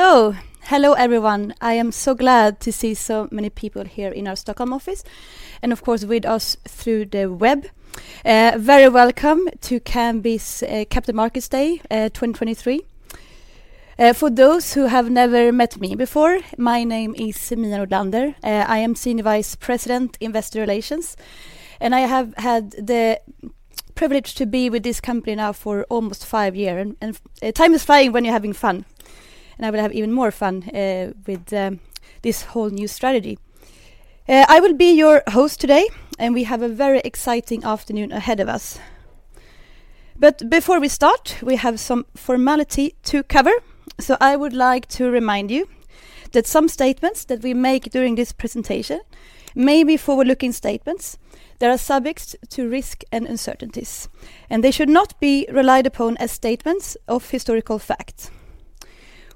Hello everyone. I am so glad to see so many people here in our Stockholm office, and of course with us through the web. Very welcome to Kambi's Capital Markets Day 2023. For those who have never met me before, my name is Mia Nordlander. I am Senior Vice President Investor Relations, and I have had the privilege to be with this company now for almost five year. Time is flying when you're having fun, and I will have even more fun with this whole new strategy. I will be your host today, and we have a very exciting afternoon ahead of us. Before we start, we have some formality to cover, so I would like to remind you that some statements that we make during this presentation may be forward-looking statements that are subject to risk and uncertainties, and they should not be relied upon as statements of historical fact.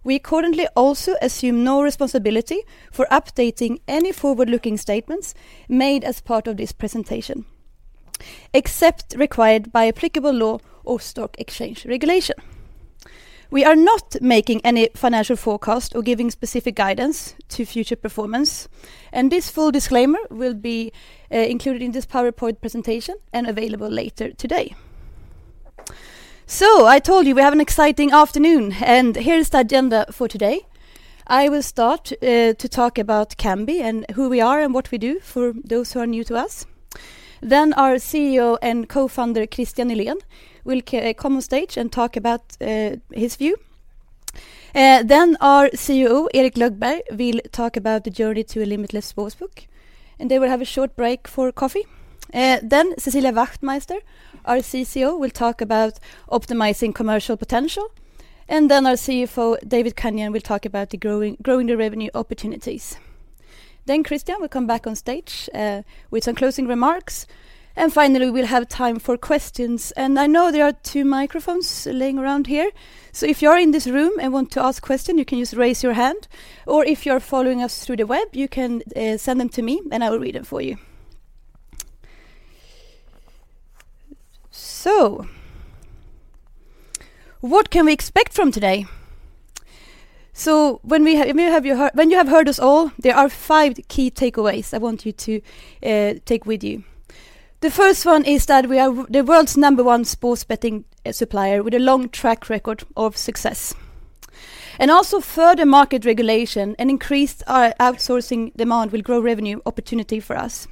We accordingly also assume no responsibility for updating any forward-looking statements made as part of this presentation, except required by applicable law or stock exchange regulation. We are not making any financial forecast or giving specific guidance to future performance, and this full disclaimer will be included in this PowerPoint presentation and available later today. I told you we have an exciting afternoon, and here is the agenda for today. I will start to talk about Kambi and who we are and what we do for those who are new to us. Our CEO and co-founder, Kristian Nylén, will come on stage and talk about his view. Our COO, Erik Lögberg, will talk about the journey to a limitless sportsbook, and then we'll have a short break for coffee. Cecilia Wachtmeister, our CCO, will talk about optimizing commercial potential, and then our CFO, David Kenyon, will talk about the growing revenue opportunities. Kristian will come back on stage with some closing remarks. Finally, we'll have time for questions. I know there are two microphones laying around here, so if you're in this room and want to ask question, you can just raise your hand, or if you're following us through the web, you can send them to me, and I will read them for you. What can we expect from today? When you have heard us all, there are five key takeaways I want you to take with you. The first one is that we are the world's number one sports betting supplier with a long track record of success. Further market regulation and increased outsourcing demand will grow revenue opportunity for us.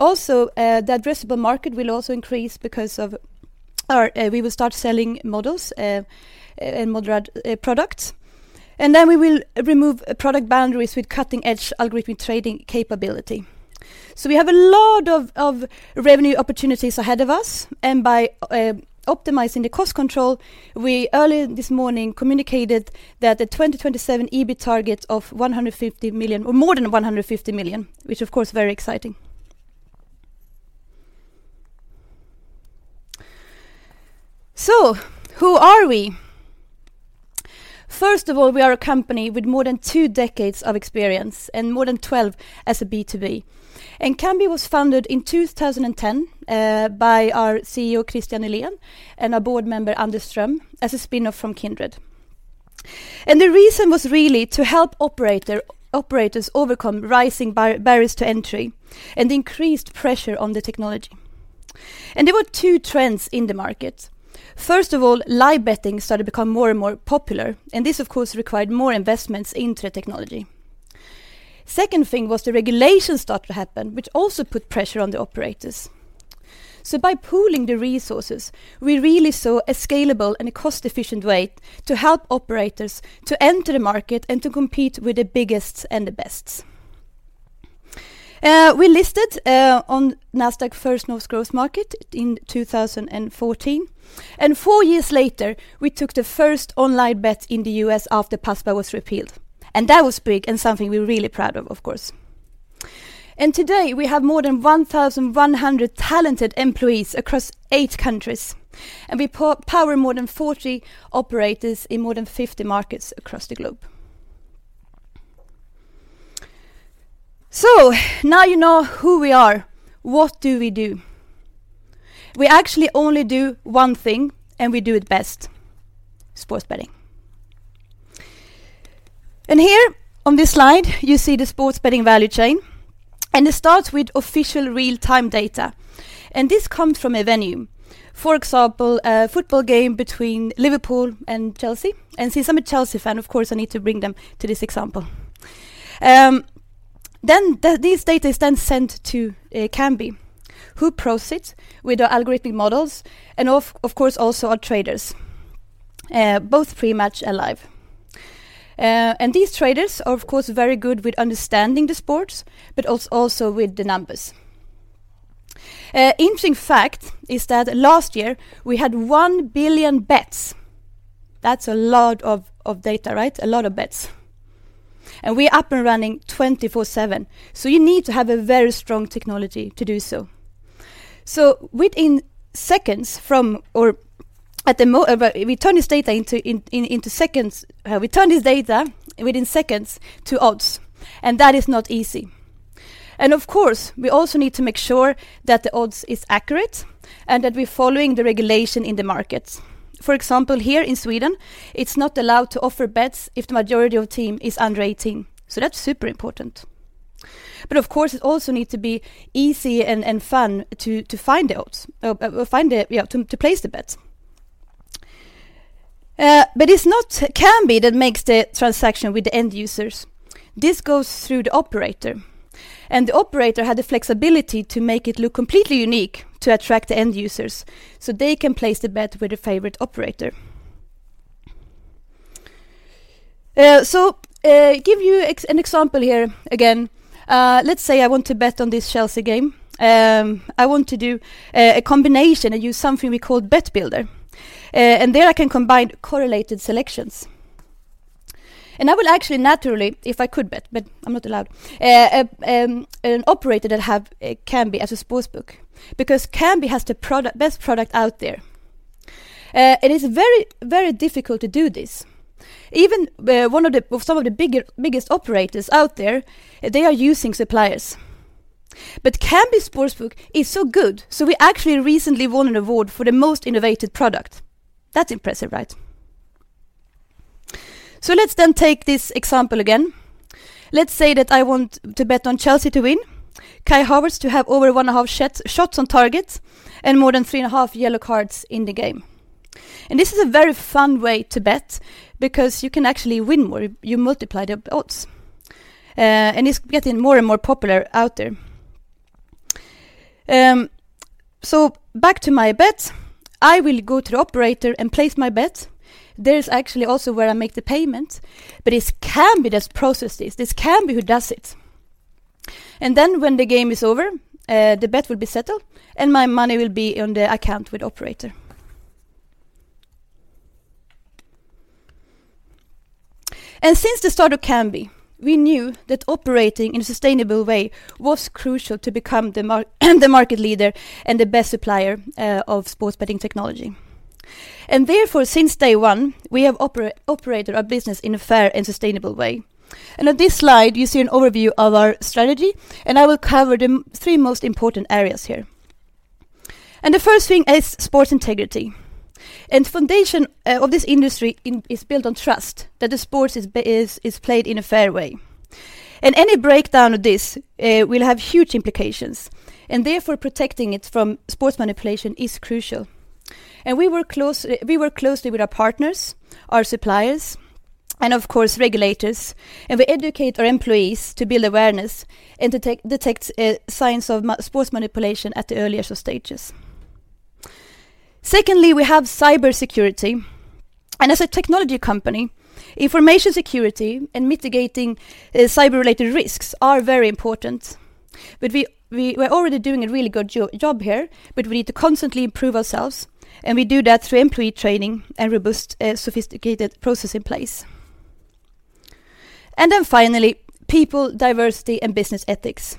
Also, the addressable market will also increase because of our, we will start selling models and moderate products. We will remove product boundaries with cutting-edge algorithmic trading capability. We have a lot of revenue opportunities ahead of us, and by optimizing the cost control, we early this morning communicated that the 2027 EBIT targets of 150 million, or more than 150 million, which of course very exciting. Who are we? First of all, we are a company with more than two decades of experience and more than 12 as a B2B. Kambi was founded in 2010 by our CEO, Kristian Nylén, and our board member, Anders Ström, as a spinoff from Kindred. The reason was really to help operators overcome rising barriers to entry and increased pressure on the technology. There were two trends in the market. First of all, live betting started to become more and more popular, and this of course required more investments into the technology. Second thing was the regulation started to happen, which also put pressure on the operators. By pooling the resources, we really saw a scalable and a cost-efficient way to help operators to enter the market and to compete with the biggest and the bests. We listed on Nasdaq First North Growth Market in 2014, and four years later, we took the first online bet in the U.S. after PASPA was repealed. That was big and something we're really proud of course. Today, we have more than 1,100 talented employees across eight countries, and we power more than 40 operators in more than 50 markets across the globe. Now you know who we are. What do we do? We actually only do one thing, and we do it best: sports betting. Here on this slide, you see the sports betting value chain, and it starts with official real-time data, and this comes from a venue. For example, a football game between Liverpool and Chelsea, and since I'm a Chelsea fan, of course, I need to bring them to this example. These data is then sent to Kambi, who process with our algorithmic models and of course, also our traders, both pre-match and live. These traders are of course very good with understanding the sports, but also with the numbers. Interesting fact is that last year we had 1 billion bets. That's a lot of data, right? A lot of bets. We're up and running 24/7, you need to have a very strong technology to do so. We turn this data within seconds to odds, and that is not easy. Of course, we also need to make sure that the odds is accurate and that we're following the regulation in the markets. For example, here in Sweden, it's not allowed to offer bets if the majority of team is under 18. That's super important. Of course, it also need to be easy and fun to find the odds, find the, yeah, to place the bets. It's not Kambi that makes the transaction with the end users. This goes through the operator, and the operator had the flexibility to make it look completely unique to attract the end users, so they can place the bet with their favorite operator. Give you an example here again. Let's say I want to bet on this Chelsea game. I want to do a combination and use something we call Bet Builder. There I can combine correlated selections. I will actually naturally, if I could bet, but I'm not allowed, an operator that have Kambi as a sportsbook, because Kambi has the best product out there. It is very, very difficult to do this. Even, one of the, well, some of the biggest operators out there, they are using suppliers. Kambi sportsbook is so good, so we actually recently won an award for the most innovative product. That's impressive, right? Let's then take this example again. Let's say that I want to bet on Chelsea to win, Kai Havertz to have over one and a half shots on target, and more than three and a half yellow cards in the game. This is a very fun way to bet because you can actually win more if you multiply the odds. It's getting more and more popular out there. Back to my bet. I will go to the operator and place my bet. There is actually also where I make the payment, it's Kambi who does it. When the game is over, the bet will be settled, and my money will be on the account with operator. Since the start of Kambi, we knew that operating in a sustainable way was crucial to become the market leader and the best supplier of sports betting technology. Since day one, we have operated our business in a fair and sustainable way. On this slide, you see an overview of our strategy, and I will cover the three most important areas here. The first thing is sports integrity. The foundation of this industry is built on trust that the sports is played in a fair way. Any breakdown of this will have huge implications, and therefore protecting it from sports manipulation is crucial. We work closely with our partners, our suppliers, and of course regulators, and we educate our employees to build awareness and detect signs of sports manipulation at the earliest of stages. Secondly, we have cybersecurity, and as a technology company, information security and mitigating cyber-related risks are very important. We were already doing a really good job here, but we need to constantly improve ourselves, and we do that through employee training and robust, sophisticated process in place. Finally, people, diversity, and business ethics.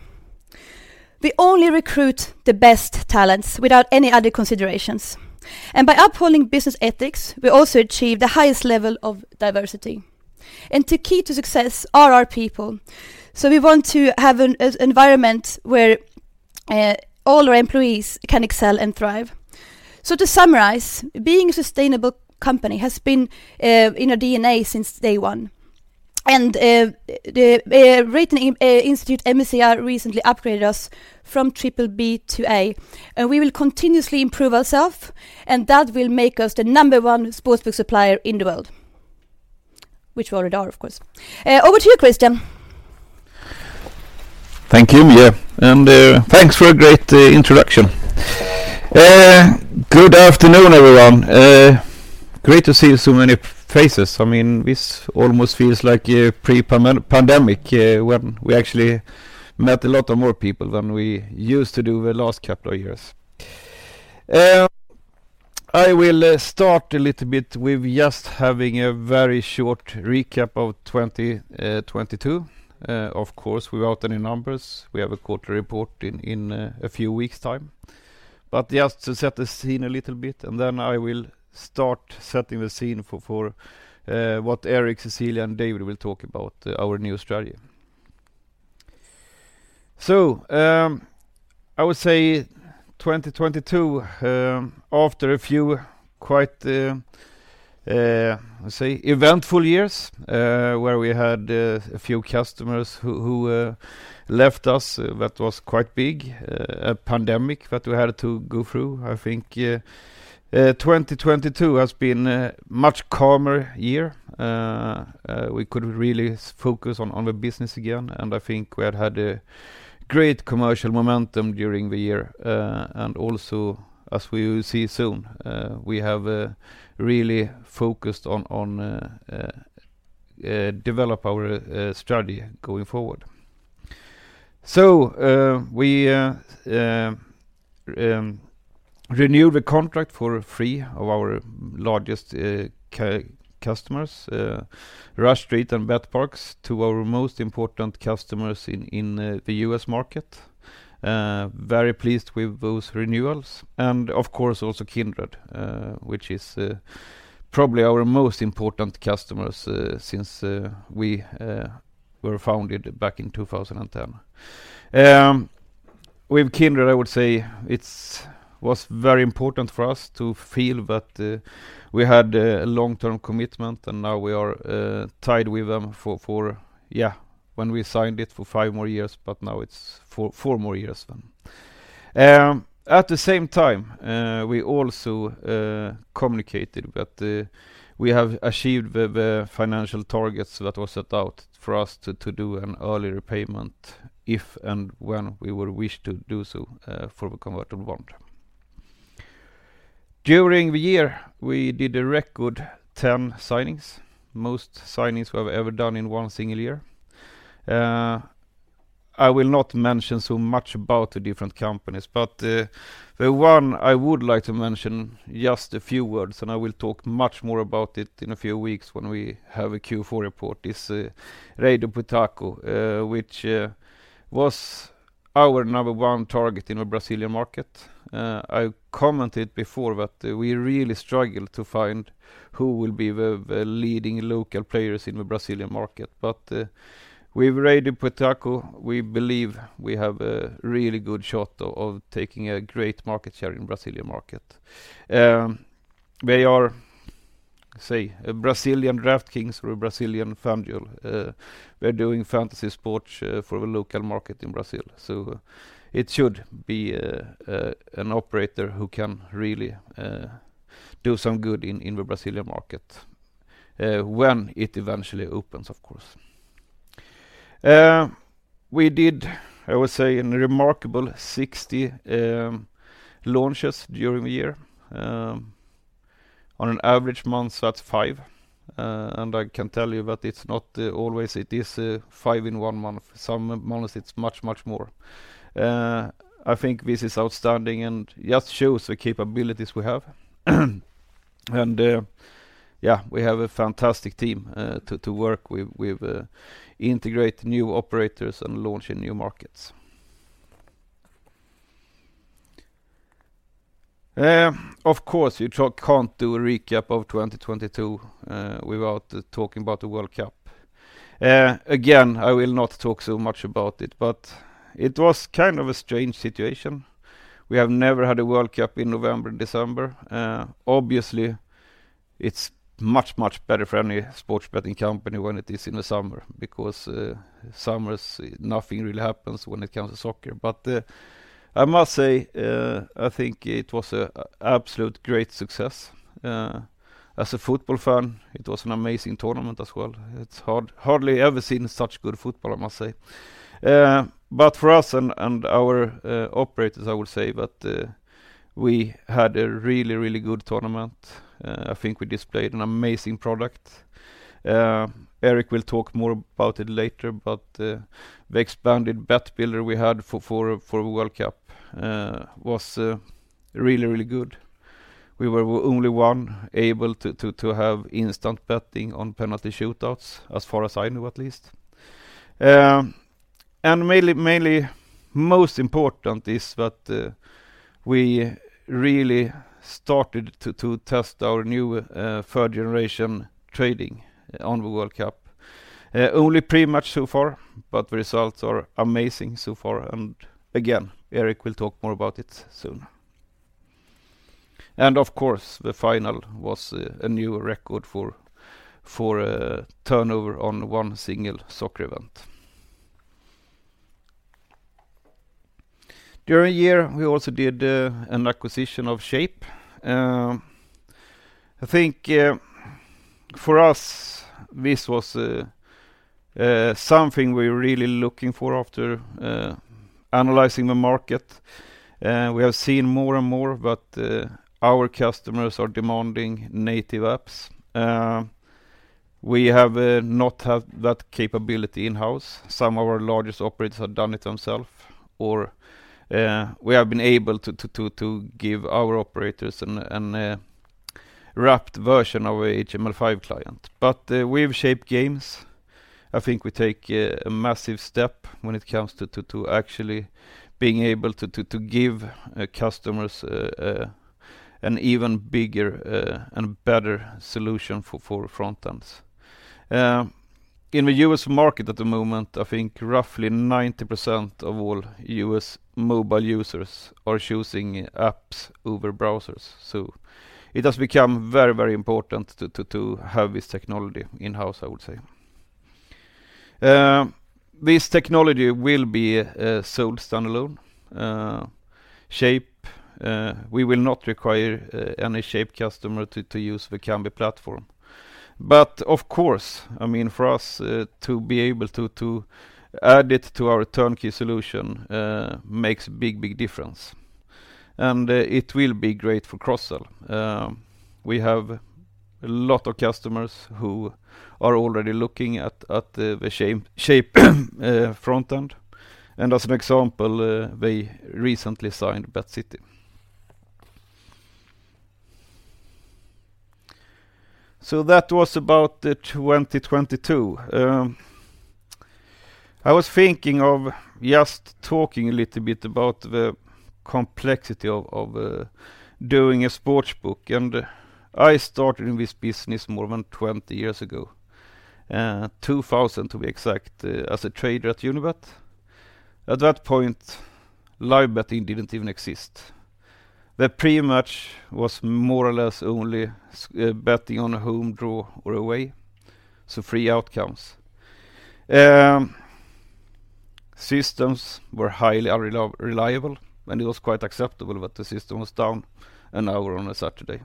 We only recruit the best talents without any other considerations. By upholding business ethics, we also achieve the highest level of diversity. The key to success are our people, so we want to have an environment where all our employees can excel and thrive. To summarize, being a sustainable company has been in our DNA since day one. The rating institute MSCI recently upgraded us from triple B-A. We will continuously improve ourself, and that will make us the number one sportsbook supplier in the world, which we already are, of course. Over to you, Kristian. Thank you, Mia. Thanks for a great introduction. Good afternoon, everyone. Great to see so many faces. I mean, this almost feels like a pre-pandemic, when we actually met a lot of more people than we used to do the last couple of years. I will start a little bit with just having a very short recap of 2022, of course, without any numbers. We have a quarter report in a few weeks' time. Just to set the scene a little bit, and then I will start setting the scene for what Erik, Cecilia, and David will talk about, our new strategy. I would say 2022, after a few quite, let's say eventful years, where we had a few customers who left us, that was quite big, a pandemic that we had to go through. I think 2022 has been a much calmer year. We could really focus on the business again, and I think we have had a great commercial momentum during the year. As we will see soon, we have really focused on develop our strategy going forward. We renewed the contract for three of our largest customers, Rush Street and betPARX, two of our most important customers in the U.S. Market. Very pleased with those renewals, and of course also Kindred, which is probably our most important customers, since we were founded back in 2010. With Kindred, I would say it's was very important for us to feel that we had a long-term commitment, and now we are tied with them for, yeah, when we signed it for five more years, but now it's four more years then. At the same time, we also communicated that we have achieved the financial targets that were set out for us to do an early repayment if and when we would wish to do so, for the convertible bond. During the year, we did a record 10 signings, most signings we have ever done in one single year. I will not mention so much about the different companies. The one I would like to mention just a few words, and I will talk much more about it in a few weeks when we have a Q4 report, is Rei do Pitaco, which was our number one target in the Brazilian market. I commented before that we really struggled to find who will be the leading local players in the Brazilian market. With Rei do Pitaco, we believe we have a really good shot of taking a great market share in Brazilian market. They are a Brazilian DraftKings or a Brazilian FanDuel. They're doing fantasy sports for the local market in Brazil. It should be an operator who can really do some good in the Brazilian market when it eventually opens, of course. We did, I would say, a remarkable 60 launches during the year. On an average month, that's five. And I can tell you that it's not always it is five in one month. Some months it's much more. I think this is outstanding and just shows the capabilities we have. Yeah, we have a fantastic team to work with integrate new operators and launch in new markets. Of course, you talk can't do a recap of 2022 without talking about the World Cup. Again, I will not talk so much about it was kind of a strange situation. We have never had a World Cup in November and December. Obviously, it's much, much better for any sports betting company when it is in the summer because summers nothing really happens when it comes to soccer. I must say, I think it was a absolute great success. As a football fan, it was an amazing tournament as well. It's hardly ever seen such good football, I must say. For us and our operators, I would say that we had a really, really good tournament. I think we displayed an amazing product. Erik will talk more about it later, the expanded Bet Builder we had for World Cup was really, really good. We were only one able to have instant betting on penalty shootouts, as far as I know at least. Mainly most important is that we really started to test our new third-generation trading on the World Cup. Only pre-match so far, but the results are amazing so far. Again, Erik will talk more about it soon. Of course, the final was a new record for a turnover on one single soccer event. During the year, we also did an acquisition of Shape. I think for us, this was something we're really looking for after analyzing the market. We have seen more and more that our customers are demanding native apps. We have not had that capability in-house. Some of our largest operators have done it themselves, or we have been able to give our operators an wrapped version of our HTML5 client. With Shape Games, I think we take a massive step when it comes to actually being able to give customers an even bigger and better solution for front ends. In the U.S. market at the moment, I think roughly 90% of all US mobile users are choosing apps over browsers. It has become very, very important to have this technology in-house, I would say. This technology will be sold standalone. Shape, we will not require any Shape customer to use the Kambi platform. Of course, I mean, for us, to be able to add it to our turnkey solution, makes a big, big difference. It will be great for cross-sell. We have a lot of customers who are already looking at the Shape front end. As an example, they recently signed BetCity. That was about 2022. I was thinking of just talking a little bit about the complexity of doing a sportsbook. I started in this business more than 20 years ago, 2000 to be exact, as a trader at Unibet. At that point, live betting didn't even exist. The pre-match was more or less only betting on a home draw or away, so three outcomes. Systems were highly unreliable, and it was quite acceptable that the system was down one hour on a Saturday.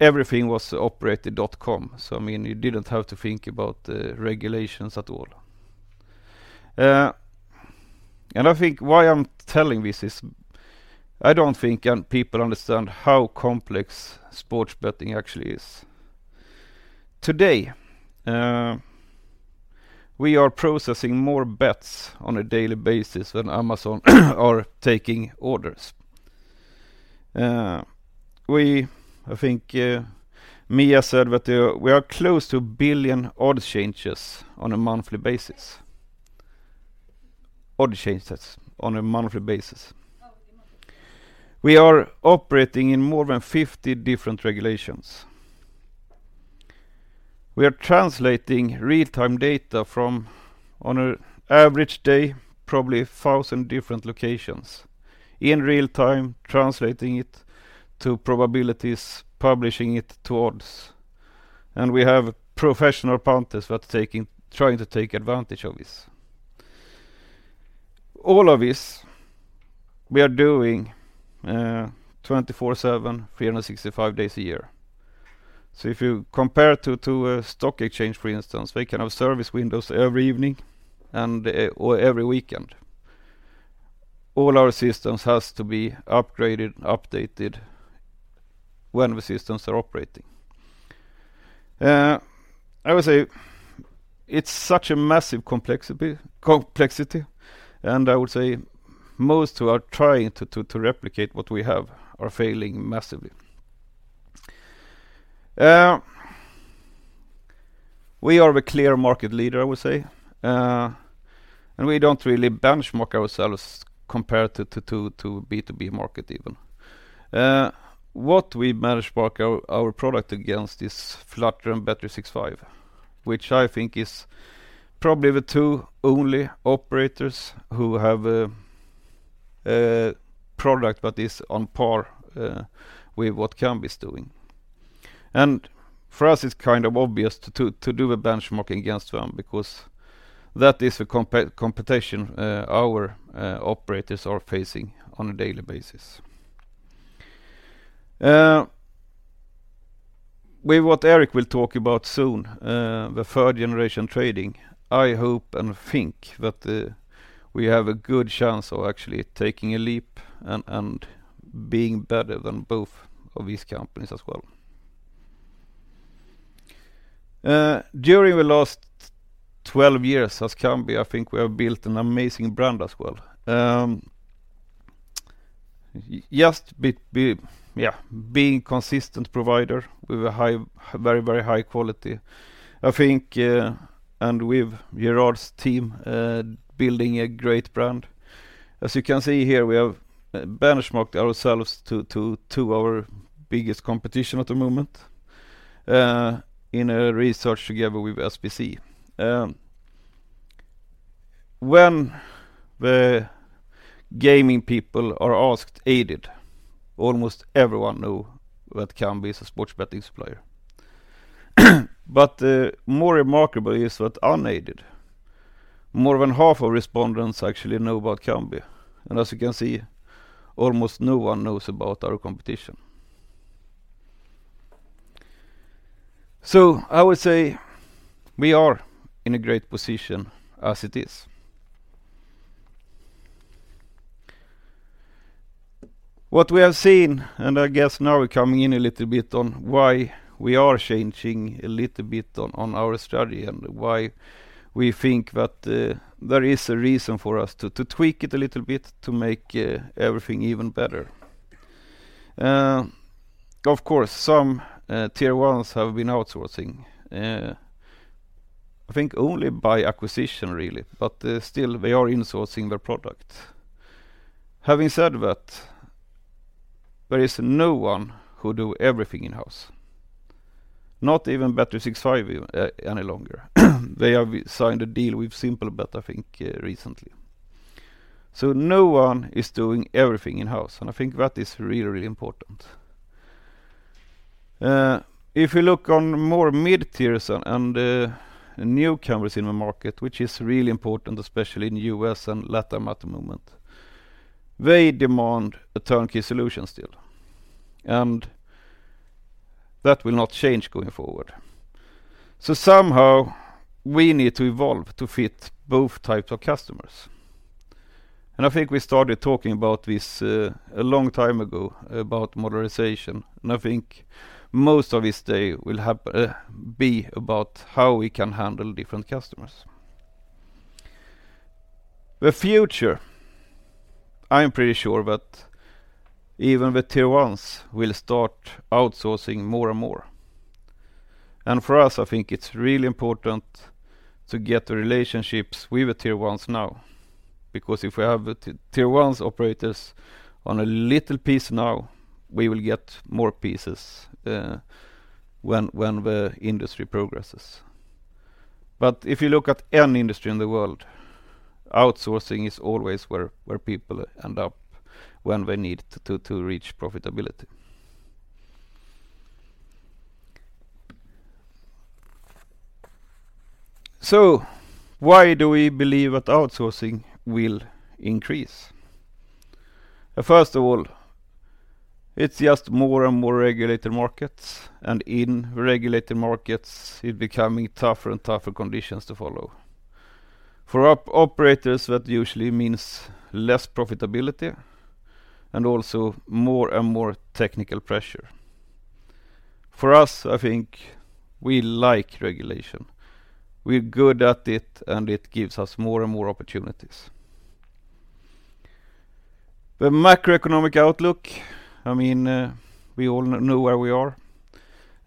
Everything was operate.com, so I mean, you didn't have to think about the regulations at all. I think why I'm telling this is I don't think people understand how complex sports betting actually is. Today, we are processing more bets on a daily basis than Amazon are taking orders. We I think Mia said that we are close to 1 billion odd changes on a monthly basis. Odd changes on a monthly basis. We are operating in more than 50 different regulations. We are translating real-time data from, on a average day, probably 1,000 different locations, in real time, translating it to probabilities, publishing it to odds. We have professional punters that's trying to take advantage of this. All of this we are doing 24/7, 365 days a year. If you compare to a stock exchange, for instance, they can have service windows every evening or every weekend. All our systems has to be upgraded, updated when the systems are operating. I would say it's such a massive complexity, and I would say most who are trying to replicate what we have are failing massively. We are the clear market leader, I would say, and we don't really benchmark ourselves compared to B2B market even. What we benchmark our product against is Flutter and bet365, which I think is probably the two only operators who have a product that is on par with what Kambi's doing. For us, it's kind of obvious to do a benchmarking against them because that is the competition our operators are facing on a daily basis. With what Eric will talk about soon, the third-generation trading, I hope and think that we have a good chance of actually taking a leap and being better than both of these companies as well. During the last 12 years as Kambi, I think we have built an amazing brand as well. being consistent provider with a very high quality. I think, and with Gerard's team, building a great brand. As you can see here, we have benchmarked ourselves to our biggest competition at the moment, in a research together with SBC. When the gaming people are asked aided, almost everyone know that Kambi is a sports betting supplier. But more remarkable is that unaided, more than half of respondents actually know about Kambi. As you can see, almost no one knows about our competition. I would say we are in a great position as it is. What we have seen, I guess now we're coming in a little bit on why we are changing a little bit on our strategy and why we think that there is a reason for us to tweak it a little bit to make everything even better. Of course, some tier ones have been outsourcing, I think only by acquisition really, but still they are insourcing their product. Having said that, there is no one who do everything in-house, not even bet365 any longer. They have signed a deal with Simplebet, I think, recently. No one is doing everything in-house, and I think that is really important. If you look on more mid-tiers and newcomers in the market, which is really important, especially in U.S. and LATAM at the moment, they demand a turnkey solution still, and that will not change going forward. Somehow we need to evolve to fit both types of customers. I think we started talking about this a long time ago about modernization, and I think most of this day will be about how we can handle different customers. The future, I'm pretty sure that even the tier ones will start outsourcing more and more. For us, I think it's really important to get the relationships with the tier ones now, because if we have the tier one's operators on a little piece now, we will get more pieces when the industry progresses. If you look at any industry in the world, outsourcing is always where people end up when they need to reach profitability. Why do we believe that outsourcing will increase? First of all, it's just more and more regulated markets, and in regulated markets, it becoming tougher and tougher conditions to follow. For operators, that usually means less profitability and also more and more technical pressure. For us, I think we like regulation. We're good at it, and it gives us more and more opportunities. The macroeconomic outlook, I mean, we all know where we are.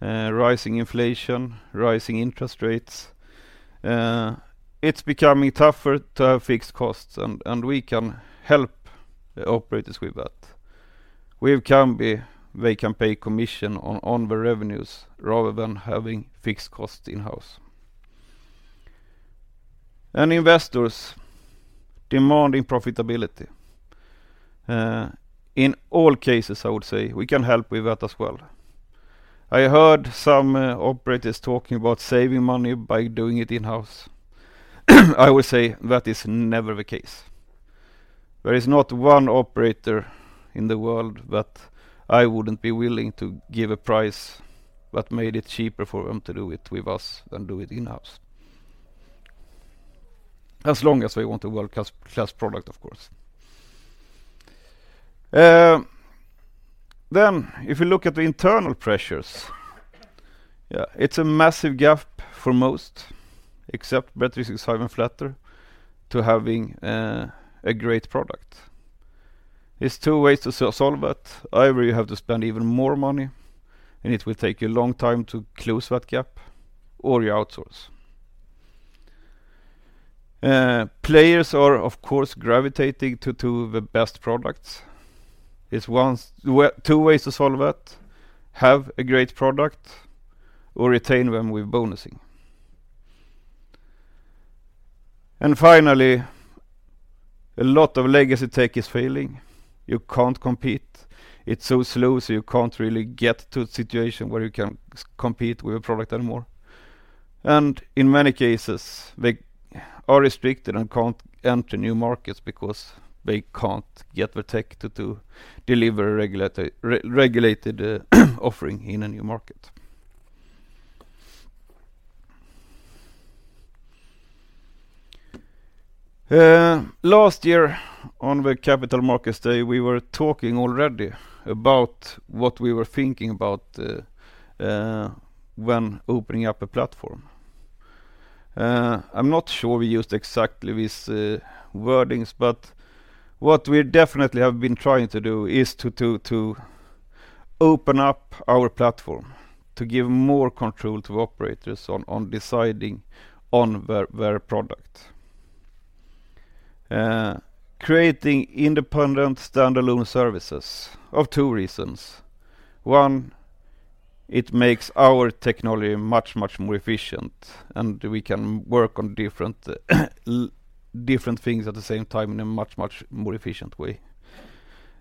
Rising inflation, rising interest rates. It's becoming tougher to have fixed costs, and we can help the operators with that. With Kambi, they can pay commission on the revenues rather than having fixed costs in-house. Investors demanding profitability. In all cases, I would say we can help with that as well. I heard some operators talking about saving money by doing it in-house. I would say that is never the case. There is not one operator in the world that I wouldn't be willing to give a price that made it cheaper for them to do it with us than do it in-house. As long as they want a world-class product, of course. Then if you look at the internal pressures, yeah, it's a massive gap for most, except bet365 and Flutter, to having a great product. There's two ways to solve that. Either you have to spend even more money, and it will take you a long time to close that gap, or you outsource. Players are, of course, gravitating to the best products. It's once... 2 ways to solve that: have a great product or retain them with bonusing. Finally, a lot of legacy tech is failing. You can't compete. It's so slow, you can't really get to a situation where you can compete with a product anymore. In many cases, they are restricted and can't enter new markets because they can't get the tech to deliver a regulatory, re-regulated offering in a new market. Last year on the Capital Markets Day, we were talking already about what we were thinking about when opening up a platform. I'm not sure we used exactly these wordings, but what we definitely have been trying to do is to open up our platform to give more control to operators on deciding on their product. Creating independent standalone services of two reasons. One, it makes our technology much more efficient. We can work on different things at the same time in a much more efficient way.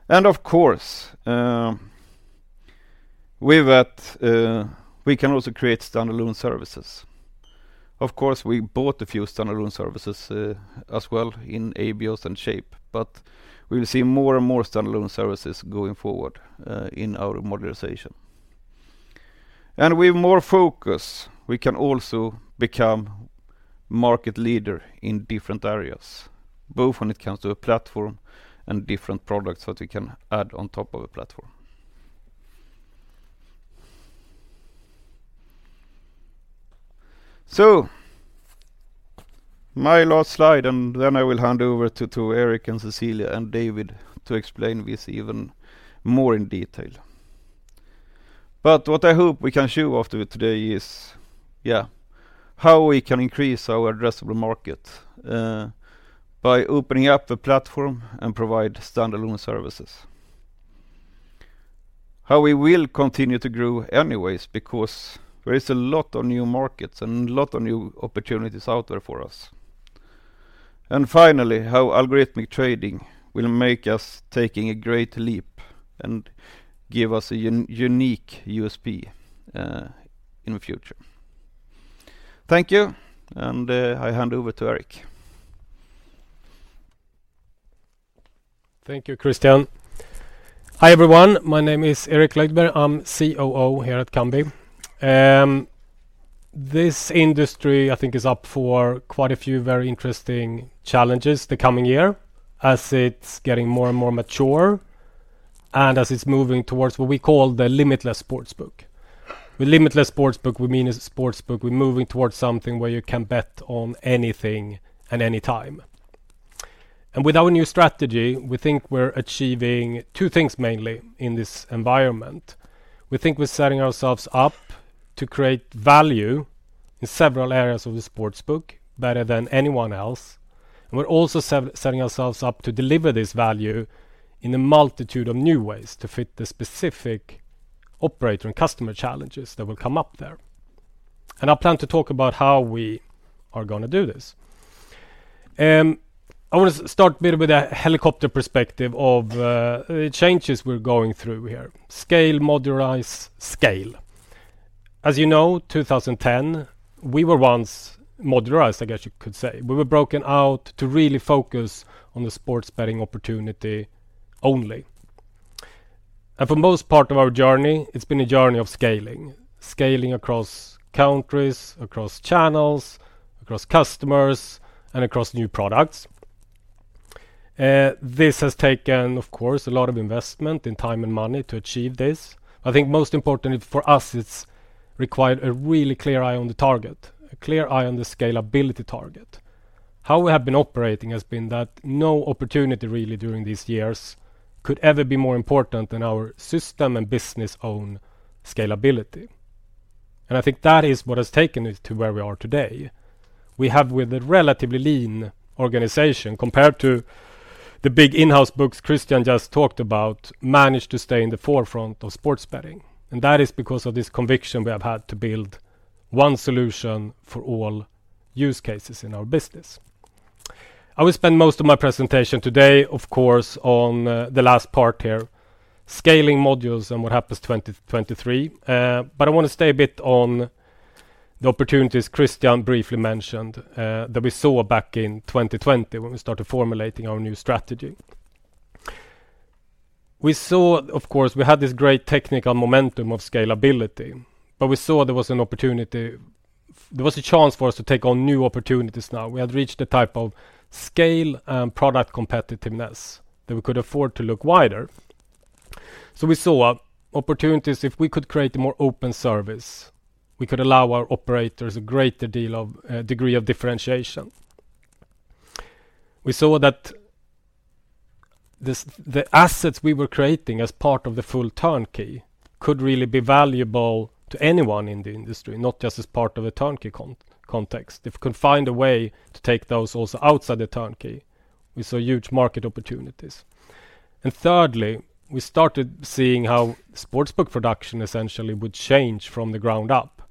Of course, with that, we can also create standalone services. Of course, we bought a few standalone services as well in Abios and Shape. We will see more and more standalone services going forward in our modernization. With more focus, we can also become market leader in different areas, both when it comes to a platform and different products that we can add on top of a platform. My last slide, and then I will hand over to Erik and Cecilia and David to explain this even more in detail. What I hope we can show after today is how we can increase our addressable market by opening up the platform and provide standalone services. How we will continue to grow anyways because there is a lot of new markets and a lot of new opportunities out there for us. Finally, how algorithmic trading will make us taking a great leap and give us a unique USP in the future. Thank you. I hand over to Erik. Thank you, Kristian. Hi, everyone. My name is Erik Lögdberg. I'm COO here at Kambi. This industry, I think, is up for quite a few very interesting challenges the coming year as it's getting more and more mature. As it's moving towards what we call the limitless sportsbook. With limitless sportsbook, we mean a sportsbook, we're moving towards something where you can bet on anything at any time. With our new strategy, we think we're achieving two things mainly in this environment. We think we're setting ourselves up to create value in several areas of the sportsbook better than anyone else. We're also setting ourselves up to deliver this value in a multitude of new ways to fit the specific operator and customer challenges that will come up there. I plan to talk about how we are gonna do this. I want to start a bit with a helicopter perspective of changes we're going through here, scale, modularize, scale. As you know, 2010, we were once modularized, I guess you could say. We were broken out to really focus on the sports betting opportunity only. For most part of our journey, it's been a journey of scaling. Scaling across countries, across channels, across customers, and across new products. This has taken, of course, a lot of investment in time and money to achieve this. I think most importantly for us, it's required a really clear eye on the target, a clear eye on the scalability target. How we have been operating has been that no opportunity really during these years could ever be more important than our system and business own scalability. I think that is what has taken us to where we are today. We have with a relatively lean organization, compared to the big in-house books Kristian just talked about, managed to stay in the forefront of sports betting. That is because of this conviction we have had to build one solution for all use cases in our business. I will spend most of my presentation today, of course, on the last part here, scaling modules and what happens 2023. I wanna stay a bit on the opportunities Kristian briefly mentioned that we saw back in 2020 when we started formulating our new strategy. We saw, of course, we had this great technical momentum of scalability, but we saw there was a chance for us to take on new opportunities now. We had reached the type of scale and product competitiveness that we could afford to look wider. We saw opportunities if we could create a more open service, we could allow our operators a greater deal of degree of differentiation. We saw that the assets we were creating as part of the full turnkey could really be valuable to anyone in the industry, not just as part of a turnkey context. If we could find a way to take those also outside the turnkey, we saw huge market opportunities. Thirdly, we started seeing how sportsbook production essentially would change from the ground up.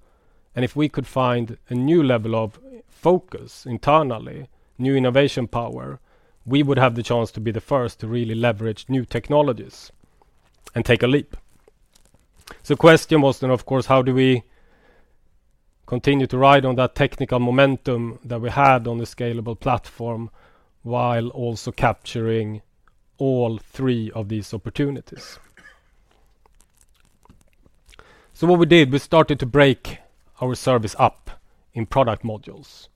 If we could find a new level of focus internally, new innovation power, we would have the chance to be the first to really leverage new technologies and take a leap. The question was then, of course, how do we continue to ride on that technical momentum that we had on the scalable platform while also capturing all three of these opportunities? What we did, we started to break our service up in product modules.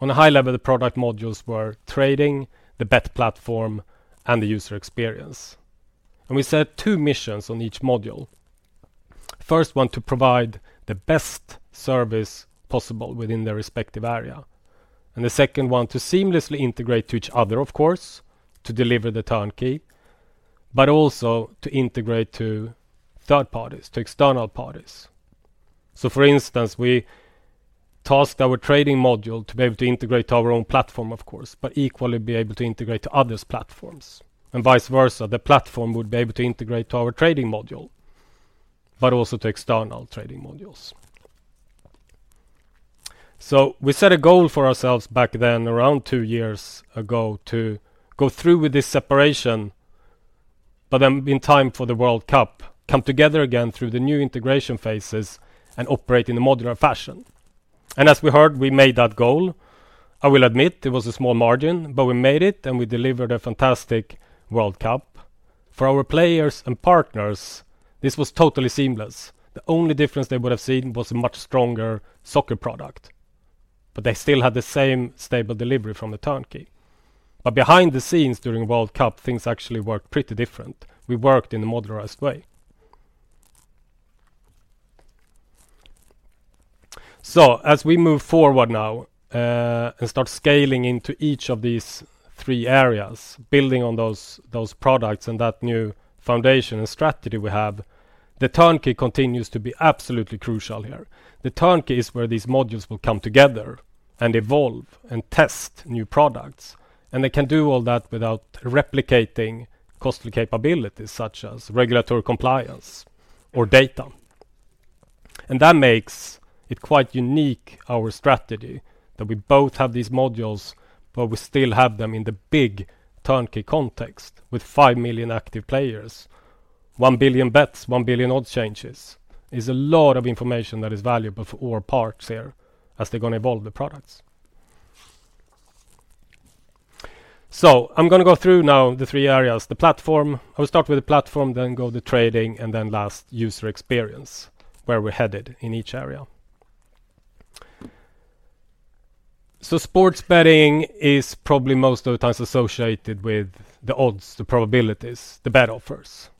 On a high level, the product modules were trading, the bet platform, and the user experience. We set two missions on each module. First one, to provide the best service possible within their respective area. The second one, to seamlessly integrate to each other, of course, to deliver the turnkey, but also to integrate to third parties, to external parties. For instance, we tasked our trading module to be able to integrate to our own platform, of course, but equally be able to integrate to others platforms. Vice versa, the platform would be able to integrate to our trading module, but also to external trading modules. We set a goal for ourselves back then, around two years ago, to go through with this separation, in time for the World Cup, come together again through the new integration phases and operate in a modular fashion. As we heard, we made that goal. I will admit it was a small margin, but we made it and we delivered a fantastic World Cup. For our players and partners, this was totally seamless. The only difference they would have seen was a much stronger soccer product, but they still had the same stable delivery from the turnkey. Behind the scenes during World Cup, things actually worked pretty different. We worked in a modularized way. As we move forward now, and start scaling into each of these three areas, building on those products and that new foundation and strategy we have, the turnkey continues to be absolutely crucial here. The turnkey is where these modules will come together and evolve and test new products. They can do all that without replicating costly capabilities such as regulatory compliance or data. That makes it quite unique, our strategy, that we both have these modules, but we still have them in the big turnkey context with 5 million active players. 1 billion bets, 1 billion odds changes is a lot of information that is valuable for all parts here as they're gonna evolve the products. I'm gonna go through now the three areas, the platform. I will start with the platform, then go the trading, and then last user experience, where we're headed in each area. Sports betting is probably most of the times associated with the odds, the probabilities, the bet offers.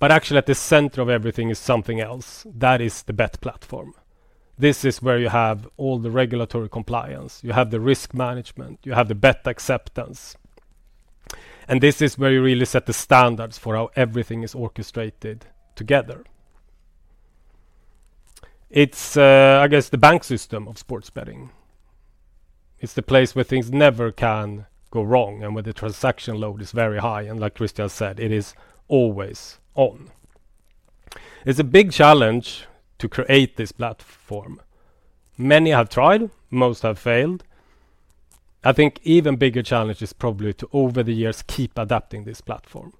Actually, at the center of everything is something else. That is the bet platform. This is where you have all the regulatory compliance, you have the risk management, you have the bet acceptance, and this is where you really set the standards for how everything is orchestrated together. It's, I guess, the bank system of sports betting. It's the place where things never can go wrong and where the transaction load is very high, and like Kristian said, it is always on. It's a big challenge to create this platform. Many have tried, most have failed. I think even bigger challenge is probably to, over the years, keep adapting this platform.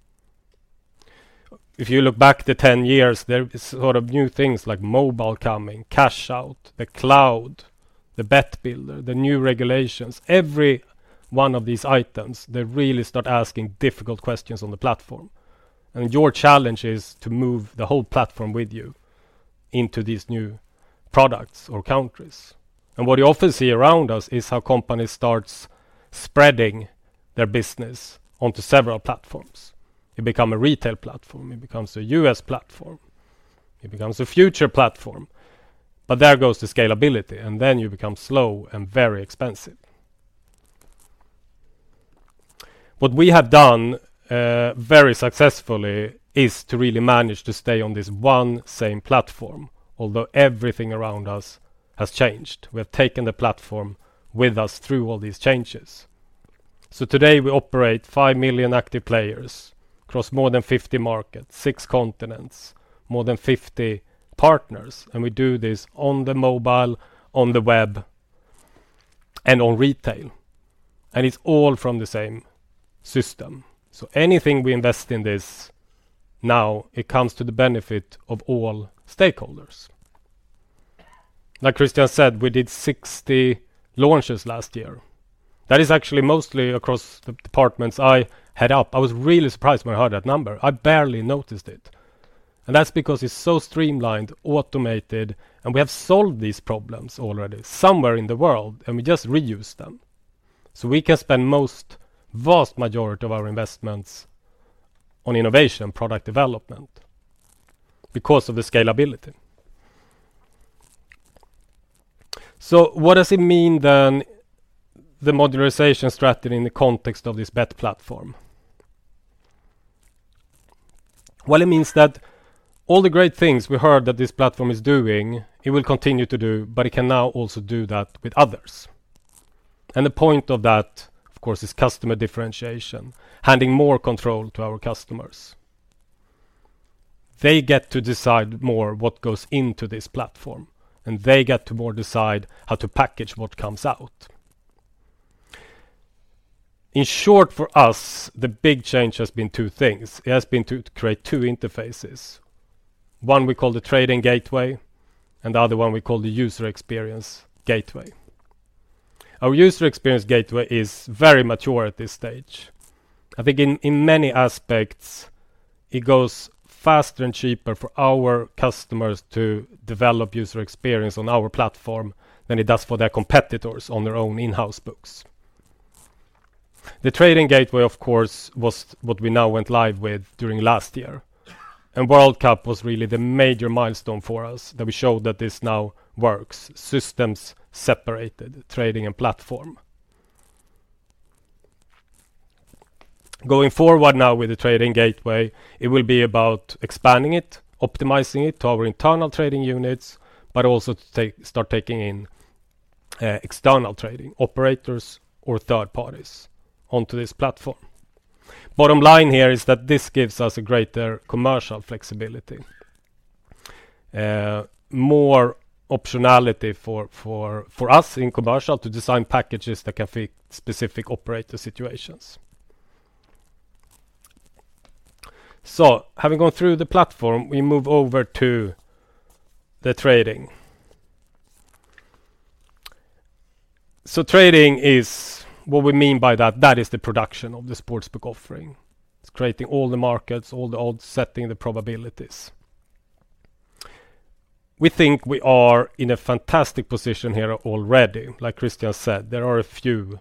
If you look back to 10 years, there is sort of new things like mobile coming, cash out, the cloud, the Bet Builder, the new regulations. Every one of these items, they really start asking difficult questions on the platform, and your challenge is to move the whole platform with you into these new products or countries. What you often see around us is how companies starts spreading their business onto several platforms. It become a retail platform, it becomes a U.S. platform, it becomes a future platform, but there goes the scalability, and then you become slow and very expensive. What we have done, very successfully is to really manage to stay on this one same platform, although everything around us has changed. We have taken the platform with us through all these changes. Today, we operate 5 million active players across more than 50 markets, 6 continents, more than 50 partners, and we do this on the mobile, on the web, and on retail, and it's all from the same system. Anything we invest in this now, it comes to the benefit of all stakeholders. Like Kristian said, we did 60 launches last year. That is actually mostly across the departments I head up. I was really surprised when I heard that number. I barely noticed it, and that's because it's so streamlined, automated, and we have solved these problems already somewhere in the world, and we just reuse them. We can spend most vast majority of our investments on innovation, product development because of the scalability. What does it mean then, the modularization strategy in the context of this bet platform? It means that all the great things we heard that this platform is doing, it will continue to do, but it can now also do that with others. The point of that, of course, is customer differentiation, handing more control to our customers. They get to decide more what goes into this platform, and they get to more decide how to package what comes out. In short, for us, the big change has been two things. It has been to create two interfaces. One we call the Trading Gateway, and the other one we call the User Experience Gateway. Our User Experience Gateway is very mature at this stage. I think in many aspects, it goes faster and cheaper for our customers to develop user experience on our platform than it does for their competitors on their own in-house books. The Trading Gateway, of course, was what we now went live with during last year. World Cup was really the major milestone for us that we showed that this now works, systems separated, trading and platform. Going forward now with the Trading Gateway, it will be about expanding it, optimizing it to our internal trading units, but also start taking in external trading operators or third parties onto this platform. Bottom line here is that this gives us a greater commercial flexibility. More optionality for us in commercial to design packages that can fit specific operator situations. Having gone through the platform, we move over to the trading. What we mean by that is the production of the sportsbook offering. It's creating all the markets, all the odds, setting the probabilities. We think we are in a fantastic position here already. Like Kristian Nylén said, there are a few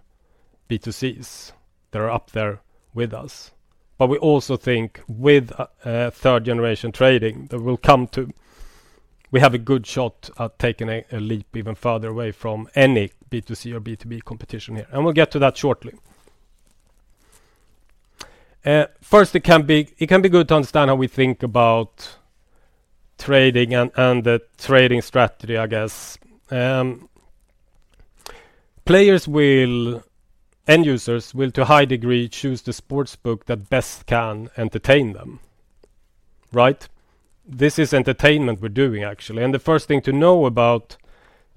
B2Cs that are up there with us. We also think with a third-generation trading that we'll come to, we have a good shot at taking a leap even farther away from any B2C or B2B competition here, and we'll get to that shortly. First, it can be good to understand how we think about trading and the trading strategy, I guess. Players will, end users will, to a high degree, choose the sportsbook that best can entertain them, right? This is entertainment we're doing, actually. The first thing to know about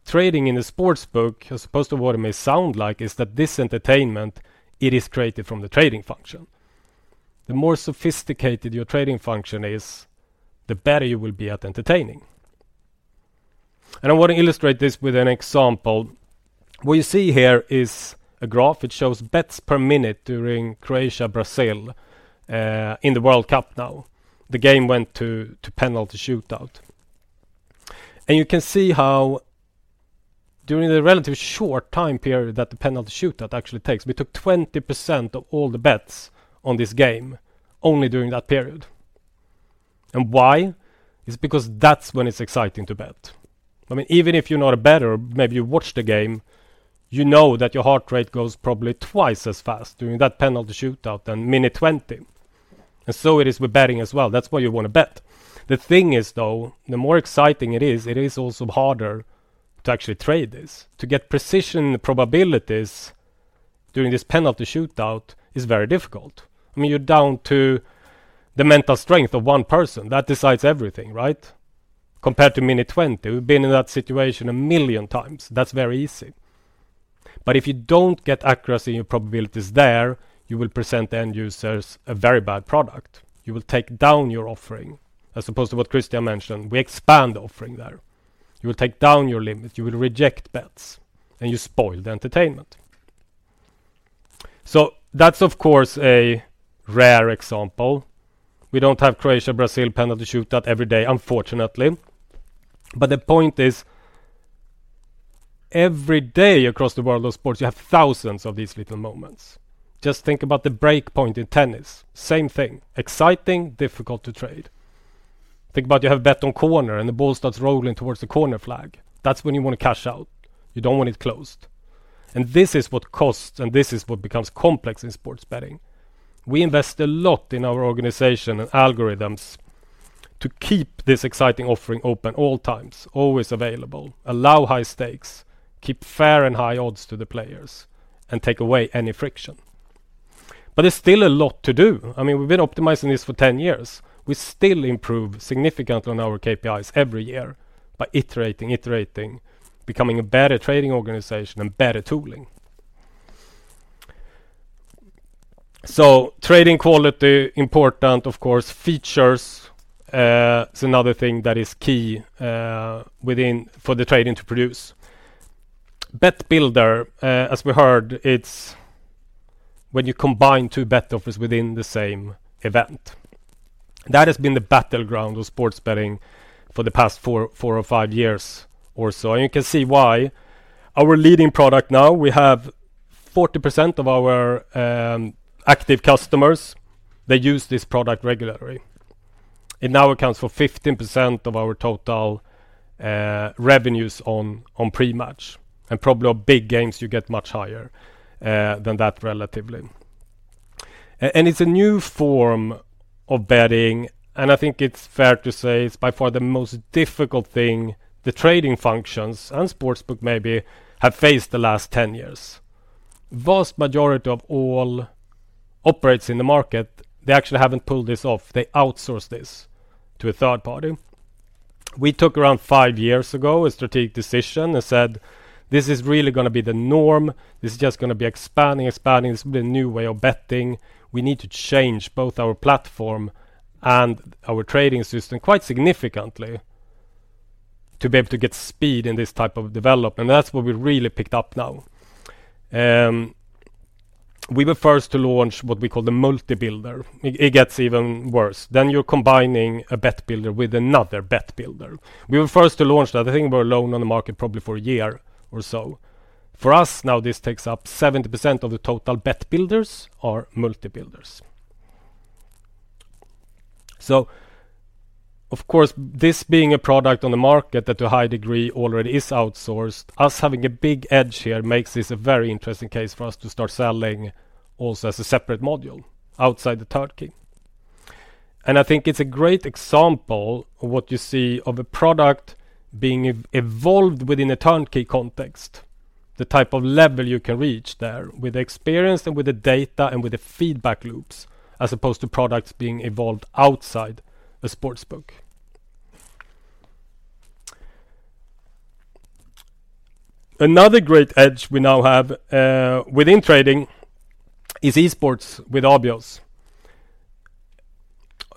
trading in a sportsbook, as opposed to what it may sound like, is that this entertainment, it is created from the trading function. The more sophisticated your trading function is, the better you will be at entertaining. I want to illustrate this with an example. What you see here is a graph. It shows bets per minute during Croatia-Brazil in the World Cup now. The game went to penalty shootout. You can see how during the relative short time period that the penalty shootout actually takes, we took 20% of all the bets on this game only during that period. Why? It's because that's when it's exciting to bet. I mean, even if you're not a bettor, maybe you watch the game, you know that your heart rate goes probably twice as fast during that penalty shootout than minute 20. It is with betting as well. That's why you want to bet. The thing is, though, the more exciting it is, it is also harder to actually trade this. To get precision probabilities during this penalty shootout is very difficult. I mean, you're down to the mental strength of one person that decides everything, right? Compared to minute 20, we've been in that situation a million times. That's very easy. If you don't get accuracy in your probabilities there, you will present the end users a very bad product. You will take down your offering, as opposed to what Kristian mentioned, we expand the offering there. You will take down your limit, you will reject bets, and you spoil the entertainment. That's of course a rare example. We don't have Croatia-Brazil penalty shootout every day, unfortunately. The point is, every day across the world of sports, you have thousands of these little moments. Just think about the break point in tennis. Same thing, exciting, difficult to trade. Think about you have bet on corner and the ball starts rolling towards the corner flag. That's when you want to cash out. You don't want it closed. This is what costs, and this is what becomes complex in sports betting. We invest a lot in our organization and algorithms to keep this exciting offering open all times, always available, allow high stakes, keep fair and high odds to the players, and take away any friction. There's still a lot to do. I mean, we've been optimizing this for 10 years. We still improve significantly on our KPIs every year by iterating, becoming a better trading organization and better tooling. Trading quality, important, of course, features, is another thing that is key for the trading to produce. Bet Builder, as we heard, it's when you combine two bet offers within the same event. That has been the battleground of sports betting for the past four or five years or so, and you can see why. Our leading product now, we have 40% of our active customers, they use this product regularly. It now accounts for 15% of our total revenues on pre-match. Probably on big games, you get much higher than that relatively. It's a new form of betting, and I think it's fair to say it's by far the most difficult thing the trading functions and sportsbook maybe have faced the last 10 years. Vast majority of all operators in the market, they actually haven't pulled this off. They outsource this to a third party. We took around five years ago a strategic decision and said, "This is really going to be the norm. This is just going to be expanding. This will be a new way of betting. We need to change both our platform and our trading system quite significantly to be able to get speed in this type of development." That's where we really picked up now. We were first to launch what we call the Multi Builder. It gets even worse. You're combining a Bet Builder with another Bet Builder. We were first to launch that. I think we were alone on the market probably for a year or so. For us, now this takes up 70% of the total Bet Builder are Multi Builder. Of course, this being a product on the market that to a high degree already is outsourced, us having a big edge here makes this a very interesting case for us to start selling also as a separate module outside the turnkey. I think it's a great example of what you see of a product being evolved within a turnkey context, the type of level you can reach there with the experience and with the data and with the feedback loops, as opposed to products being evolved outside a sportsbook. Another great edge we now have within trading is esports with Abios.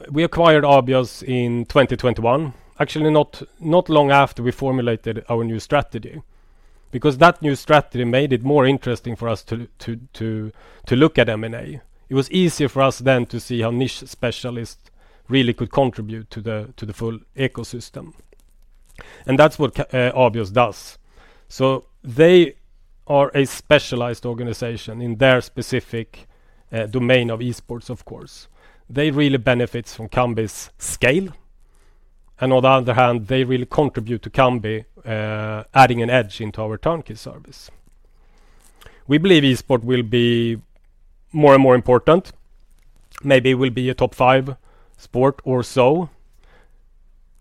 We acquired Abios in 2021, actually not long after we formulated our new strategy. That new strategy made it more interesting for us to look at M&A. It was easier for us then to see how niche specialists really could contribute to the full ecosystem. That's what Abios does. They are a specialized organization in their specific domain of esports, of course. They really benefits from Kambi's scale. On the other hand, they really contribute to Kambi, adding an edge into our turnkey service. We believe esports will be more and more important, maybe will be a top five sport or so.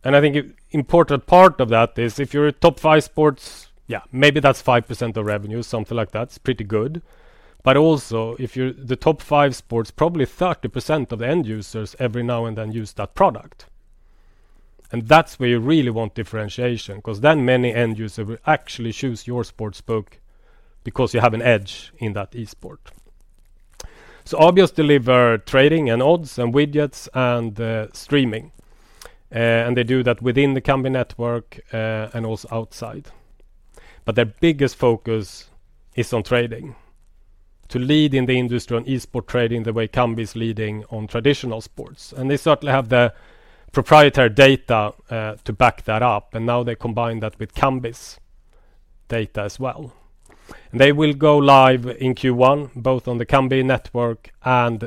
I think an important part of that is if you're a top five sports, yeah, maybe that's 5% of revenue, something like that, it's pretty good. Also, if you're the top five sports, probably 30% of end users every now and then use that product. That's where you really want differentiation, because then many end user will actually choose your sportsbook because you have an edge in that esport. Abios deliver trading and odds and widgets and streaming, and they do that within the Kambi network and also outside. Their biggest focus is on trading. To lead in the industry on esport trading the way Kambi is leading on traditional sports, and they certainly have the proprietary data to back that up, and now they combine that with Kambi's data as well. They will go live in Q1, both on the Kambi network and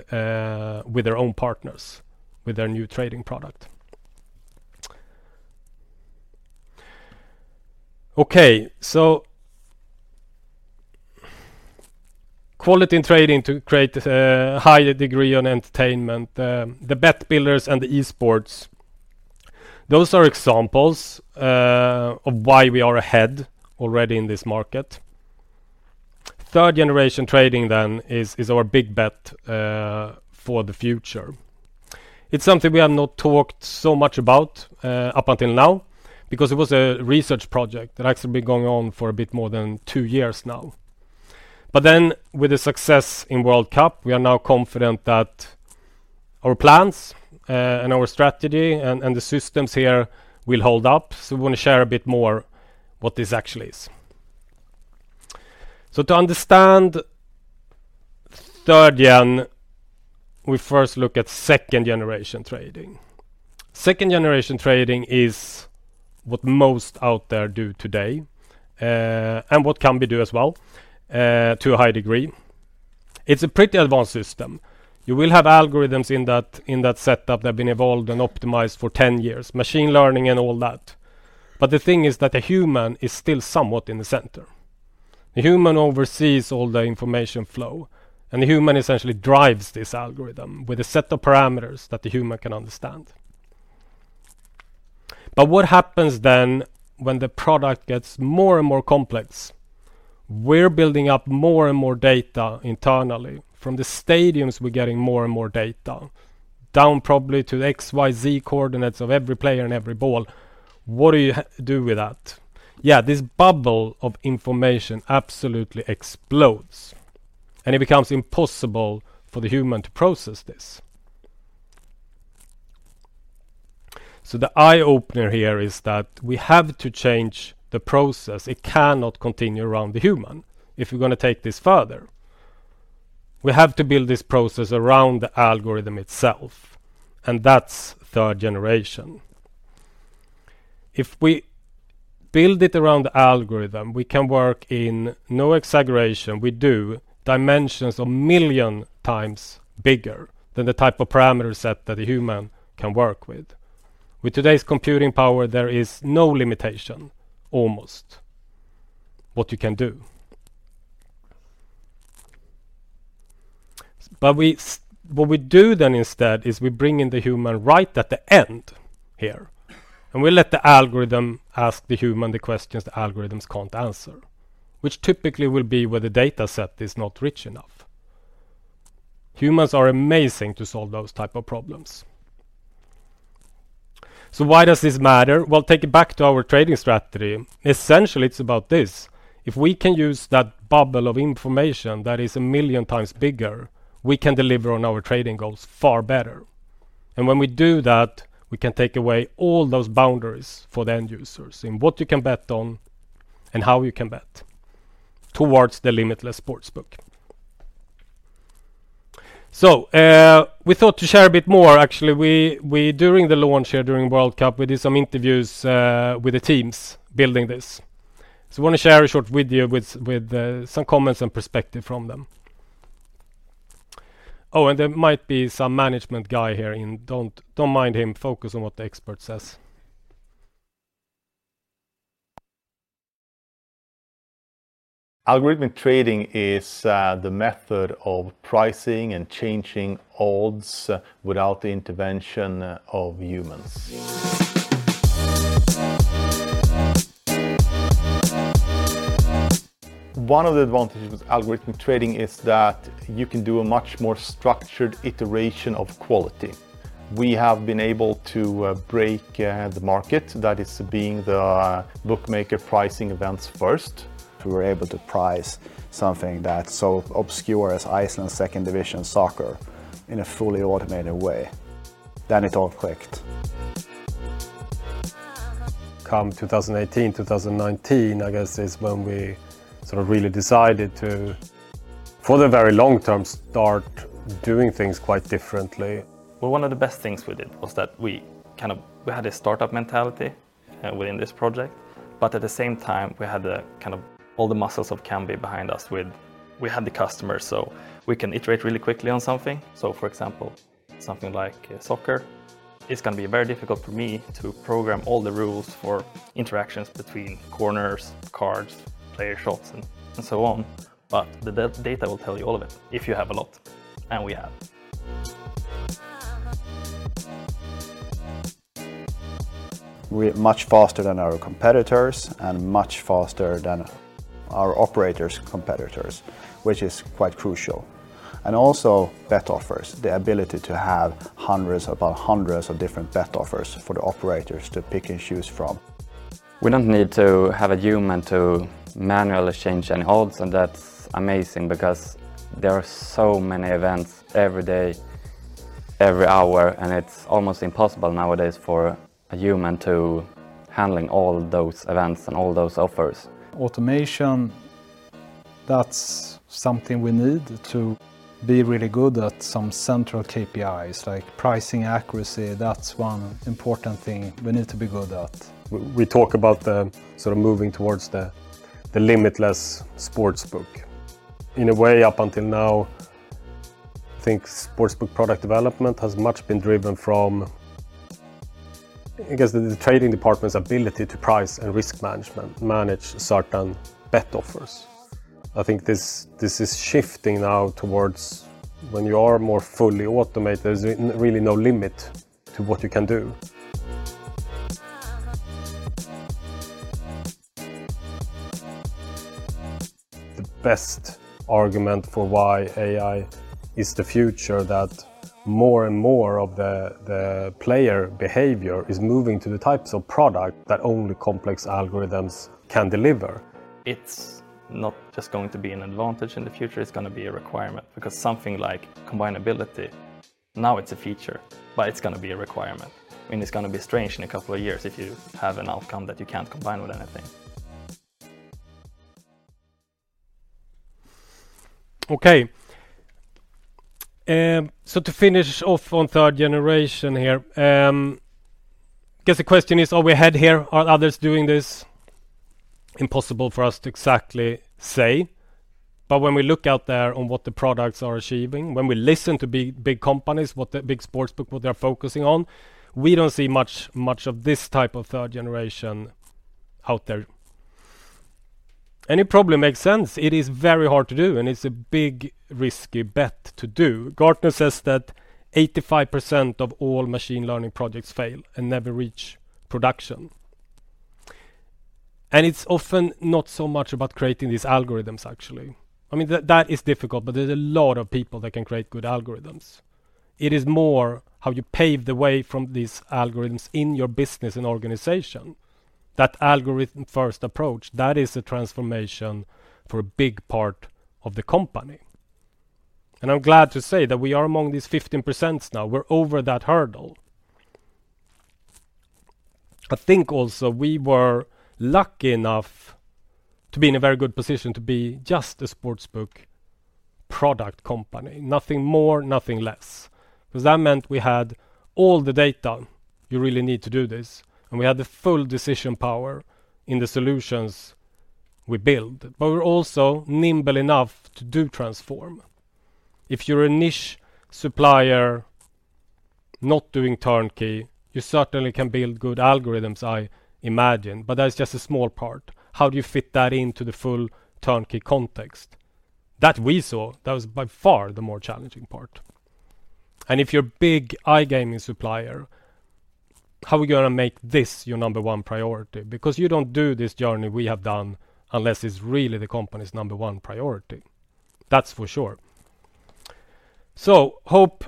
with their own partners with their new trading product. Quality in trading to create a higher degree on entertainment, the Bet Builders and the esports, those are examples of why we are ahead already in this market. third-generation trading then is our big bet for the future. It's something we have not talked so much about up until now because it was a research project that has actually been going on for a bit more than two years now. With the success in World Cup, we are now confident that our plans and our strategy and the systems here will hold up. We want to share a bit more what this actually is. To understand third-gen, we first look at second-generation trading. Second generation trading is what most out there do today, and what Kambi do as well, to a high degree. It's a pretty advanced system. You will have algorithms in that setup that have been evolved and optimized for 10 years, machine learning and all that. The thing is that the human is still somewhat in the center. The human oversees all the information flow, and the human essentially drives this algorithm with a set of parameters that the human can understand. What happens then when the product gets more and more complex? We're building up more and more data internally. From the stadiums, we're getting more and more data, down probably to the XYZ coordinates of every player and every ball. What do you do with that? This bubble of information absolutely explodes, and it becomes impossible for the human to process this. The eye-opener here is that we have to change the process. It cannot continue around the human if we're gonna take this further. We have to build this process around the algorithm itself, and that's third-generation. If we build it around the algorithm, we can work in no exaggeration, we do dimensions a million times bigger than the type of parameter set that a human can work with. With today's computing power, there is no limitation, almost, what you can do. What we do then instead is we bring in the human right at the end here, and we let the algorithm ask the human the questions the algorithms can't answer, which typically will be where the data set is not rich enough. Humans are amazing to solve those type of problems. Why does this matter? Well, take it back to our trading strategy. Essentially, it's about this. If we can use that bubble of information that is a million times bigger, we can deliver on our trading goals far better. When we do that, we can take away all those boundaries for the end users in what you can bet on and how you can bet towards the limitless sportsbook. We thought to share a bit more. Actually, we during the launch here, during World Cup, we did some interviews with the teams building this. I wanna share a short video with some comments and perspective from them. Oh, there might be some management guy here. Don't mind him. Focus on what the expert says. Algorithmic trading is the method of pricing and changing odds without the intervention of humans. One of the advantages with algorithmic trading is that you can do a much more structured iteration of quality. We have been able to break the market that is being the bookmaker pricing events first. We were able to price something that's so obscure as Iceland second division soccer in a fully automated way. It all clicked. Come 2018, 2019, I guess, is when we sort of really decided to, for the very long term, start doing things quite differently. Well, one of the best things we did was that we kind of we had a startup mentality, within this project, but at the same time, we had the kind of all the muscles of Kambi behind us with we had the customers, so we can iterate really quickly on something. For example, something like soccer is gonna be very difficult for me to program all the rules for interactions between corners, cards, player shots, and so on. The data will tell you all of it if you have a lot, and we have. We're much faster than our competitors and much faster than our operators' competitors, which is quite crucial. Also bet offers, the ability to have hundreds upon hundreds of different bet offers for the operators to pick and choose from. We don't need to have a human to manually change any odds. That's amazing because there are so many events every day. Every hour, it's almost impossible nowadays for a human to handling all those events and all those offers. Automation, that's something we need to be really good at. Some central KPIs like pricing accuracy, that's one important thing we need to be good at. We talk about the sort of moving towards the limitless sportsbook. In a way up until now, I think sportsbook product development has much been driven from, I guess, the trading department's ability to price and risk management, manage certain bet offers. I think this is shifting now towards when you are more fully automated, there's really no limit to what you can do. The best argument for why AI is the future that more and more of the player behavior is moving to the types of product that only complex algorithms can deliver. It's not just going to be an advantage in the future, it's gonna be a requirement because something like combinability, now it's a feature, but it's gonna be a requirement. I mean, it's gonna be strange in a couple of years if you have an outcome that you can't combine with anything. Okay. To finish off on Third Generation here, guess the question is, are we ahead here? Are others doing this? Impossible for us to exactly say, but when we look out there on what the products are achieving, when we listen to big, big companies, what the big sportsbook, what they're focusing on, we don't see much of this type of Third Generation out there. It probably makes sense. It is very hard to do, and it's a big risky bet to do. Gartner says that 85% of all machine learning projects fail and never reach production. It's often not so much about creating these algorithms actually. I mean, that is difficult, but there's a lot of people that can create good algorithms. It is more how you pave the way from these algorithms in your business and organization. That algorithm-first approach, that is a transformation for a big part of the company. I'm glad to say that we are among these 15% now. We're over that hurdle. I think also we were lucky enough to be in a very good position to be just a sportsbook product company. Nothing more, nothing less. That meant we had all the data you really need to do this, and we had the full decision power in the solutions we build, but we're also nimble enough to do transform. If you're a niche supplier not doing turnkey, you certainly can build good algorithms, I imagine, but that is just a small part. How do you fit that into the full turnkey context? That we saw, that was by far the more challenging part. If you're big iGaming supplier, how are we gonna make this your number one priority? You don't do this journey we have done unless it's really the company's number one priority. That's for sure. Hope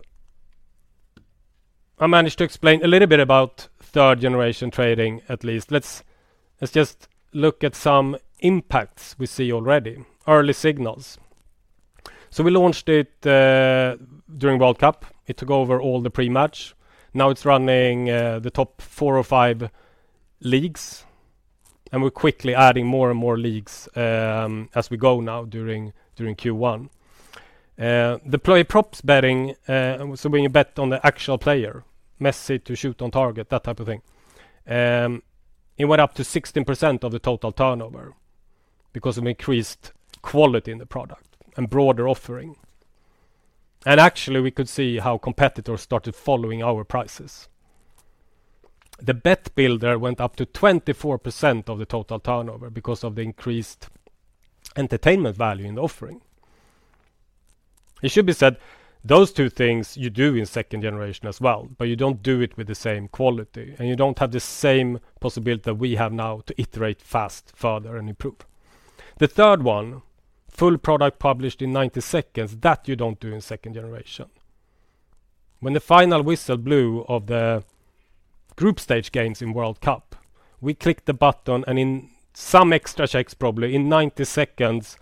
I managed to explain a little bit about third-generation trading at least. Let's just look at some impacts we see already, early signals. We launched it during World Cup. It took over all the pre-match. Now it's running the top four or five leagues, and we're quickly adding more and more leagues as we go now during Q1. The player props betting, so when you bet on the actual player, Messi to shoot on target, that type of thing, it went up to 16% of the total turnover because of increased quality in the product and broader offering. Actually, we could see how competitors started following our prices. The Bet Builder went up to 24% of the total turnover because of the increased entertainment value in the offering. It should be said, those two things you do in second generation as well, but you don't do it with the same quality, and you don't have the same possibility that we have now to iterate fast, further, and improve. The third one, full product published in 90 seconds, that you don't do in second generation. When the final whistle blew of the group stage games in World Cup, we clicked the button, and in some extra checks, probably in 90 seconds,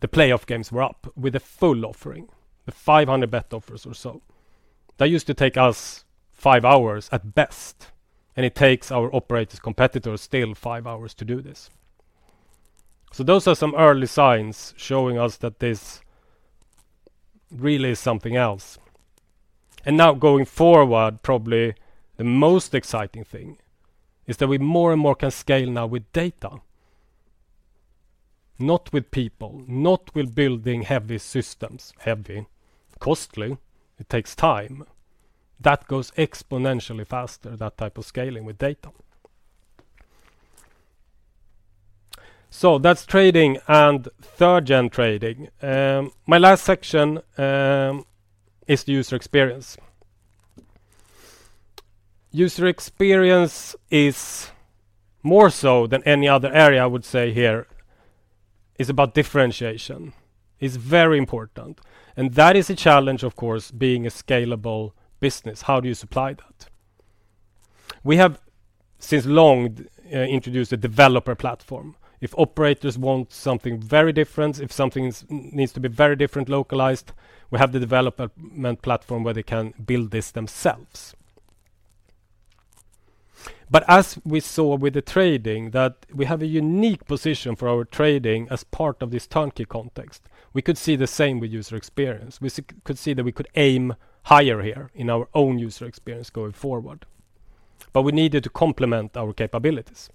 the playoff games were up with a full offering, the 500 bet offers or so. That used to take us five hours at best. It takes our operators, competitors still five hours to do this. Those are some early signs showing us that this really is something else. Now going forward, probably the most exciting thing is that we more and more can scale now with data. Not with people, not with building heavy systems, heavy, costly. It takes time. That goes exponentially faster, that type of scaling with data. That's trading and third-gen trading. My last section is the user experience. User experience is more so than any other area, I would say here, is about differentiation, is very important. That is a challenge, of course, being a scalable business. How do you supply that? We have since long introduced a developer platform. If operators want something very different, if something needs to be very different localized, we have the development platform where they can build this themselves. As we saw with the trading that we have a unique position for our trading as part of this Kambi context, we could see the same with user experience. We could see that we could aim higher here in our own user experience going forward, but we needed to complement our capabilities.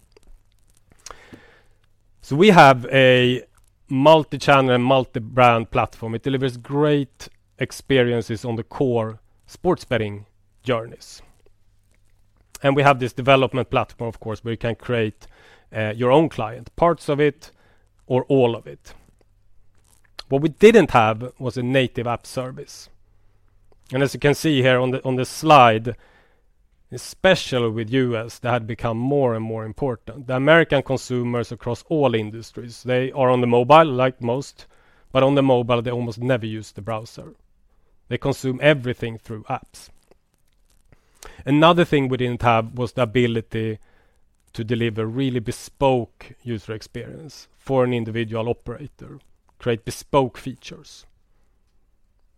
We have a multi-channel and multi-brand platform. It delivers great experiences on the core sports betting journeys. We have this development platform, of course, where you can create your own client, parts of it or all of it. What we didn't have was a native app service. As you can see here on the, on this slide, especially with U.S., that had become more and more important. The American consumers across all industries, they are on the mobile like most, but on the mobile, they almost never use the browser. They consume everything through apps. Another thing we didn't have was the ability to deliver really bespoke user experience for an individual operator, create bespoke features.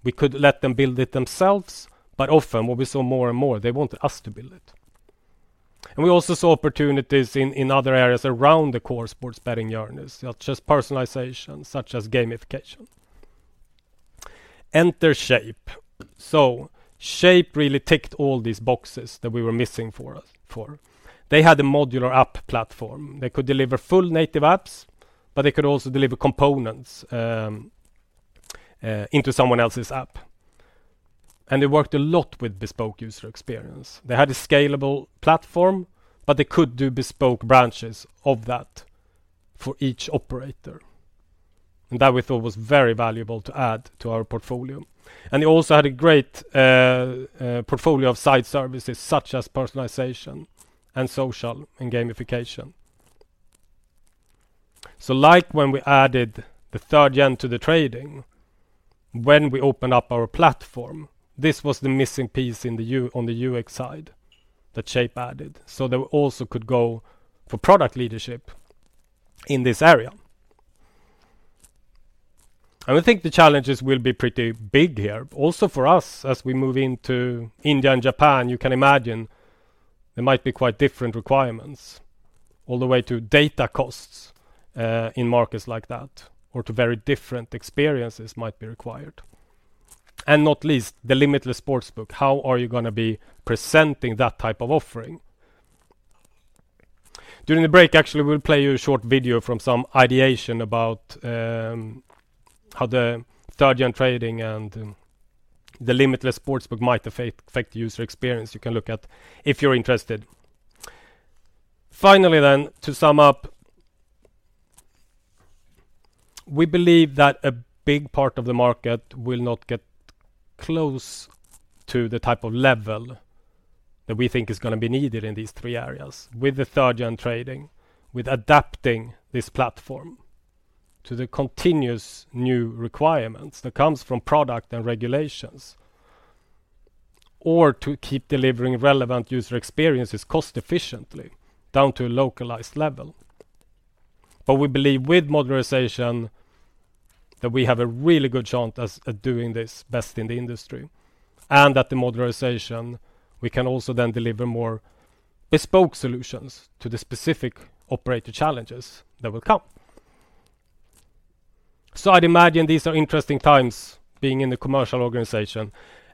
We could let them build it themselves, but often what we saw more and more, they wanted us to build it. We also saw opportunities in other areas around the core sports betting journeys, such as personalization, such as gamification. Enter Shape. Shape really ticked all these boxes that we were missing for us. They had a modular app platform. They could deliver full native apps, but they could also deliver components into someone else's app, and they worked a lot with bespoke user experience. They had a scalable platform, but they could do bespoke branches of that for each operator. That we thought was very valuable to add to our portfolio. They also had a great portfolio of site services such as personalization and social and gamification. Like when we added the third gen to the trading, when we opened up our platform, this was the missing piece on the UX side that Shape added. They also could go for product leadership in this area. We think the challenges will be pretty big here. Also for us, as we move into India and Japan, you can imagine there might be quite different requirements all the way to data costs in markets like that, or to very different experiences might be required. Not least, the limitless sportsbook, how are you gonna be presenting that type of offering? During the break, actually, we'll play you a short video from some ideation about, how the third gen trading and the limitless sportsbook might affect user experience you can look at if you're interested. Finally, to sum up, we believe that a big part of the market will not get close to the type of level that we think is gonna be needed in these three areas with the third gen trading, with adapting this platform to the continuous new requirements that comes from product and regulations, or to keep delivering relevant user experiences cost efficiently down to a localized level. We believe with modernization that we have a really good chance at doing this best in the industry and that the modernization, we can also then deliver more bespoke solutions to the specific operator challenges that will come. I'd imagine these are interesting times being in the commercial organization,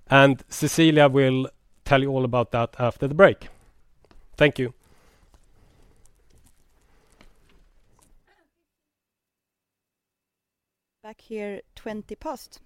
and Cecilia will tell you all about that after the break. Thank you. Back here, 20 past.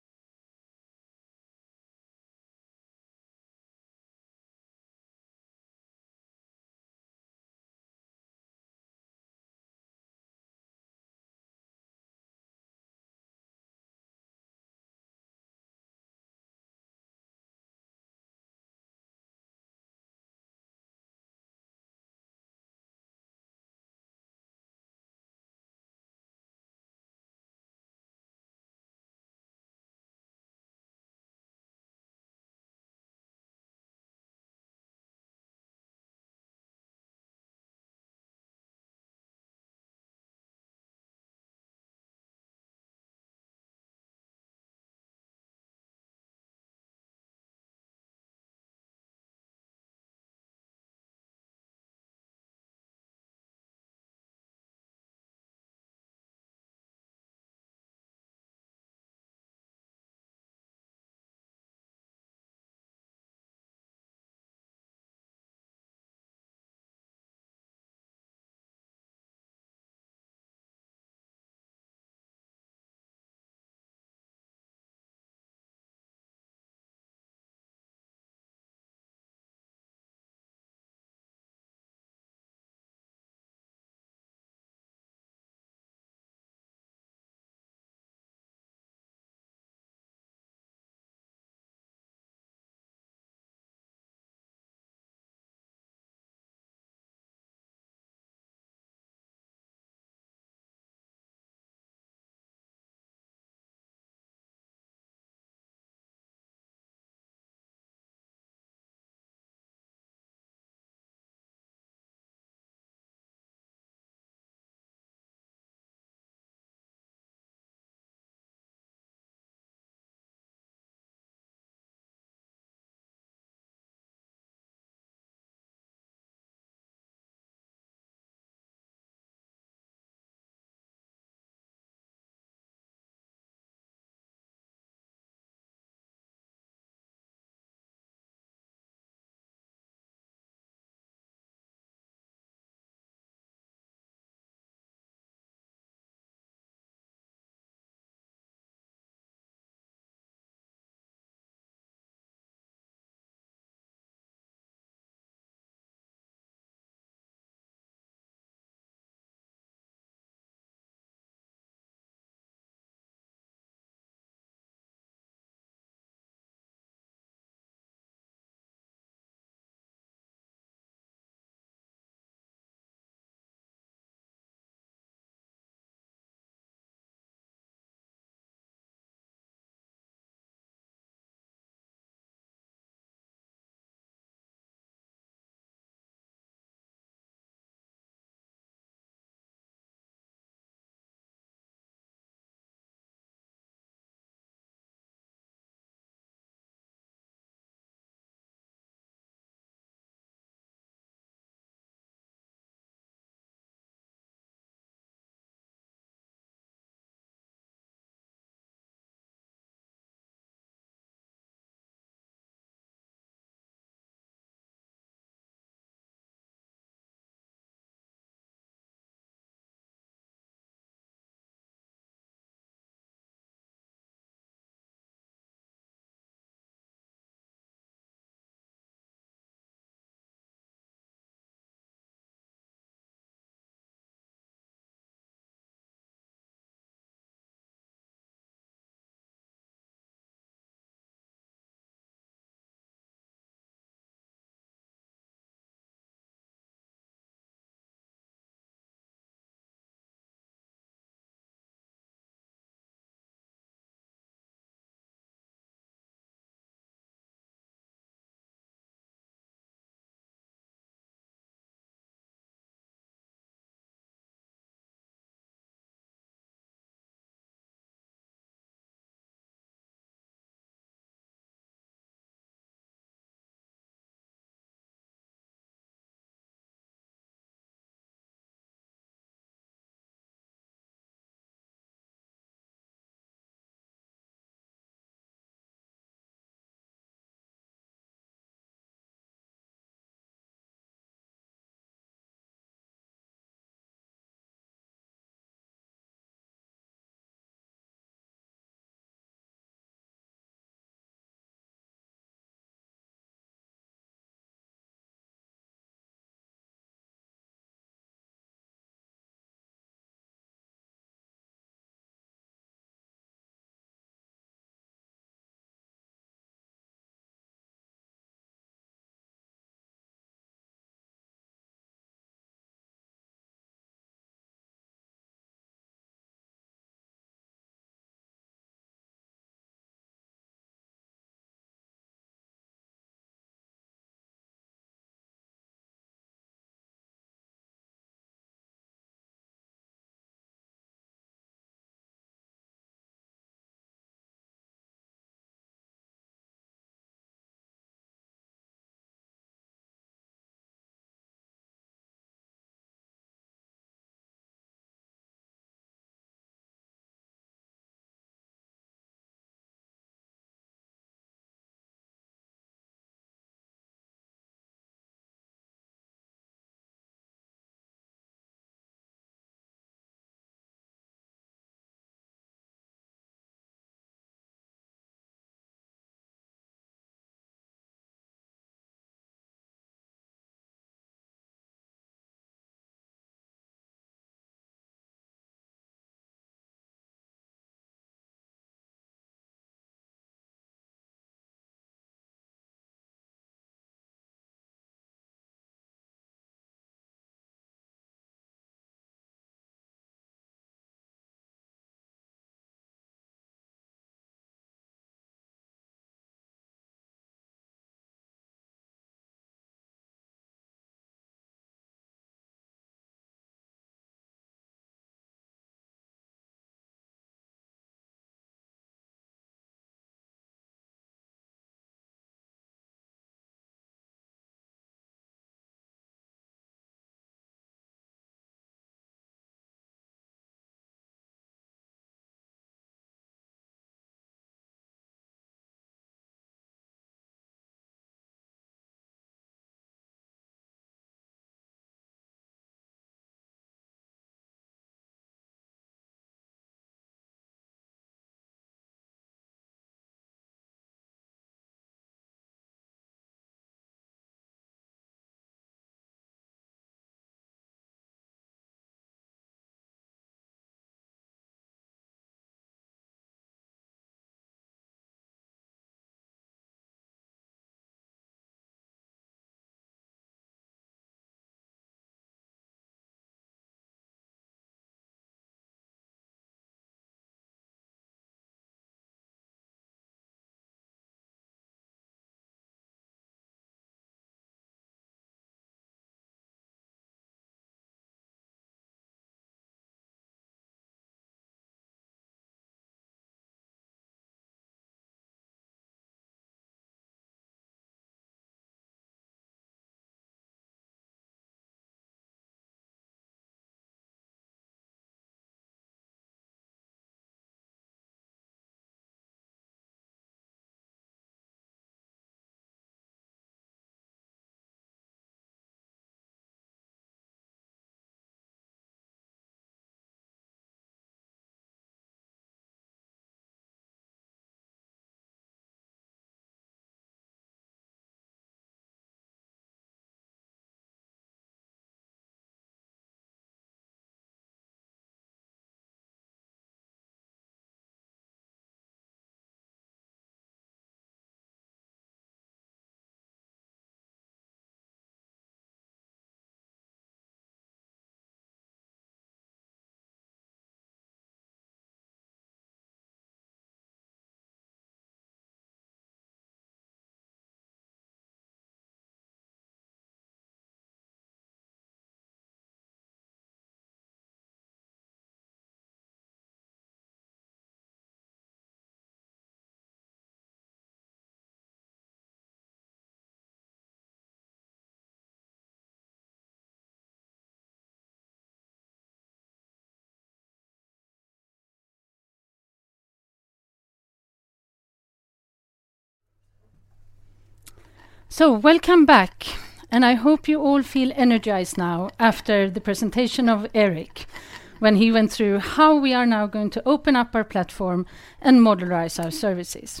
Welcome back, and I hope you all feel energized now after the presentation of Erik Lögdberg, when he went through how we are now going to open up our platform and modularize our services.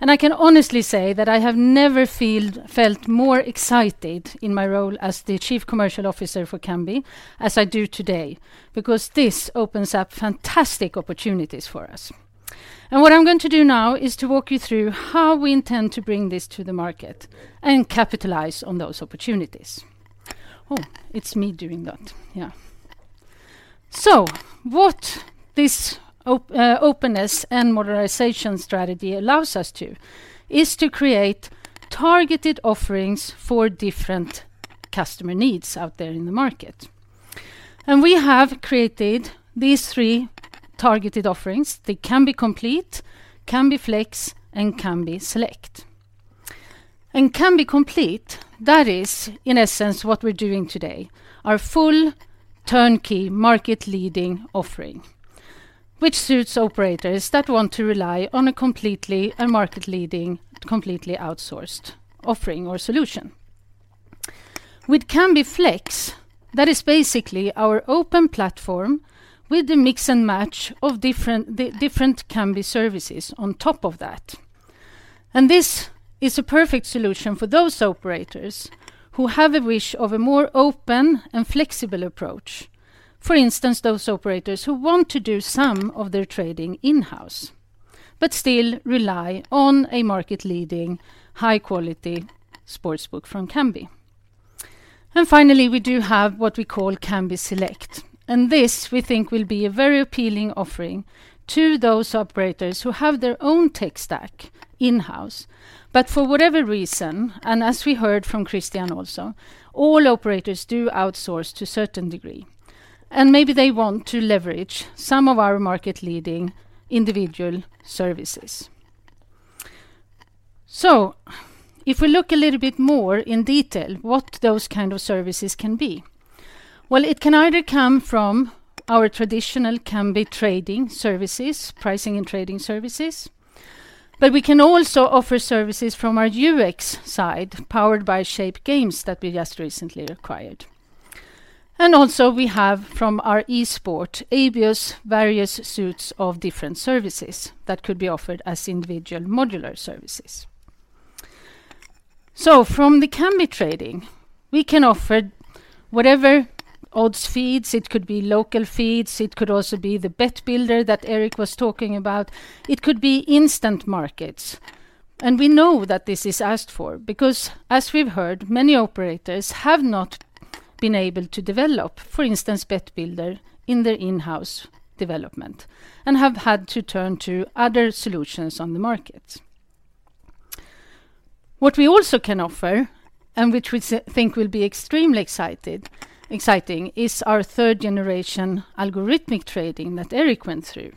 I can honestly say that I have never felt more excited in my role as the Chief Commercial Officer for Kambi as I do today, because this opens up fantastic opportunities for us. What I'm going to do now is to walk you through how we intend to bring this to the market and capitalize on those opportunities. Oh, it's me doing that. Yeah. What this openness and modernization strategy allows us to is to create targeted offerings for different customer needs out there in the market. We have created these three targeted offerings, the Kambi Complete, Kambi Flex, and Kambi Select. Kambi Complete, that is, in essence, what we're doing today, our full turnkey market-leading offering, which suits operators that want to rely on a completely and market-leading, completely outsourced offering or solution. With Kambi Flex, that is basically our open platform with the mix and match of the different Kambi services on top of that. This is a perfect solution for those operators who have a wish of a more open and flexible approach. For instance, those operators who want to do some of their trading in-house but still rely on a market-leading high-quality sportsbook from Kambi. Finally, we do have what we call Kambi Select, and this we think will be a very appealing offering to those operators who have their own tech stack in-house. For whatever reason, and as we heard from Kristian also, all operators do outsource to a certain degree, and maybe they want to leverage some of our market-leading individual services. If we look a little bit more in detail what those kind of services can be, well, it can either come from our traditional Kambi trading services, pricing and trading services, but we can also offer services from our UX side, powered by Shape Games that we just recently acquired. Also we have from our esport, Abios, various suites of different services that could be offered as individual modular services. From the Kambi trading, we can offer whatever odds feeds. It could be local feeds. It could also be the Bet Builder that Erik was talking about. It could be instant markets. We know that this is asked for because, as we've heard, many operators have not been able to develop, for instance, Bet Builder in their in-house development and have had to turn to other solutions on the market. What we also can offer, and which we think will be extremely exciting, is our third-generation algorithmic trading that Erik went through.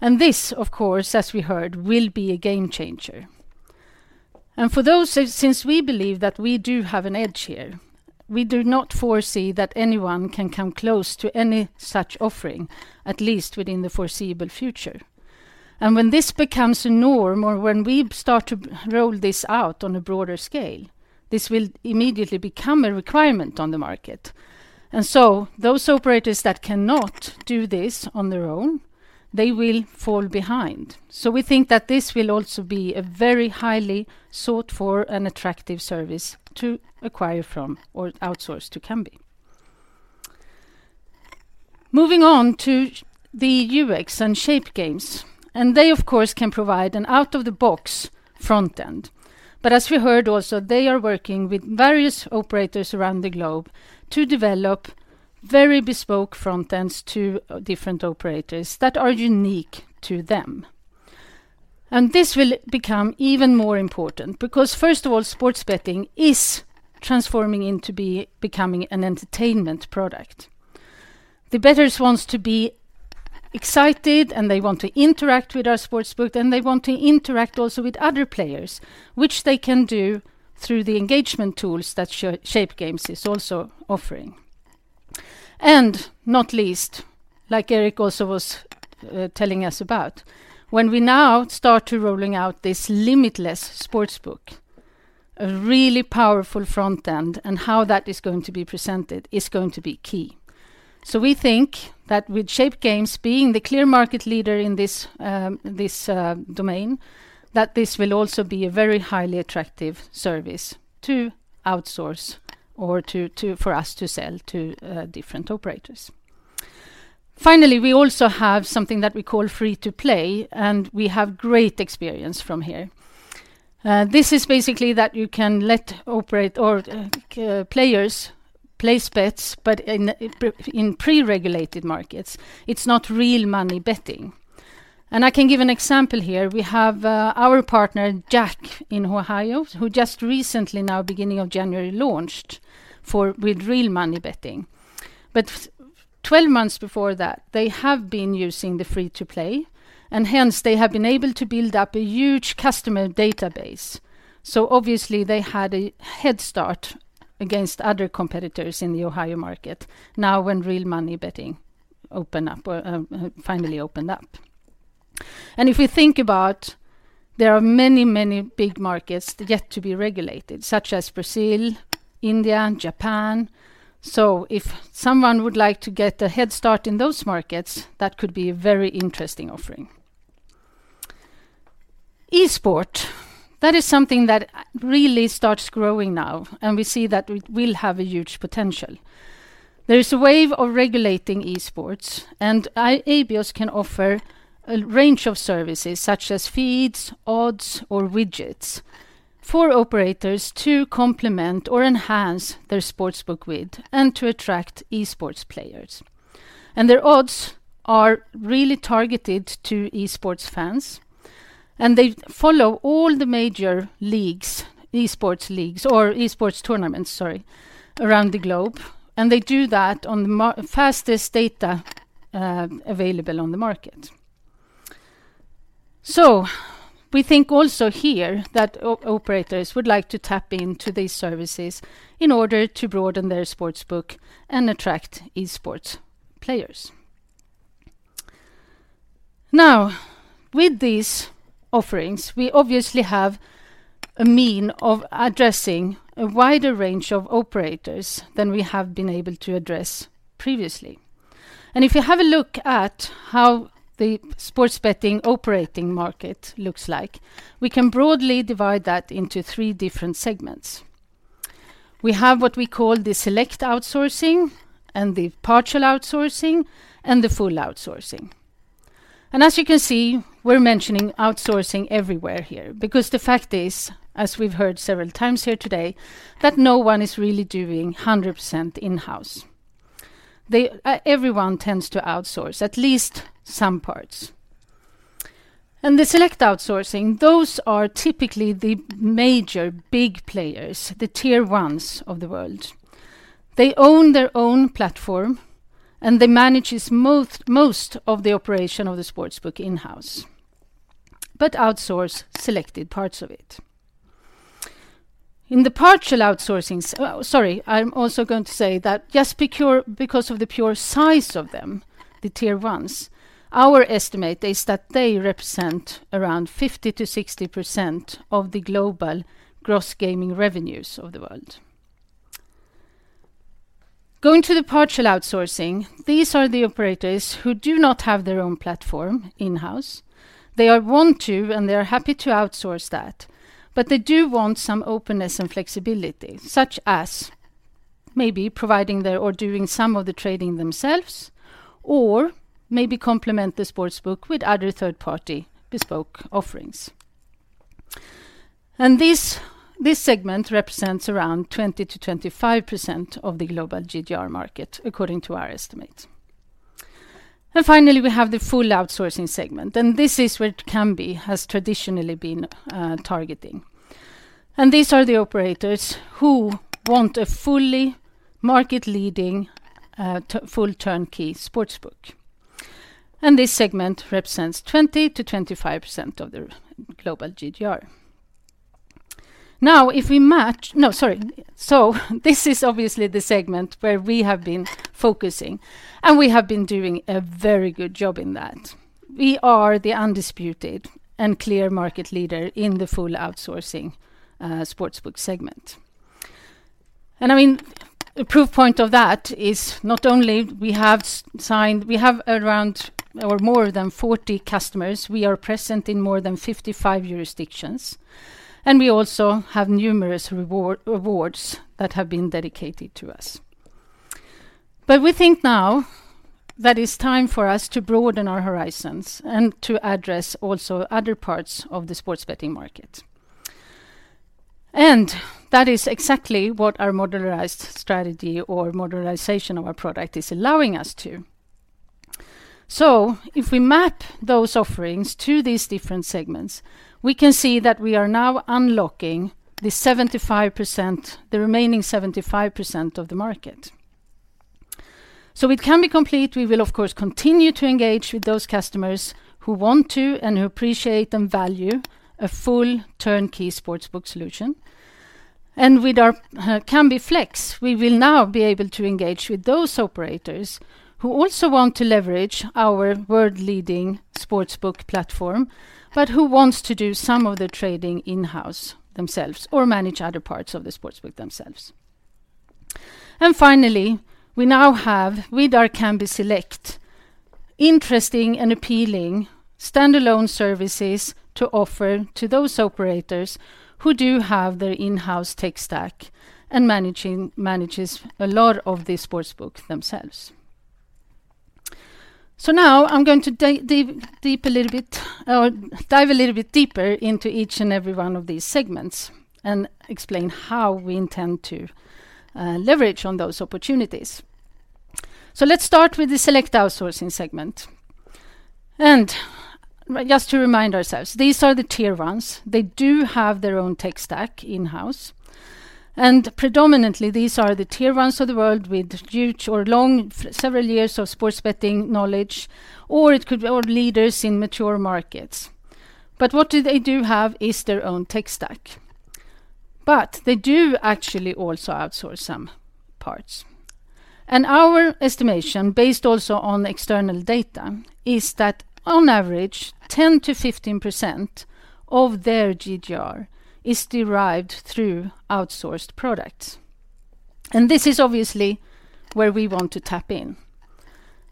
This, of course, as we heard, will be a game changer. For those since we believe that we do have an edge here, we do not foresee that anyone can come close to any such offering, at least within the foreseeable future. When this becomes a norm or when we start to roll this out on a broader scale, this will immediately become a requirement on the market. Those operators that cannot do this on their own, they will fall behind. We think that this will also be a very highly sought for and attractive service to acquire from or outsource to Kambi. Moving on to the UX and Shape Games, they of course, can provide an out of the box front end. As we heard also, they are working with various operators around the globe to develop very bespoke front ends to different operators that are unique to them. This will become even more important because first of all, sports betting is transforming into becoming an entertainment product. The bettors wants to be excited and they want to interact with our sportsbook, and they want to interact also with other players, which they can do through the engagement tools that Shape Games is also offering. Not least, like Erik also was telling us about, when we now start to rolling out this limitless sportsbook, a really powerful front end, and how that is going to be presented is going to be key. We think that with Shape Games being the clear market leader in this domain, that this will also be a very highly attractive service to outsource or for us to sell to different operators. Finally, we also have something that we call free-to-play, and we have great experience from here. This is basically that you can let operate or players place bets, but in pre-regulated markets, it's not real money betting. I can give an example here. We have our partner, JACK, in Ohio, who just recently now beginning of January, launched for with real money betting. 12 months before that, they have been using the free-to-play, and hence they have been able to build up a huge customer database. Obviously they had a head start against other competitors in the Ohio market now when real money betting opened up or finally opened up. If we think about there are many big markets yet to be regulated, such as Brazil, India, and Japan. If someone would like to get a head start in those markets, that could be a very interesting offering. Esports, that is something that really starts growing now, and we see that it will have a huge potential. There is a wave of regulating esports, Abios can offer a range of services such as feeds, odds, or widgets for operators to complement or enhance their sportsbook with and to attract esports players. Their odds are really targeted to esports fans, and they follow all the major leagues, esports leagues or esports tournaments, sorry, around the globe, and they do that on the fastest data available on the market. We think also here that operators would like to tap into these services in order to broaden their sportsbook and attract esports players. Now, with these offerings, we obviously have a mean of addressing a wider range of operators than we have been able to address previously. If you have a look at how the sports betting operating market looks like, we can broadly divide that into three different segments. We have what we call the select outsourcing and the partial outsourcing, and the full outsourcing. As you can see, we're mentioning outsourcing everywhere here because the fact is, as we've heard several times here today, that no one is really doing 100% in-house. Everyone tends to outsource at least some parts. The select outsourcing, those are typically the major big players, the tier ones of the world. They own their own platform, and they manages most of the operation of the sportsbook in-house, but outsource selected parts of it. In the partial outsourcing, sorry, I'm also going to say that just because of the pure size of them, the tier ones, our estimate is that they represent around 50%-60% of the global gross gaming revenues of the world. Going to the partial outsourcing, these are the operators who do not have their own platform in-house. They want to, and they're happy to outsource that, but they do want some openness and flexibility, such as maybe doing some of the trading themselves, or maybe complement the sportsbook with other third-party bespoke offerings. This segment represents around 20%-25% of the global GGR market, according to our estimates. Finally, we have the full outsourcing segment, and this is where Kambi has traditionally been targeting. These are the operators who want a fully market-leading, full-turnkey sportsbook. This segment represents 20%-25% of the global GGR. This is obviously the segment where we have been focusing, and we have been doing a very good job in that. We are the undisputed and clear market leader in the full outsourcing sportsbook segment. I mean, a proof point of that is not only we have around or more than 40 customers, we are present in more than 55 jurisdictions, and we also have numerous rewards that have been dedicated to us. We think now that it's time for us to broaden our horizons and to address also other parts of the sports betting market. That is exactly what our modularized strategy or modularization of our product is allowing us to. If we map those offerings to these different segments, we can see that we are now unlocking the 75%, the remaining 75% of the market. With Kambi Complete, we will of course continue to engage with those customers who want to and who appreciate and value a full turnkey sportsbook solution. With our Kambi Flex, we will now be able to engage with those operators who also want to leverage our world-leading sportsbook platform, but who wants to do some of the trading in-house themselves or manage other parts of the sportsbook themselves. Finally, we now have, with our Kambi Select, interesting and appealing standalone services to offer to those operators who do have their in-house tech stack and manages a lot of the sportsbook themselves. Now I'm going to dive a little bit deeper into each and every one of these segments and explain how we intend to leverage on those opportunities. Let's start with the select outsourcing segment. Just to remind ourselves, these are the tier-ones. They do have their own tech stack in-house. Predominantly, these are the tier-ones of the world with huge or long, several years of sports betting knowledge, or leaders in mature markets. What do they do have is their own tech stack. They do actually also outsource some parts. Our estimation, based also on external data, is that on average, 10%-15% of their GGR is derived through outsourced products. This is obviously where we want to tap in.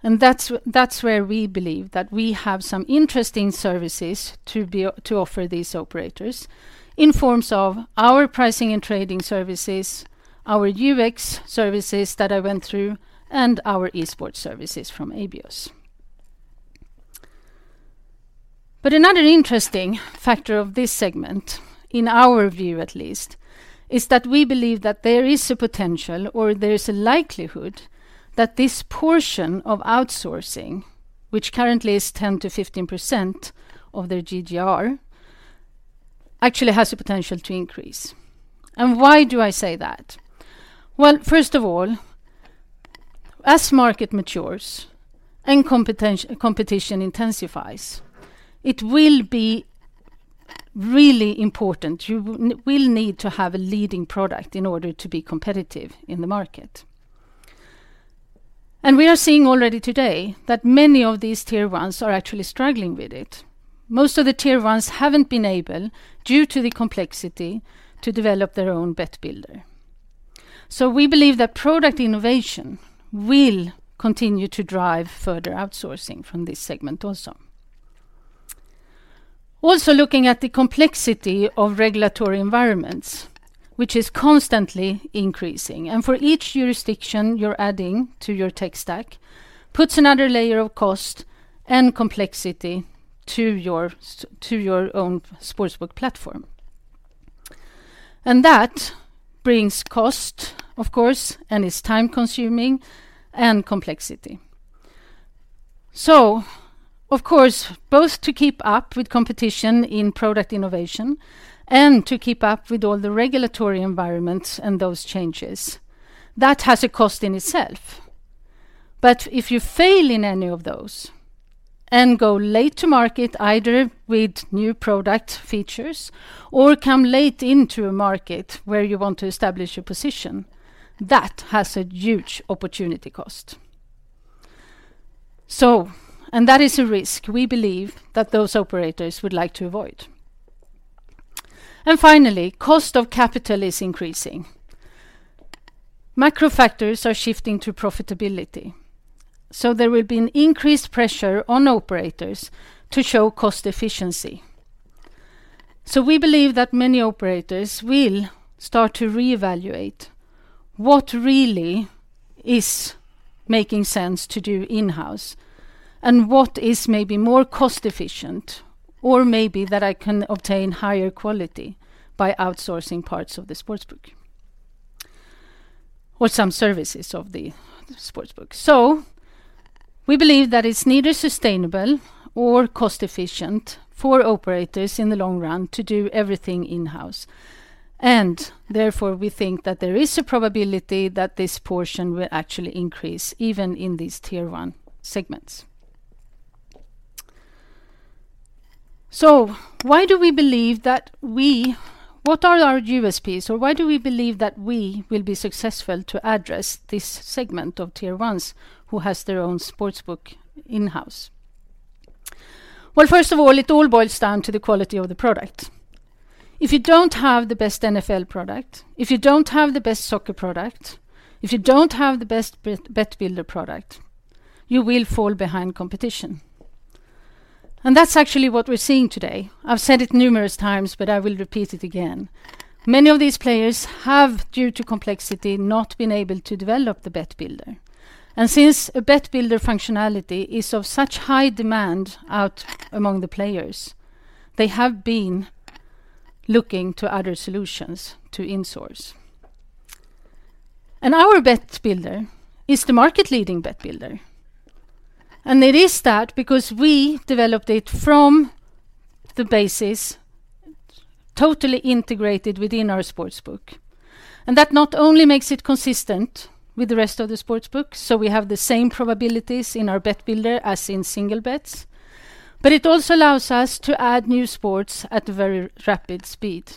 That's where we believe that we have some interesting services to offer these operators in forms of our pricing and trading services, our UX services that I went through, and our esports services from Abios. Another interesting factor of this segment, in our view at least, is that we believe that there is a potential or there is a likelihood that this portion of outsourcing, which currently is 10%-15% of their GGR, actually has the potential to increase. Why do I say that? Well, first of all, as market matures and competition intensifies, it will be really important. You will need to have a leading product in order to be competitive in the market. We are seeing already today that many of these tier-ones are actually struggling with it. Most of the tier-ones haven't been able, due to the complexity, to develop their own Bet Builder. We believe that product innovation will continue to drive further outsourcing from this segment also. Looking at the complexity of regulatory environments, which is constantly increasing, and for each jurisdiction you're adding to your tech stack, puts another layer of cost and complexity to your own sportsbook platform. That brings cost, of course, and is time-consuming and complexity. Of course, both to keep up with competition in product innovation and to keep up with all the regulatory environments and those changes, that has a cost in itself. If you fail in any of those and go late to market, either with new product features or come late into a market where you want to establish a position, that has a huge opportunity cost. That is a risk we believe that those operators would like to avoid. Finally, cost of capital is increasing. Macro factors are shifting to profitability. There will be an increased pressure on operators to show cost efficiency. We believe that many operators will start to reevaluate what really is making sense to do in-house and what is maybe more cost efficient, or maybe that I can obtain higher quality by outsourcing parts of the sportsbook, or some services of the sportsbook. We believe that it's neither sustainable or cost efficient for operators in the long run to do everything in-house. Therefore, we think that there is a probability that this portion will actually increase even in these tier one segments. Why do we believe that what are our USPs, or why do we believe that we will be successful to address this segment of tier ones who has their own sportsbook in-house? Well, first of all, it all boils down to the quality of the product. If you don't have the best NFL product, if you don't have the best soccer product, if you don't have the best Bet Builder product, you will fall behind competition. That's actually what we're seeing today. I've said it numerous times, but I will repeat it again. Many of these players have, due to complexity, not been able to develop the Bet Builder. Since a Bet Builder functionality is of such high demand out among the players, they have been looking to other solutions to insource. Our Bet Builder is the market-leading Bet Builder, and it is that because we developed it from the basis totally integrated within our sportsbook. That not only makes it consistent with the rest of the sportsbook, so we have the same probabilities in our Bet Builder as in single bets, but it also allows us to add new sports at a very rapid speed.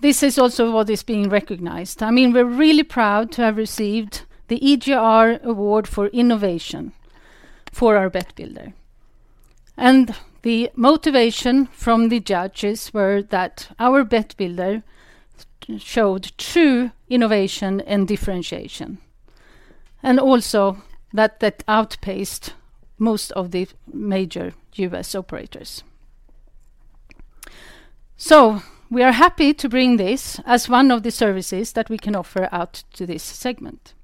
This is also what is being recognized. I mean, we're really proud to have received the EGR Award for Innovation for our Bet Builder. The motivation from the judges were that our Bet Builder showed true innovation and differentiation, and also that outpaced most of the major US operators. We are happy to bring this as one of the services that we can offer out to this segment.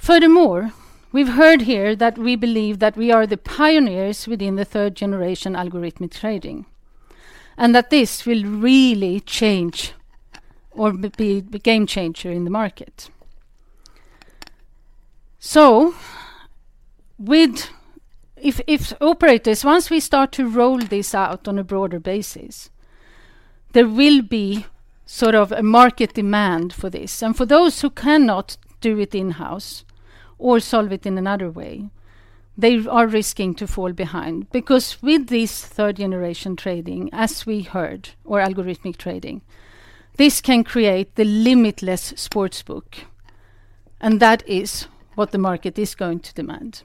Furthermore, we've heard here that we believe that we are the pioneers within the third-generation algorithmic trading, and that this will really change or be the game changer in the market. If operators, once we start to roll this out on a broader basis, there will be sort of a market demand for this. For those who cannot do it in-house or solve it in another way, they are risking to fall behind. With this third-generation trading, as we heard, or algorithmic trading, this can create the limitless sportsbook, and that is what the market is going to demand.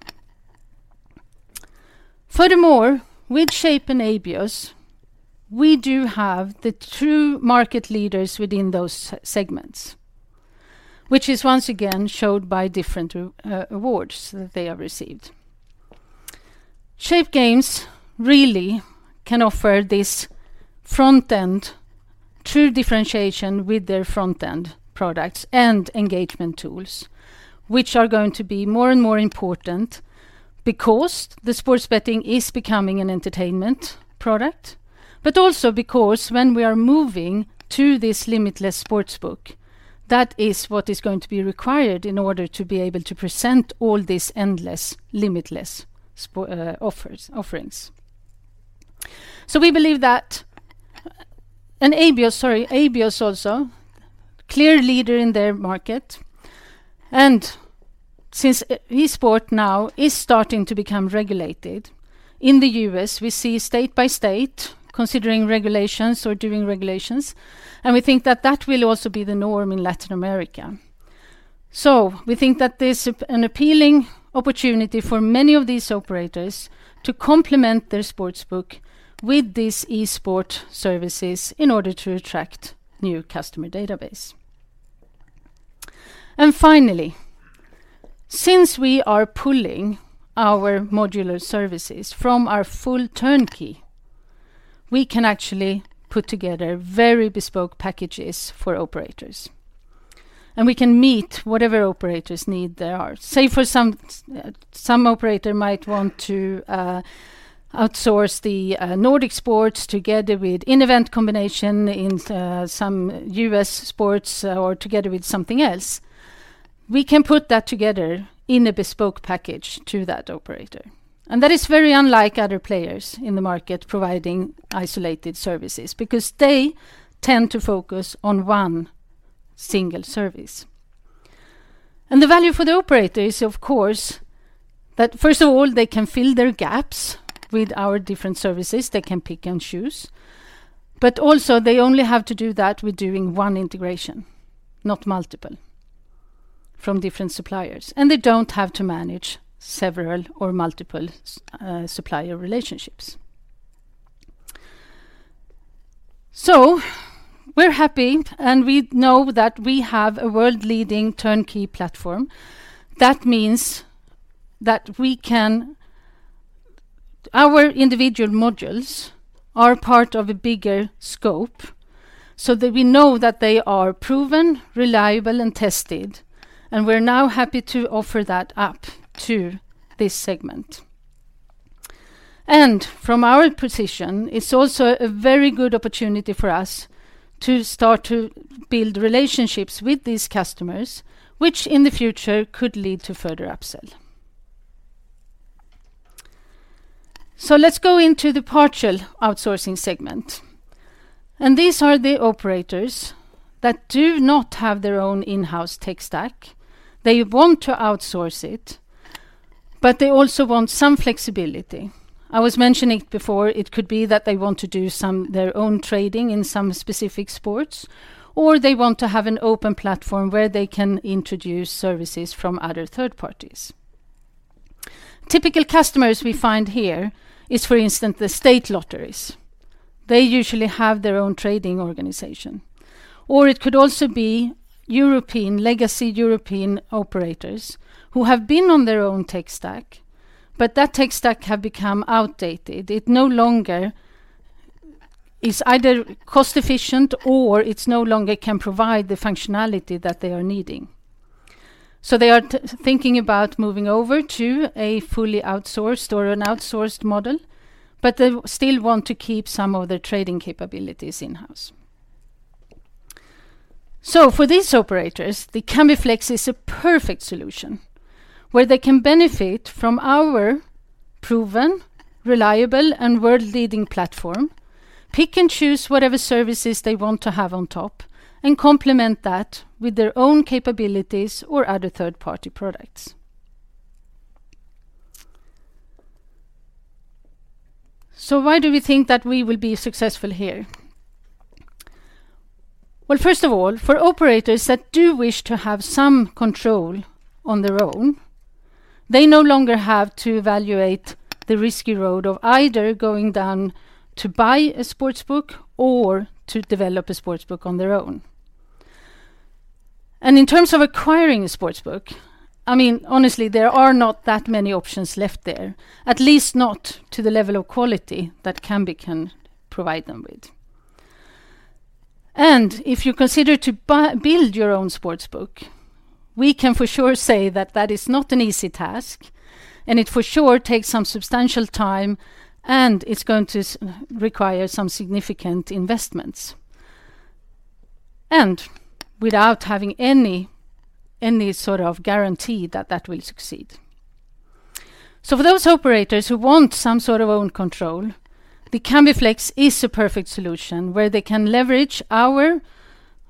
Furthermore, with Shape and Abios, we do have the true market leaders within those segments, which is once again showed by different awards that they have received. Shape Games really can offer this front-end true differentiation with their front-end products and engagement tools, which are going to be more and more important because the sports betting is becoming an entertainment product, but also because when we are moving to this limitless sportsbook, that is what is going to be required in order to be able to present all this endless, limitless offerings. Abios, sorry, Abios also clear leader in their market. Since esport now is starting to become regulated in the U.S., we see state by state considering regulations or doing regulations, and we think that that will also be the norm in Latin America. We think that there's an appealing opportunity for many of these operators to complement their sportsbook with these esport services in order to attract new customer database. Finally, since we are pulling our modular services from our full turnkey, we can actually put together very bespoke packages for operators, and we can meet whatever operators need there are. Say for some operator might want to outsource the Nordic sports together with in-event combination in some U.S. sports or together with something else, we can put that together in a bespoke package to that operator. That is very unlike other players in the market providing isolated services because they tend to focus on one single service. The value for the operator is, of course, that first of all, they can fill their gaps with our different services. They can pick and choose, but also they only have to do that with doing one integration, not multiple from different suppliers, and they don't have to manage several or multiple supplier relationships. We're happy, and we know that we have a world-leading turnkey platform. That means that our individual modules are part of a bigger scope so that we know that they are proven, reliable, and tested, and we're now happy to offer that up to this segment. From our position, it's also a very good opportunity for us to start to build relationships with these customers, which in the future could lead to further upsell. Let's go into the partial outsourcing segment. These are the operators that do not have their own in-house tech stack. They want to outsource it, but they also want some flexibility. I was mentioning before it could be that they want to do their own trading in some specific sports, or they want to have an open platform where they can introduce services from other third parties. Typical customers we find here is, for instance, the state lotteries. They usually have their own trading organization. Or it could also be legacy European operators who have been on their own tech stack, but that tech stack have become outdated. It no longer is either cost-efficient or it's no longer can provide the functionality that they are needing. They are thinking about moving over to a fully outsourced or an outsourced model, but they still want to keep some of their trading capabilities in-house. For these operators, the Kambi Flex is a perfect solution where they can benefit from our proven, reliable, and world-leading platform, pick and choose whatever services they want to have on top, and complement that with their own capabilities or other third-party products. Why do we think that we will be successful here? Well, first of all, for operators that do wish to have some control on their own, they no longer have to evaluate the risky road of either going down to buy a sportsbook or to develop a sportsbook on their own. In terms of acquiring a sportsbook, I mean, honestly, there are not that many options left there, at least not to the level of quality that Kambi can provide them with. If you consider to build your own sports book, we can for sure say that that is not an easy task, and it for sure takes some substantial time, and it's going to require some significant investments, and without having any sort of guarantee that that will succeed. For those operators who want some sort of own control, the Kambi Flex is a perfect solution where they can leverage our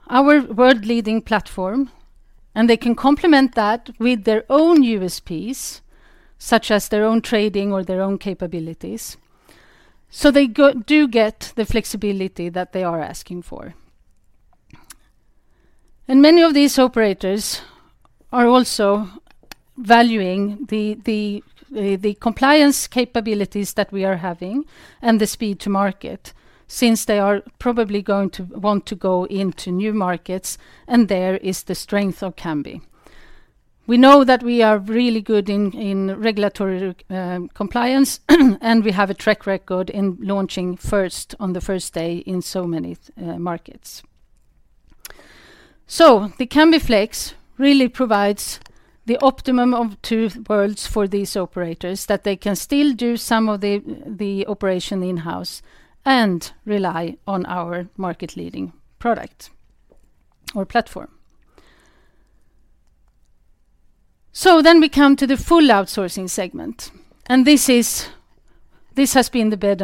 world-leading platform, and they can complement that with their own USPs, such as their own trading or their own capabilities, so they do get the flexibility that they are asking for. Many of these operators are also valuing the compliance capabilities that we are having and the speed to market since they are probably going to want to go into new markets, and there is the strength of Kambi. We know that we are really good in regulatory compliance, and we have a track record in launching first on the first day in so many markets. The Kambi Flex really provides the optimum of two worlds for these operators, that they can still do some of the operation in-house and rely on our market-leading product or platform. We come to the full outsourcing segment, and this has been the bread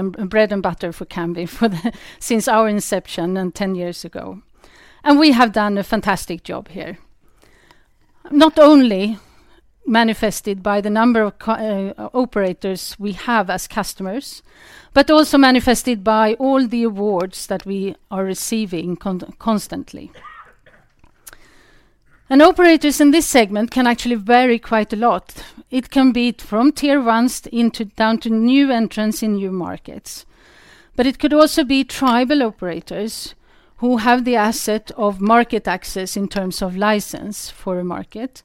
and butter for Kambi since our inception 10 years ago. We have done a fantastic job here, not only manifested by the number of operators we have as customers, but also manifested by all the awards that we are receiving constantly. Operators in this segment can actually vary quite a lot. It can be from tier ones down to new entrants in new markets. It could also be tribal operators who have the asset of market access in terms of license for a market.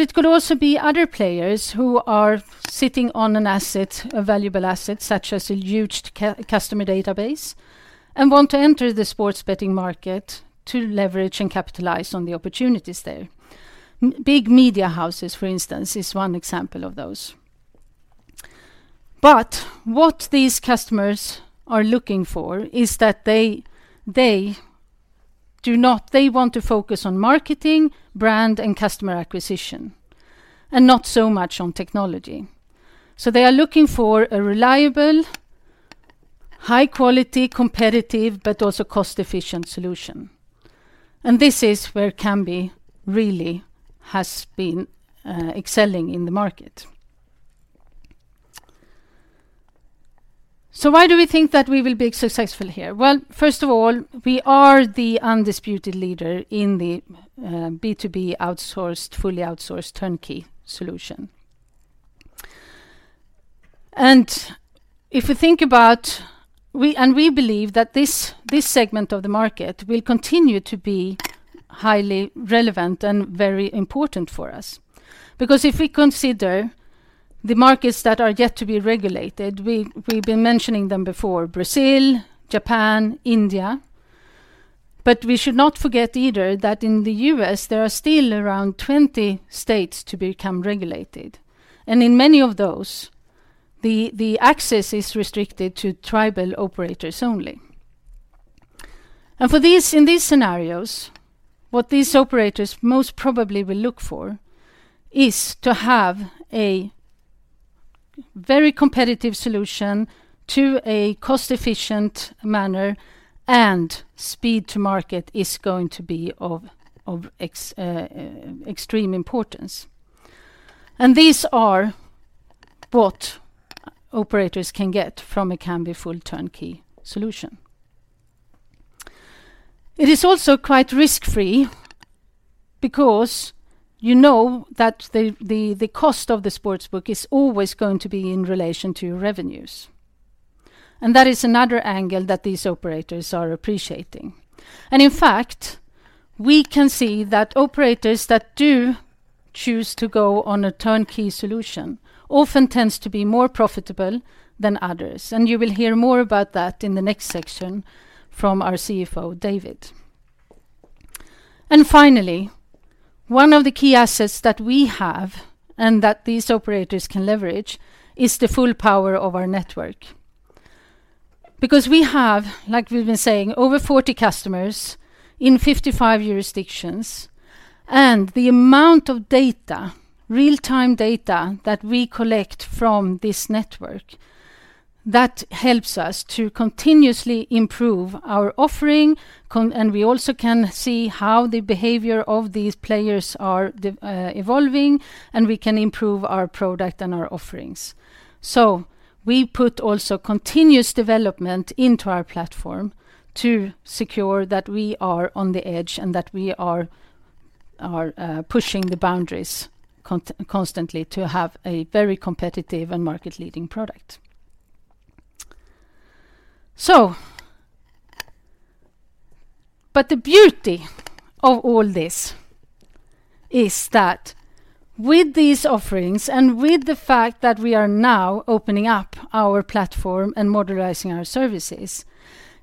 It could also be other players who are sitting on an asset, a valuable asset, such as a huge customer database, and want to enter the sports betting market to leverage and capitalize on the opportunities there. Big media houses, for instance, is one example of those. What these customers are looking for is that they do not want to focus on marketing, brand, and customer acquisition, and not so much on technology. They are looking for a reliable, high-quality, competitive, but also cost-efficient solution. This is where Kambi really has been excelling in the market. Why do we think that we will be successful here? First of all, we are the undisputed leader in the B2B outsourced, fully outsourced turnkey solution. If we think about We believe that this segment of the market will continue to be highly relevant and very important for us. Because if we consider the markets that are yet to be regulated, we've been mentioning them before, Brazil, Japan, India. We should not forget either that in the U.S. there are still around 20 states to become regulated. In many of those, the access is restricted to tribal operators only. For these in these scenarios, what these operators most probably will look for is to have a very competitive solution to a cost-efficient manner and speed to market is going to be of extreme importance. These are what operators can get from a Kambi full turnkey solution. It is also quite risk-free because you know that the cost of the sportsbook is always going to be in relation to your revenues. That is another angle that these operators are appreciating. In fact, we can see that operators that do choose to go on a turnkey solution often tends to be more profitable than others. You will hear more about that in the next section from our CFO, David. Finally, one of the key assets that we have and that these operators can leverage is the full power of our network. We have, like we've been saying, over 40 customers in 55 jurisdictions, and the amount of data, real-time data, that we collect from this network, that helps us to continuously improve our offering and we also can see how the behavior of these players are evolving, and we can improve our product and our offerings. We put also continuous development into our platform to secure that we are on the edge and that we are pushing the boundaries constantly to have a very competitive and market-leading product. The beauty of all this is that with these offerings and with the fact that we are now opening up our platform and modularizing our services,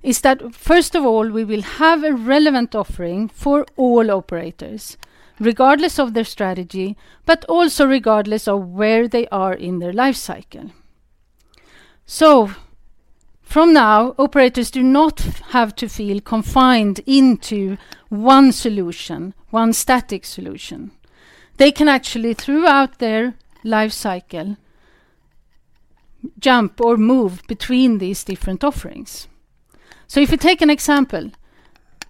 is that first of all, we will have a relevant offering for all operators, regardless of their strategy, but also regardless of where they are in their life cycle. From now, operators do not have to feel confined into one solution, one static solution. They can actually, throughout their life cycle, jump or move between these different offerings. If you take an example,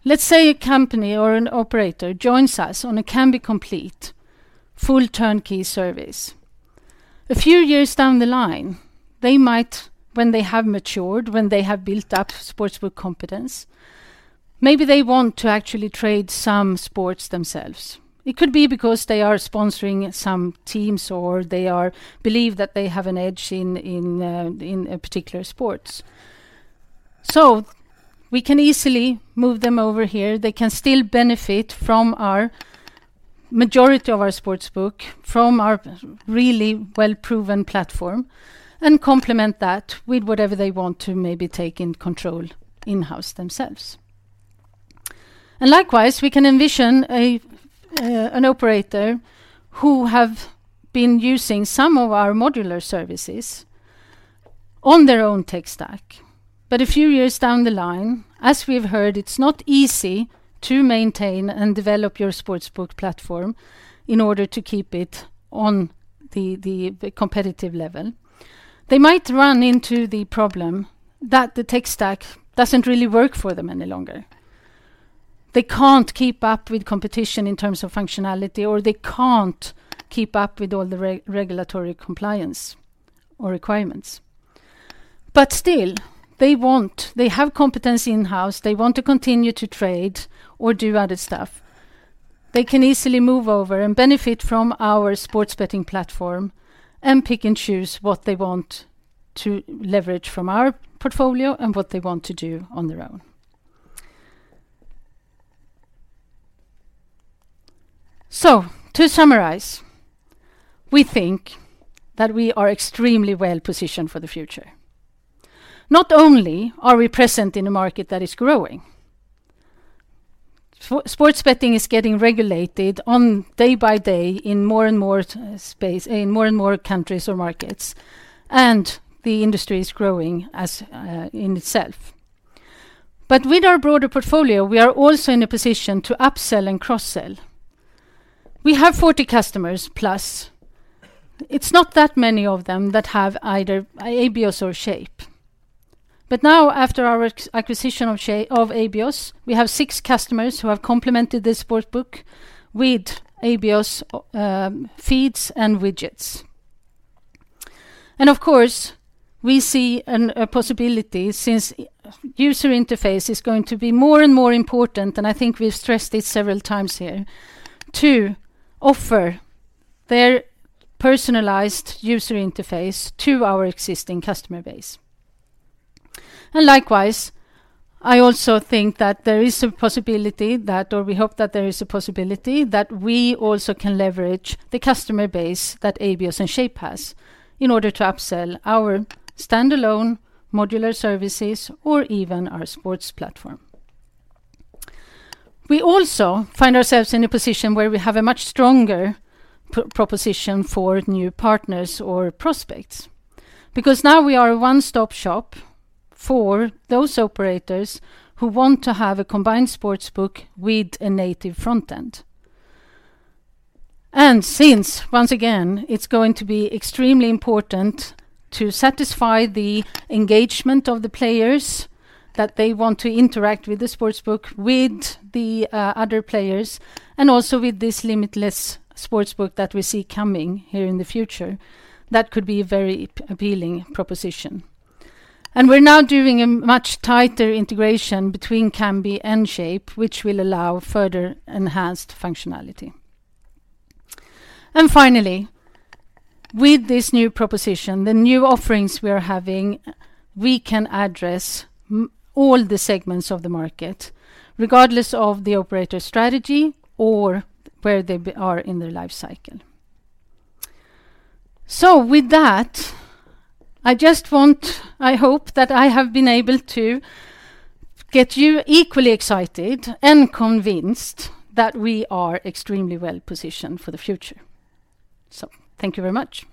let's say a company or an operator joins us on a Kambi Complete full turnkey service. A few years down the line, they might, when they have matured, when they have built up sportsbook competence, maybe they want to actually trade some sports themselves. It could be because they are sponsoring some teams or they believe that they have an edge in a particular sports. We can easily move them over here. They can still benefit from our majority of our sportsbook, from our really well-proven platform, and complement that with whatever they want to maybe take in control in-house themselves. Likewise, we can envision an operator who have been using some of our modular services on their own tech stack. A few years down the line, as we have heard, it's not easy to maintain and develop your sportsbook platform in order to keep it on the competitive level. They might run into the problem that the tech stack doesn't really work for them any longer. They can't keep up with competition in terms of functionality, or they can't keep up with all the re-regulatory compliance or requirements. Still, they have competency in-house, they want to continue to trade or do other stuff. They can easily move over and benefit from our sports betting platform and pick and choose what they want to leverage from our portfolio and what they want to do on their own. To summarize, we think that we are extremely well-positioned for the future. Not only are we present in a market that is growing, sports betting is getting regulated on day by day in more and more space, in more and more countries or markets, and the industry is growing as in itself. With our broader portfolio, we are also in a position to upsell and cross-sell. We have 40 customers, plus it's not that many of them that have either Abios or Shape. Now, after our acquisition of Abios, we have 6 customers who have complemented the sportsbook with Abios feeds and widgets. Of course, we see a possibility since user interface is going to be more and more important, and I think we've stressed it several times here, to offer their personalized user interface to our existing customer base. Likewise, I also think that there is a possibility that, or we hope that there is a possibility, that we also can leverage the customer base that Abios and Shape has in order to upsell our standalone modular services or even our sports platform. We also find ourselves in a position where we have a much stronger PR proposition for new partners or prospects, because now we are a one-stop shop for those operators who want to have a combined sportsbook with a native front end. Since, once again, it's going to be extremely important to satisfy the engagement of the players that they want to interact with the sportsbook, with the other players, and also with this limitless sportsbook that we see coming here in the future, that could be a very appealing proposition. We're now doing a much tighter integration between Kambi and Shape, which will allow further enhanced functionality. Finally, with this new proposition, the new offerings we are having, we can address all the segments of the market, regardless of the operator strategy or where they are in their life cycle. With that, I hope that I have been able to get you equally excited and convinced that we are extremely well-positioned for the future. Thank you very much.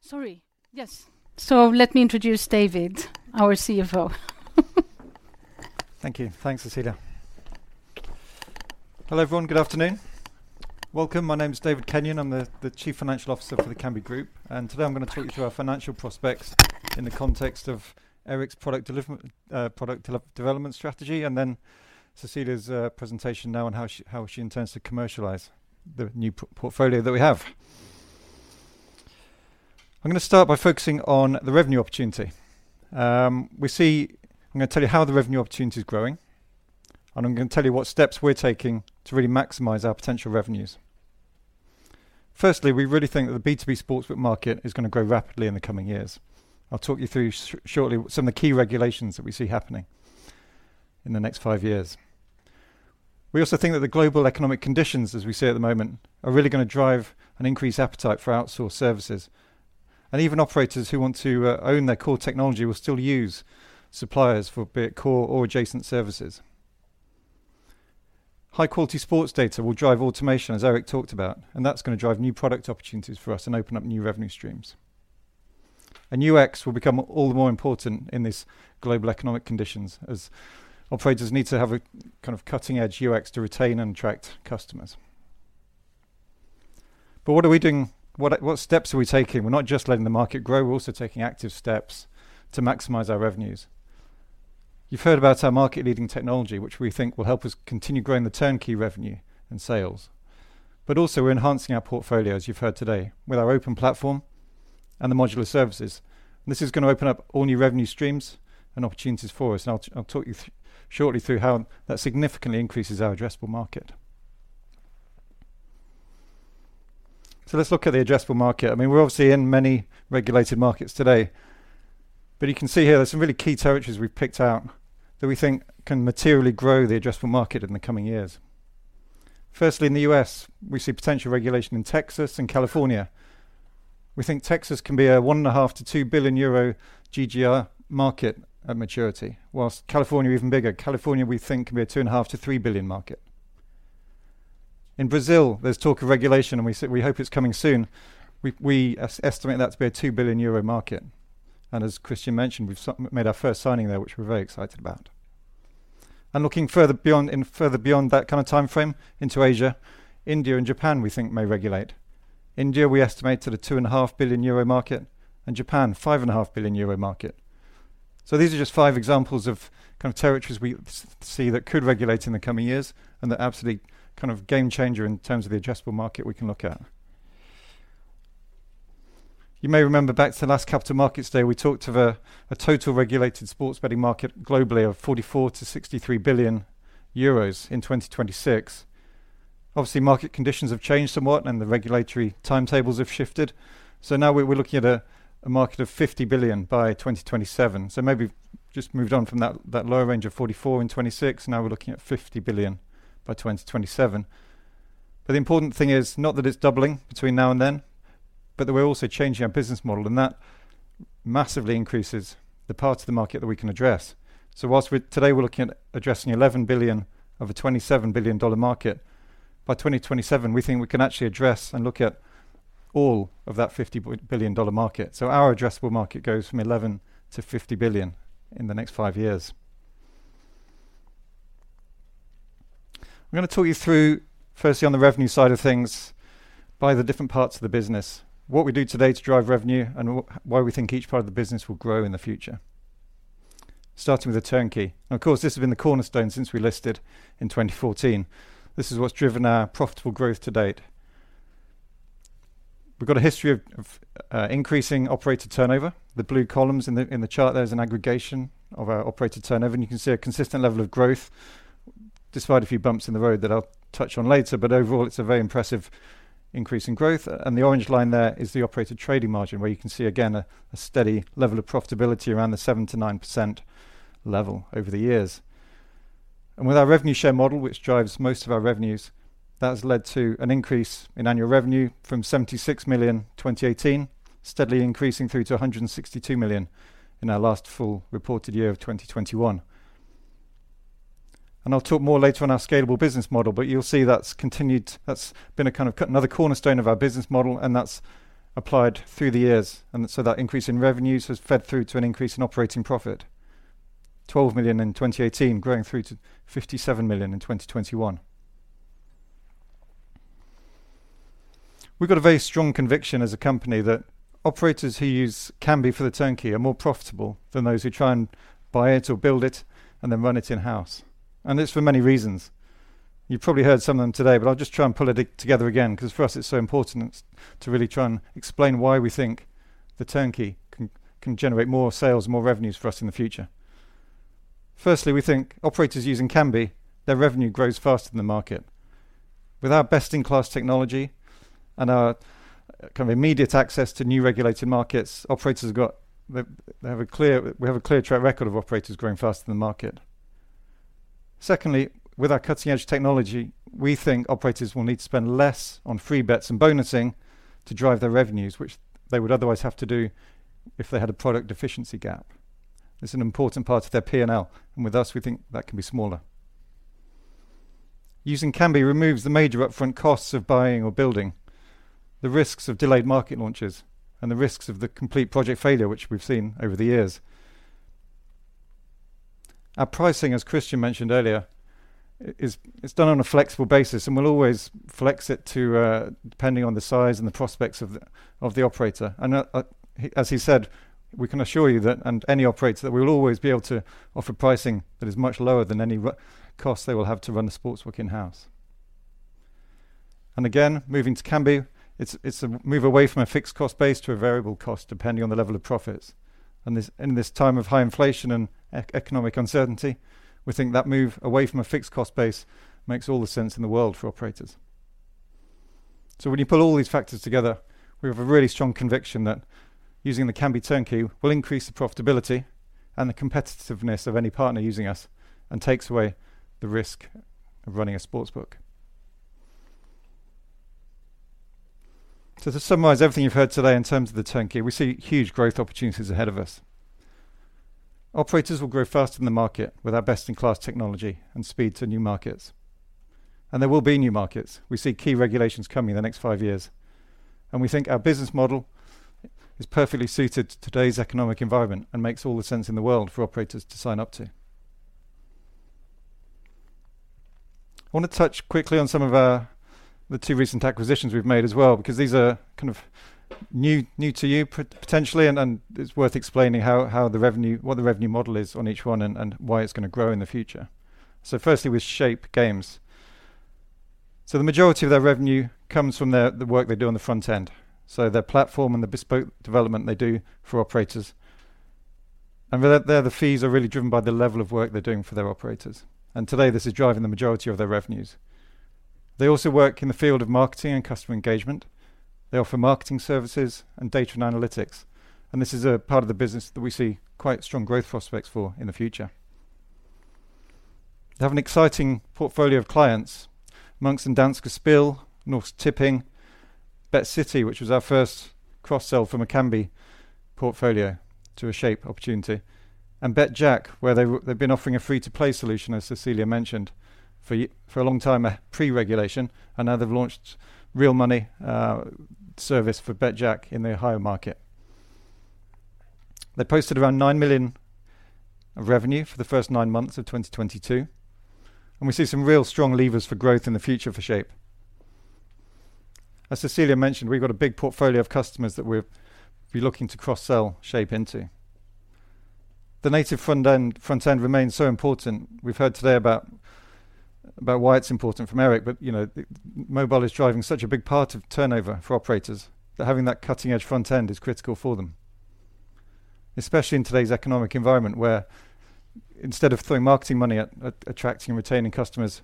Sorry. Yes. Let me introduce David, our CFO. Thank you. Thanks, Cecilia. Hello, everyone. Good afternoon. Welcome. My name is David Kenyon, I'm the chief financial officer for the Kambi Group, today I'm gonna talk you through our financial prospects in the context of Erik's product development strategy, then Cecilia's presentation now on how she intends to commercialize the new portfolio that we have. I'm gonna start by focusing on the revenue opportunity. I'm gonna tell you how the revenue opportunity is growing, I'm gonna tell you what steps we're taking to really maximize our potential revenues. Firstly, we really think that the B2B sportsbook market is gonna grow rapidly in the coming years. I'll talk you through shortly some of the key regulations that we see happening in the next five years. We also think that the global economic conditions, as we see at the moment, are really going to drive an increased appetite for outsourced services. Even operators who want to own their core technology will still use suppliers for be it core or adjacent services. High-quality sports data will drive automation, as Erik talked about. That's going to drive new product opportunities for us and open up new revenue streams. UX will become all the more important in this global economic conditions as operators need to have a kind of cutting-edge UX to retain and attract customers. What are we doing? What steps are we taking? We're not just letting the market grow, we're also taking active steps to maximize our revenues. You've heard about our market-leading technology, which we think will help us continue growing the turnkey revenue and sales. Also, we're enhancing our portfolio, as you've heard today, with our open platform and the modular services. This is gonna open up all new revenue streams and opportunities for us, and I'll talk you shortly through how that significantly increases our addressable market. Let's look at the addressable market. I mean, we're obviously in many regulated markets today, but you can see here there's some really key territories we've picked out that we think can materially grow the addressable market in the coming years. Firstly, in the U.S., we see potential regulation in Texas and California. We think Texas can be a one and a half to 2 billion euro GGR market at maturity, whilst California even bigger. California, we think, can be a two and a half to 3 billion EUR market. In Brazil, there's talk of regulation, we hope it's coming soon. We estimate that to be a 2 billion euro market. As Kristian Nylén mentioned, we've made our first signing there, which we're very excited about. Looking further beyond that kind of timeframe into Asia, India and Japan, we think may regulate. India, we estimate at a 2.5 billion euro market, and Japan, 5.5 billion euro market. These are just five examples of kind of territories we see that could regulate in the coming years and are absolutely kind of game-changer in terms of the addressable market we can look at. You may remember back to the last Capital Markets Day, we talked of a total regulated sports betting market globally of 44 billion-63 billion euros in 2026. Obviously, market conditions have changed somewhat and the regulatory timetables have shifted. Now we're looking at a market of $50 billion by 2027. Maybe we've just moved on from that lower range of 44 in 2026, now we're looking at $50 billion by 2027. The important thing is not that it's doubling between now and then, but that we're also changing our business model, and that massively increases the parts of the market that we can address. Whilst we're today, we're looking at addressing $11 billion of a $27 billion dollar market. By 2027, we think we can actually address and look at all of that $50 billion dollar market. Our addressable market goes from $11 billion-$50 billion in the next five years. I'm gonna talk you through, firstly, on the revenue side of things, by the different parts of the business, what we do today to drive revenue, and why we think each part of the business will grow in the future. Starting with the turnkey. Of course, this has been the cornerstone since we listed in 2014. This is what's driven our profitable growth to date. We've got a history of increasing operator turnover. The blue columns in the, in the chart there is an aggregation of our operator turnover, and you can see a consistent level of growth, despite a few bumps in the road that I'll touch on later. Overall, it's a very impressive increase in growth. The orange line there is the operator trading margin, where you can see, again, a steady level of profitability around the 7%-9% level over the years. With our revenue share model, which drives most of our revenues, that has led to an increase in annual revenue from 76 million in 2018, steadily increasing through to 162 million in our last full reported year of 2021. I'll talk more later on our scalable business model, but you'll see that's continued that's been a kind of another cornerstone of our business model, and that's applied through the years. That increase in revenues has fed through to an increase in operating profit, 12 million in 2018 growing through to 57 million in 2021. We've got a very strong conviction as a company that operators who use Kambi for the turnkey are more profitable than those who try and buy it or build it and then run it in-house. It's for many reasons. You've probably heard some of them today, but I'll just try and pull it together again, because for us, it's so important to really try and explain why we think the turnkey can generate more sales, more revenues for us in the future. Firstly, we think operators using Kambi, their revenue grows faster than the market. With our best-in-class technology and our kind of immediate access to new regulated markets, we have a clear track record of operators growing faster than the market. Secondly, with our cutting-edge technology, we think operators will need to spend less on free bets and bonusing to drive their revenues, which they would otherwise have to do if they had a product deficiency gap. It's an important part of their P&L, and with us, we think that can be smaller. Using Kambi removes the major upfront costs of buying or building, the risks of delayed market launches, and the risks of the complete project failure, which we've seen over the years. Our pricing, as Kristian mentioned earlier, is, it's done on a flexible basis, and we'll always flex it depending on the size and the prospects of the operator. As he said, we can assure you that, and any operator, that we will always be able to offer pricing that is much lower than any cost they will have to run the sportsbook in-house. Again, moving to Kambi, it's a move away from a fixed cost base to a variable cost, depending on the level of profits. This, in this time of high inflation and economic uncertainty, we think that move away from a fixed cost base makes all the sense in the world for operators. When you pull all these factors together, we have a really strong conviction that using the Kambi turnkey will increase the profitability and the competitiveness of any partner using us and takes away the risk of running a sportsbook. To summarize everything you've heard today in terms of the turnkey, we see huge growth opportunities ahead of us. Operators will grow faster than the market with our best-in-class technology and speed to new markets. There will be new markets. We see key regulations coming in the next five years, and we think our business model is perfectly suited to today's economic environment and makes all the sense in the world for operators to sign up to. I wanna touch quickly on some of our, the two recent acquisitions we've made as well because these are kind of new to you potentially and it's worth explaining how the revenue, what the revenue model is on each one and why it's gonna grow in the future. Firstly with Shape Games. The majority of their revenue comes from the work they do on the front end, so their platform and the bespoke development they do for operators. With that there, the fees are really driven by the level of work they're doing for their operators. Today, this is driving the majority of their revenues. They also work in the field of marketing and customer engagement. They offer marketing services and data and analytics, and this is a part of the business that we see quite strong growth prospects for in the future. They have an exciting portfolio of clients, amongst them Danske Spil, Norsk Tipping, BetCity, which was our first cross-sell from a Kambi portfolio to a Shape opportunity, and betJACK, where they've been offering a free-to-play solution, as Cecilia mentioned, for a long time, pre-regulation, and now they've launched real money service for betJACK in the Ohio market. They posted around 9 million of revenue for the first nine months of 2022. We see some real strong levers for growth in the future for Shape. As Cecilia mentioned, we've got a big portfolio of customers that we're looking to cross-sell Shape into. The native front end remains so important. We've heard today about why it's important from Erik, you know, mobile is driving such a big part of turnover for operators that having that cutting-edge front end is critical for them, especially in today's economic environment, where instead of throwing marketing money at attracting and retaining customers,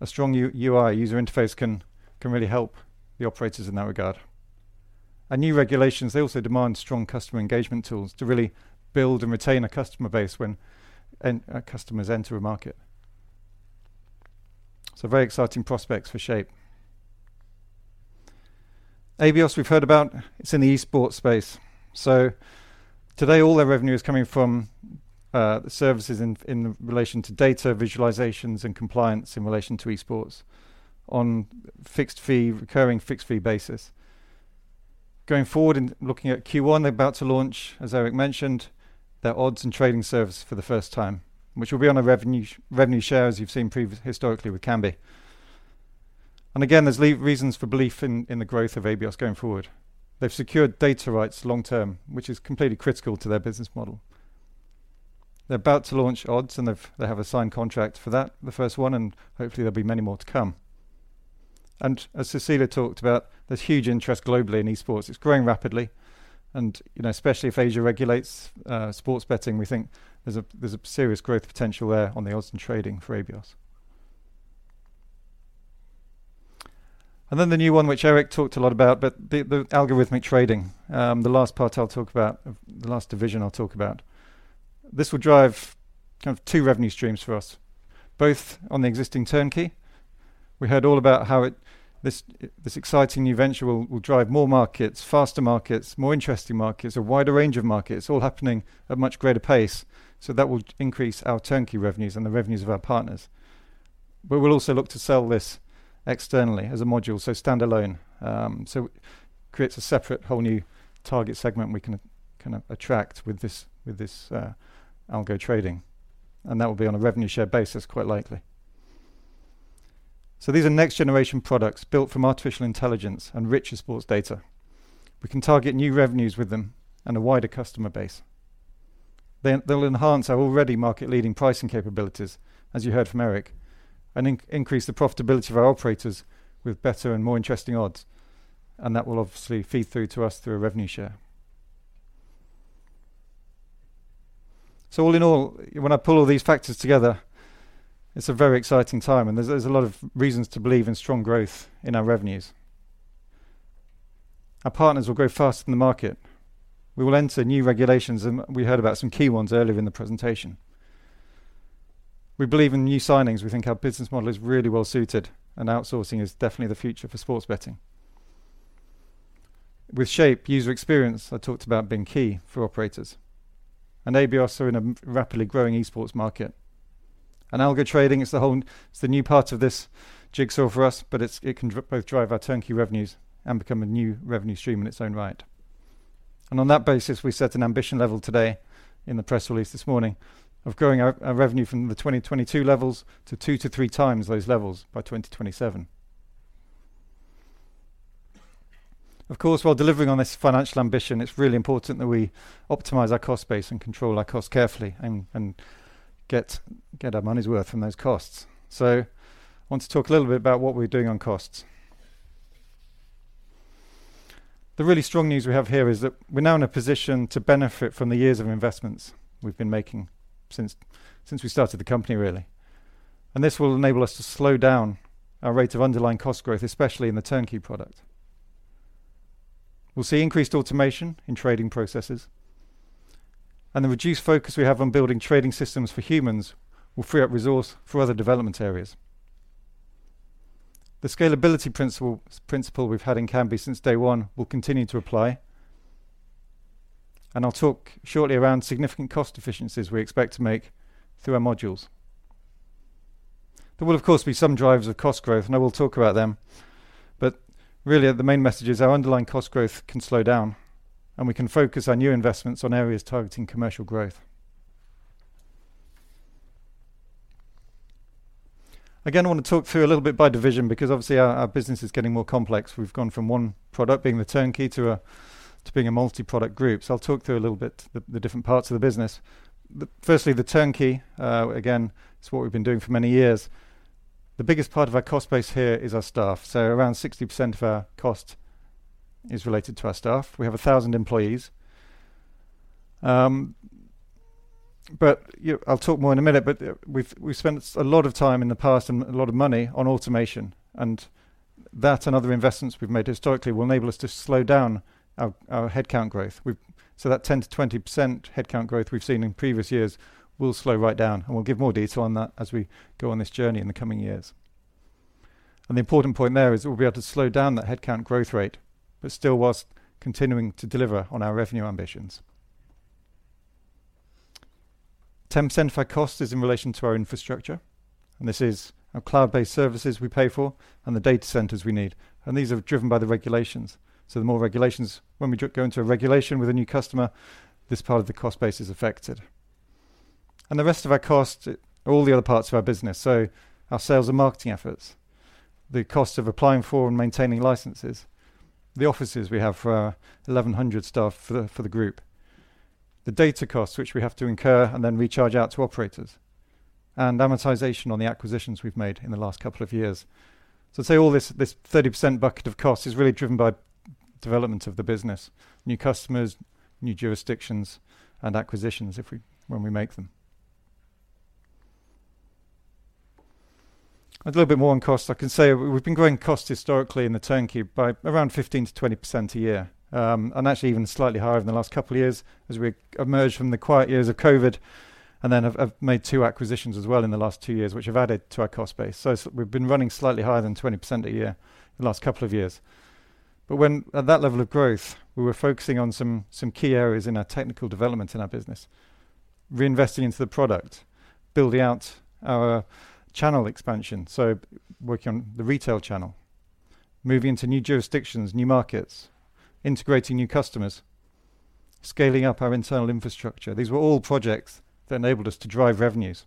a strong UI, user interface can really help the operators in that regard. New regulations, they also demand strong customer engagement tools to really build and retain a customer base when customers enter a market. Very exciting prospects for Shape. Abios we've heard about. It's in the esports space. Today, all their revenue is coming from the services in relation to data visualizations and compliance in relation to esports on fixed fee, recurring fixed fee basis. Going forward and looking at Q1, they're about to launch, as Erik mentioned, their odds and trading service for the first time, which will be on a revenue share, as you've seen previous historically with Kambi. Again, there's reasons for belief in the growth of Abios going forward. They've secured data rights long term, which is completely critical to their business model. They're about to launch odds, and they have a signed contract for that, the first one, and hopefully there'll be many more to come. As Cecilia talked about, there's huge interest globally in esports. It's growing rapidly, you know, especially if Asia regulates sports betting, we think there's a serious growth potential there on the odds and trading for Abios. The new one, which Erik talked a lot about, but the algorithmic trading, the last part I'll talk about, the last division I'll talk about. This will drive kind of two revenue streams for us, both on the existing turnkey. We heard all about how this exciting new venture will drive more markets, faster markets, more interesting markets, a wider range of markets, all happening at much greater pace. That will increase our turnkey revenues and the revenues of our partners. We'll also look to sell this externally as a module, so standalone. creates a separate whole new target segment we can attract with this algo trading. That will be on a revenue share basis, quite likely. These are next generation products built from artificial intelligence and richer sports data. We can target new revenues with them and a wider customer base. They'll enhance our already market-leading pricing capabilities, as you heard from Erik, and increase the profitability of our operators with better and more interesting odds. That will obviously feed through to us through a revenue share. All in all, when I pull all these factors together, it's a very exciting time, and there's a lot of reasons to believe in strong growth in our revenues. Our partners will grow faster than the market. We will enter new regulations, and we heard about some key ones earlier in the presentation. We believe in new signings. We think our business model is really well suited, outsourcing is definitely the future for sports betting. With Shape, user experience, I talked about being key for operators, Abios is also in a rapidly growing esports market. Algo trading is the new part of this jigsaw for us, but it's, it can drive both drive our turnkey revenues and become a new revenue stream in its own right. On that basis, we set an ambition level today in the press release this morning of growing our revenue from the 2022 levels to 2-3x those levels by 2027. Of course, while delivering on this financial ambition, it's really important that we optimize our cost base and control our costs carefully and get our money's worth from those costs. I want to talk a little bit about what we're doing on costs. The really strong news we have here is that we're now in a position to benefit from the years of investments we've been making since we started the company, really. This will enable us to slow down our rate of underlying cost growth, especially in the turnkey product. We'll see increased automation in trading processes, and the reduced focus we have on building trading systems for humans will free up resource for other development areas. The scalability principle we've had in Kambi since day one will continue to apply. I'll talk shortly around significant cost efficiencies we expect to make through our modules. There will, of course, be some drivers of cost growth, and I will talk about them. Really, the main message is our underlying cost growth can slow down, and we can focus our new investments on areas targeting commercial growth. I wanna talk through a little bit by division because obviously our business is getting more complex. We've gone from one product being the turnkey to being a multi-product group. I'll talk through a little bit the different parts of the business. Firstly, the turnkey, again, it's what we've been doing for many years. The biggest part of our cost base here is our staff. Around 60% of our cost is related to our staff. We have 1,000 employees. I'll talk more in a minute, we spent a lot of time in the past and a lot of money on automation, and that and other investments we've made historically will enable us to slow down our headcount growth. So that 10%-20% headcount growth we've seen in previous years will slow right down, and we'll give more detail on that as we go on this journey in the coming years. The important point there is we'll be able to slow down that headcount growth rate, but still whilst continuing to deliver on our revenue ambitions. 10% of our cost is in relation to our infrastructure, and this is our cloud-based services we pay for and the data centers we need, and these are driven by the regulations. When we go into a regulation with a new customer, this part of the cost base is affected. The rest of our cost, all the other parts of our business, so our sales and marketing efforts, the cost of applying for and maintaining licenses, the offices we have for our 1,100 staff for the group, the data costs which we have to incur and then recharge out to operators, and amortization on the acquisitions we've made in the last couple of years. Say all this 30% bucket of cost is really driven by development of the business, new customers, new jurisdictions, and acquisitions when we make them. A little bit more on cost. I can say we've been growing cost historically in the turnkey by around 15%-20% a year, and actually even slightly higher over the last couple of years as we emerged from the quiet years of COVID and then have made two acquisitions as well in the last two years which have added to our cost base. We've been running slightly higher than 20% a year the last couple of years. When at that level of growth, we were focusing on some key areas in our technical development in our business, reinvesting into the product, building out our channel expansion, so working on the retail channel, moving to new jurisdictions, new markets, integrating new customers, scaling up our internal infrastructure. These were all projects that enabled us to drive revenues.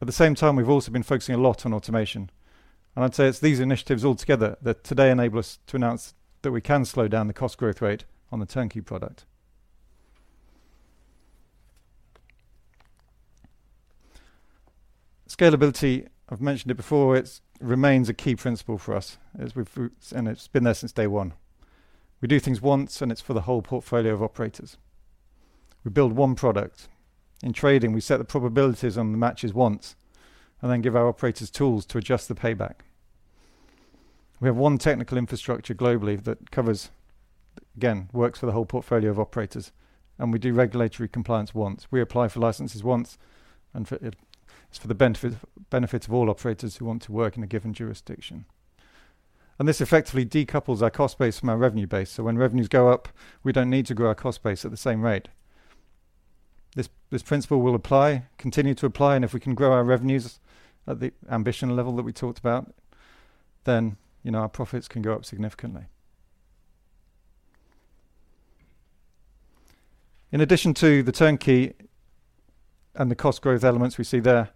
At the same time, we've also been focusing a lot on automation. I'd say it's these initiatives all together that today enable us to announce that we can slow down the cost growth rate on the turnkey product. Scalability, I've mentioned it before, it remains a key principle for us as it's been there since day one. We do things once. It's for the whole portfolio of operators. We build one product. In trading, we set the probabilities on the matches once. Then give our operators tools to adjust the payback. We have one technical infrastructure globally that again, works for the whole portfolio of operators. We do regulatory compliance once. It's for the benefit of all operators who want to work in a given jurisdiction. This effectively decouples our cost base from our revenue base. When revenues go up, we don't need to grow our cost base at the same rate. This principle will continue to apply, and if we can grow our revenues at the ambition level that we talked about, then, you know, our profits can go up significantly. In addition to the turnkey and the cost growth elements we see there,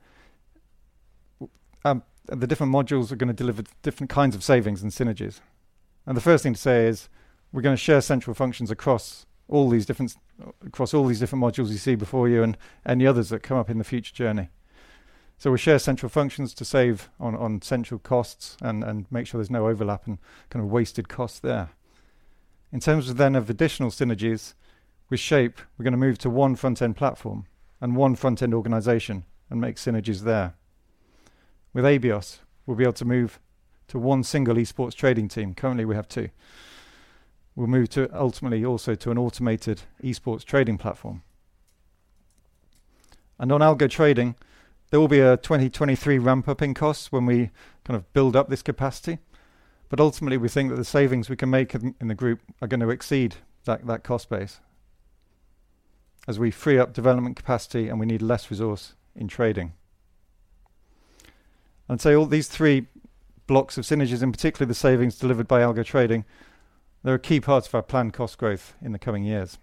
the different modules are gonna deliver different kinds of savings and synergies. The first thing to say is we're gonna share central functions across all these different modules you see before you and the others that come up in the future journey. We share central functions to save on central costs and make sure there's no overlap and kind of wasted costs there. In terms of then of additional synergies, with Shape, we're gonna move to one front-end platform and one front-end organization and make synergies there. With Abios, we'll be able to move to one single esports trading team. Currently, we have two. We'll move to ultimately also to an automated esports trading platform. On algo trading, there will be a 2023 ramp-up in costs when we kind of build up this capacity. Ultimately, we think that the savings we can make in the group are gonna exceed that cost base as we free up development capacity and we need less resource in trading. I'd say all these three blocks of synergies, in particular, the savings delivered by algo trading, they are key parts of our planned cost growth in the coming years.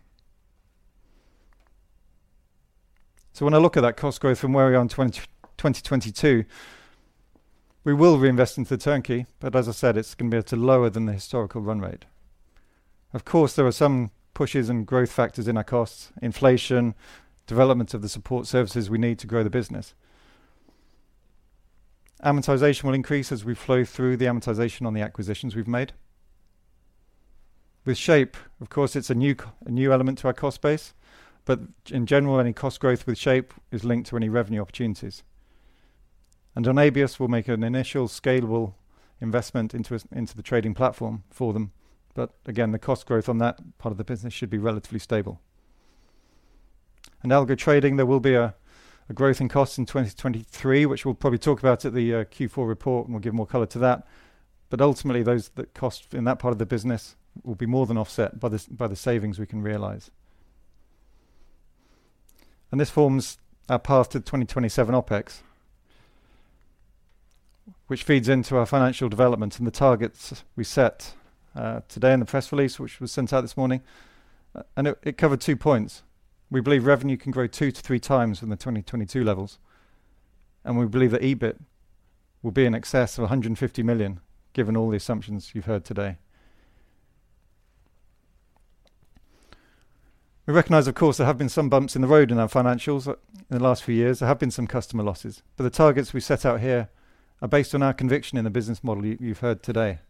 When I look at that cost growth from where we are in 2022, we will reinvest into the turnkey, as I said, it's going to be at a lower than the historical run rate. Of course, there are some pushes and growth factors in our costs, inflation, development of the support services we need to grow the business. Amortization will increase as we flow through the amortization on the acquisitions we've made. With Shape, of course, it's a new element to our cost base, in general, any cost growth with Shape is linked to any revenue opportunities. On Abios, we'll make an initial scalable investment into a trading platform for them. Again, the cost growth on that part of the business should be relatively stable. In algo trading, there will be a growth in costs in 2023, which we'll probably talk about at the Q4 report, and we'll give more color to that. Ultimately, the costs in that part of the business will be more than offset by the savings we can realize. This forms our path to 2027 OpEx, which feeds into our financial development and the targets we set today in the press release, which was sent out this morning. It covered two points. We believe revenue can grow 2-3x from the 2022 levels, and we believe that EBIT will be in excess of 150 million, given all the assumptions you've heard today. We recognize, of course, there have been some bumps in the road in our financials in the last few years. There have been some customer losses. The targets we set out here are based on our conviction in the business model you've heard today.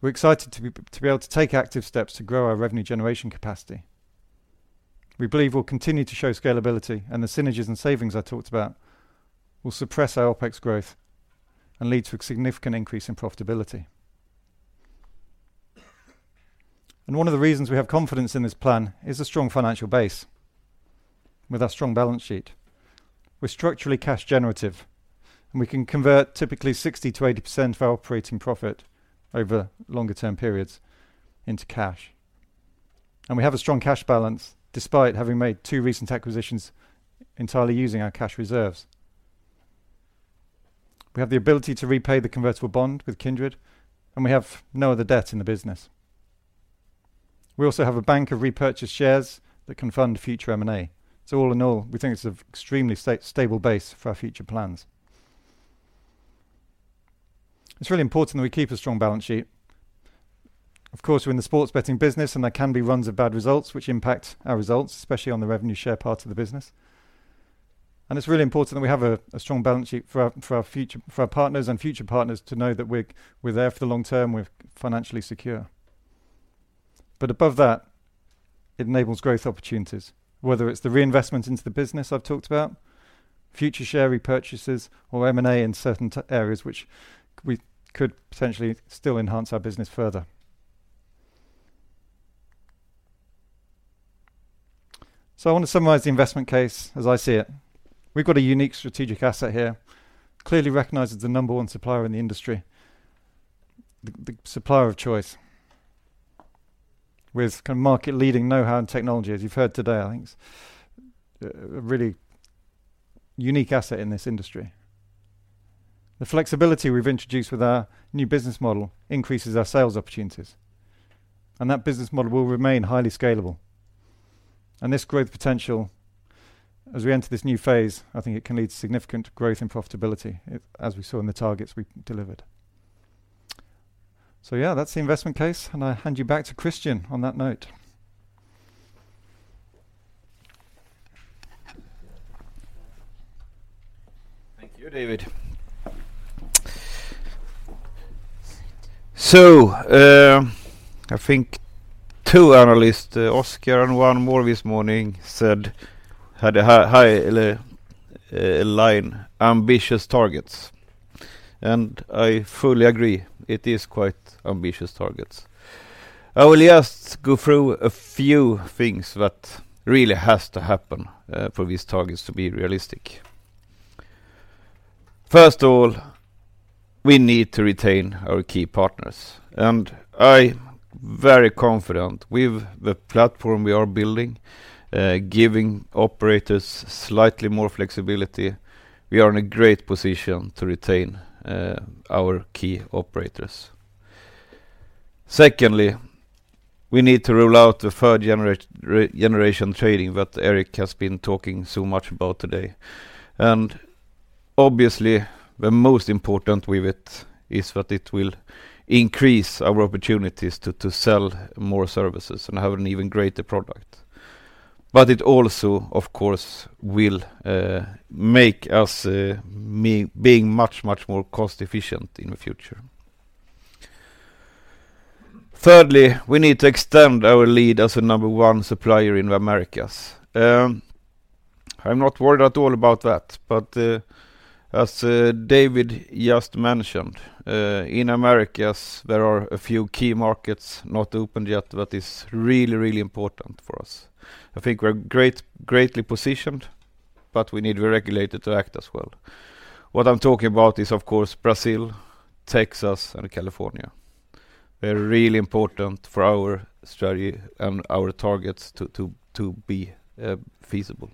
We're excited to be able to take active steps to grow our revenue generation capacity. We believe we'll continue to show scalability, and the synergies and savings I talked about will suppress our OpEx growth and lead to a significant increase in profitability. One of the reasons we have confidence in this plan is a strong financial base with our strong balance sheet. We're structurally cash generative, and we can convert typically 60%-80% of our operating profit over longer-term periods into cash. We have a strong cash balance despite having made two recent acquisitions entirely using our cash reserves. We have the ability to repay the convertible bond with Kindred, and we have no other debt in the business. We also have a bank of repurchased shares that can fund future M&A. All in all, we think it's an extremely stable base for our future plans. It's really important that we keep a strong balance sheet. Of course, we're in the sports betting business, and there can be runs of bad results which impact our results, especially on the revenue share part of the business. It's really important that we have a strong balance sheet for our future for our partners and future partners to know that we're there for the long term, we're financially secure. Above that, it enables growth opportunities, whether it's the reinvestment into the business I've talked about, future share repurchases or M&A in certain areas which we could potentially still enhance our business further. I want to summarize the investment case as I see it. We've got a unique strategic asset here, clearly recognized as the number one supplier in the industry, the supplier of choice with kind of market-leading know-how and technology, as you've heard today. I think it's a really unique asset in this industry. The flexibility we've introduced with our new business model increases our sales opportunities, and that business model will remain highly scalable. This growth potential, as we enter this new phase, I think it can lead to significant growth and profitability, as we saw in the targets we delivered. Yeah, that's the investment case, and I hand you back to Kristian on that note. Thank you, David. I think two analysts, Oscar and one more this morning said had a line ambitious targets, and I fully agree it is quite ambitious targets. I will just go through a few things that really has to happen for these targets to be realistic. First of all, we need to retain our key partners, and I'm very confident with the platform we are building, giving operators slightly more flexibility. We are in a great position to retain our key operators. Secondly, we need to roll out the third-generation trading that Erik has been talking so much about today. Obviously the most important with it is that it will increase our opportunities to sell more services and have an even greater product. It also, of course, will make us being much more cost efficient in the future. Thirdly, we need to extend our lead as a number one supplier in the Americas. I'm not worried at all about that, as David just mentioned, in Americas, there are a few key markets not opened yet that is really important for us. I think we're greatly positioned, but we need the regulator to act as well. What I'm talking about is of course Brazil, Texas, and California. They're really important for our strategy and our targets to be feasible.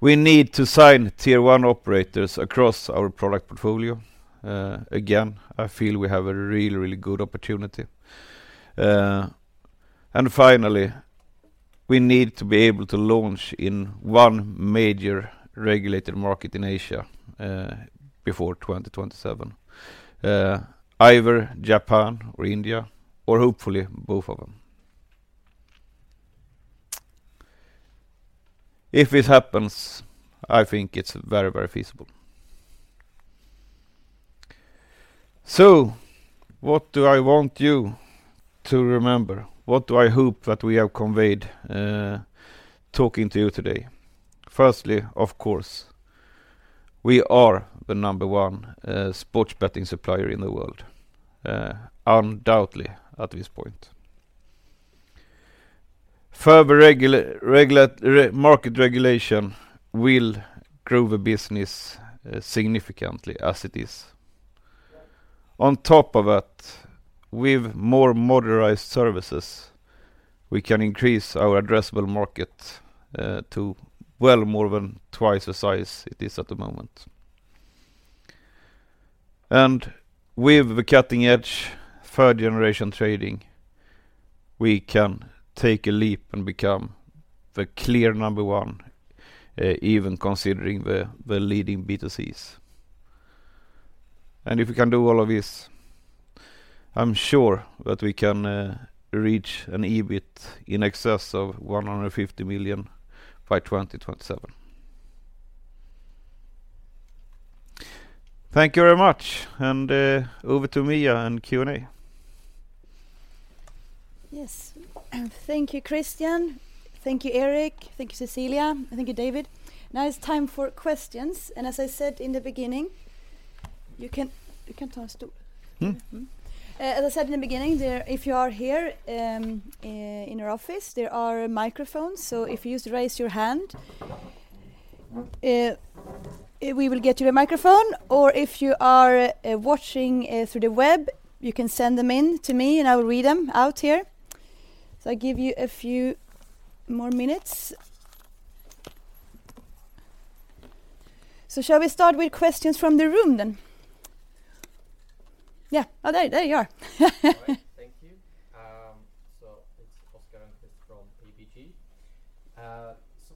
We need to sign tier one operators across our product portfolio. Again, I feel we have a really good opportunity. Finally, we need to be able to launch in one major regulated market in Asia before 2027. Either Japan or India or hopefully both of them. If it happens, I think it's very, very feasible. What do I want you to remember? What do I hope that we have conveyed talking to you today? Firstly, of course, we are the number one sports betting supplier in the world undoubtedly at this point. Further market regulation will grow the business significantly as it is. On top of that, with more modernized services, we can increase our addressable market to well more than twice the size it is at the moment. With the cutting-edge third-generation trading, we can take a leap and become the clear number one even considering the leading B2Cs. If we can do all of this, I'm sure that we can reach an EBIT in excess of 150 million by 2027. Thank you very much. Over to Mia in Q&A. Yes. Thank you, Kristian. Thank you, Erik. Thank you, Cecilia, and thank you, David. Now it's time for questions, and as I said in the beginning, you can turn a stool. As I said in the beginning, there, if you are here, in our office, there are microphones. If you just raise your hand, we will get you a microphone, or if you are watching through the web, you can send them in to me, and I will read them out here. I give you a few more minutes. Shall we start with questions from the room then? Yeah. Oh, there you are. All right. Thank you. It's Oscar Engkvist from ABG.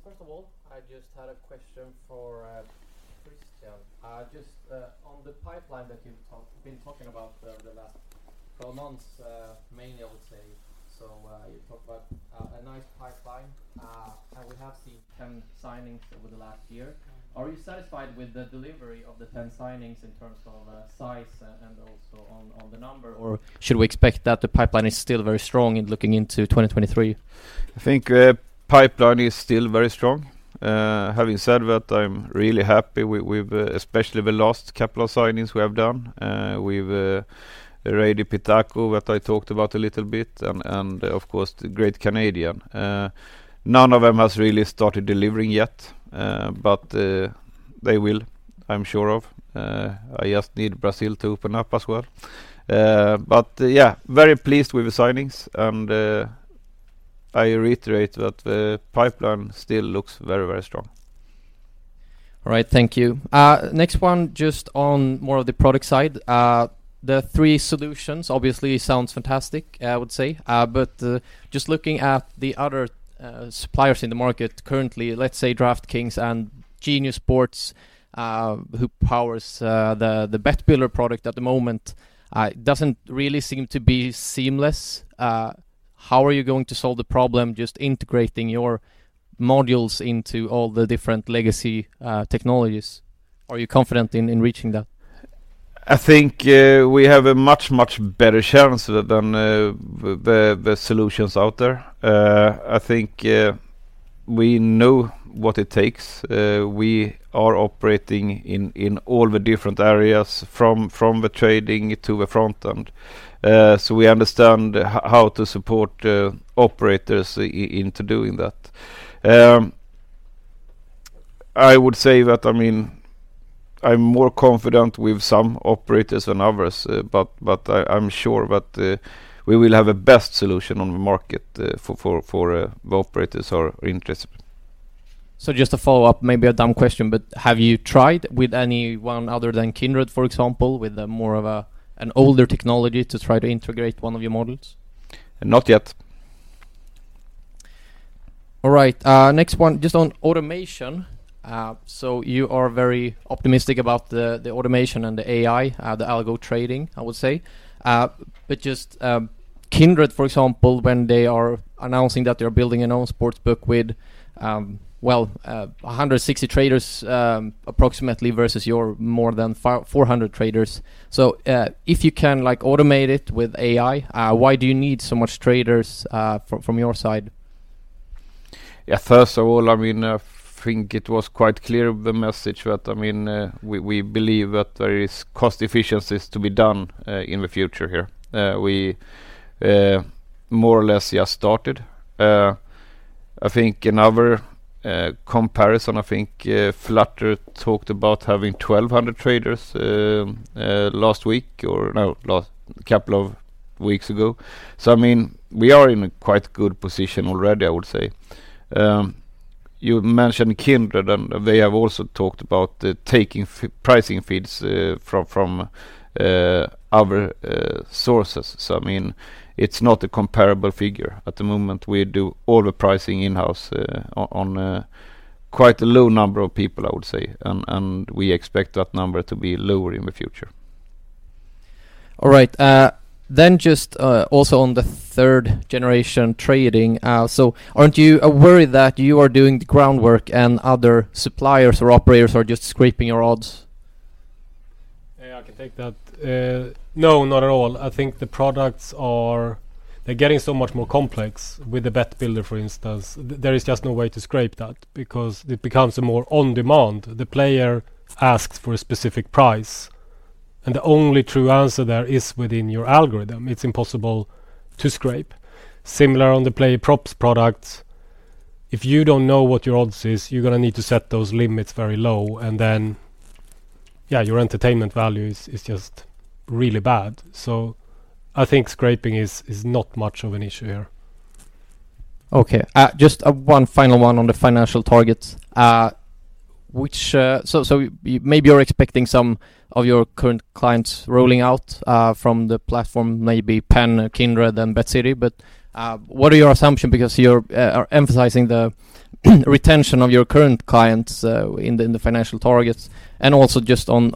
First of all, I just had a question for Kristian, on the pipeline that you've been talking about the last 12 months, mainly I would say. You talked about a nice pipeline, and we have seen 10 signings over the last year. Are you satisfied with the delivery of the 10 signings in terms of size and also on the number, or should we expect that the pipeline is still very strong in looking into 2023? I think pipeline is still very strong. Having said that, I'm really happy with especially the last couple of signings we have done with Rei do Pitaco that I talked about a little bit and of course the Great Canadian. None of them has really started delivering yet, but they will, I'm sure of. I just need Brazil to open up as well. Yeah, very pleased with the signings and I reiterate that the pipeline still looks very, very strong. All right. Thank you. Next one just on more of the product side. The three solutions obviously sounds fantastic, I would say. Just looking at the other suppliers in the market currently, let's say DraftKings and Genius Sports, who powers the Bet Builder product at the moment, doesn't really seem to be seamless. How are you going to solve the problem just integrating your modules into all the different legacy technologies? Are you confident in reaching that? I think we have a much, much better chance than the solutions out there. I think we know what it takes. We are operating in all the different areas from the trading to the front end. We understand how to support operators into doing that. I would say that, I mean, I'm more confident with some operators than others. I'm sure that we will have a best solution on the market for the operators who are interested. Just to follow up, maybe a dumb question, but have you tried with anyone other than Kindred, for example, with an older technology to try to integrate one of your modules? Not yet. All right. Next one, just on automation. You are very optimistic about the automation and the AI, the algo trading, I would say. Just, Kindred, for example, when they are announcing that they're building an own sportsbook with, well, 160 traders, approximately, versus your more than 400 traders. If you can, like, automate it with AI, why do you need so much traders, from your side? First of all, I think it was quite clear the message that, we believe that there is cost efficiencies to be done in the future here. We more or less just started. I think another comparison, Flutter talked about having 1,200 traders last week or couple of weeks ago. We are in a quite good position already, I would say. You mentioned Kindred, they have also talked about pricing feeds from other sources. It's not a comparable figure. At the moment, we do all the pricing in-house on quite a low number of people, I would say. We expect that number to be lower in the future. All right. Just also on the third-generation trading. Aren't you worried that you are doing the groundwork and other suppliers or operators are just scraping your odds? Yeah, I can take that. No, not at all. I think the products they're getting so much more complex with the Bet Builder, for instance. There is just no way to scrape that because it becomes more on demand. The player asks for a specific price, the only true answer there is within your algorithm. It's impossible to scrape. Similar on the player props products. If you don't know what your odds is, you're gonna need to set those limits very low. Then, yeah, your entertainment value is just really bad. I think scraping is not much of an issue here. Okay. Just one final one on the financial targets. Maybe you're expecting some of your current clients rolling out from the platform, maybe Penn, Kindred, and BetCity. What are your assumption? Because you're emphasizing the retention of your current clients in the financial targets. Also just on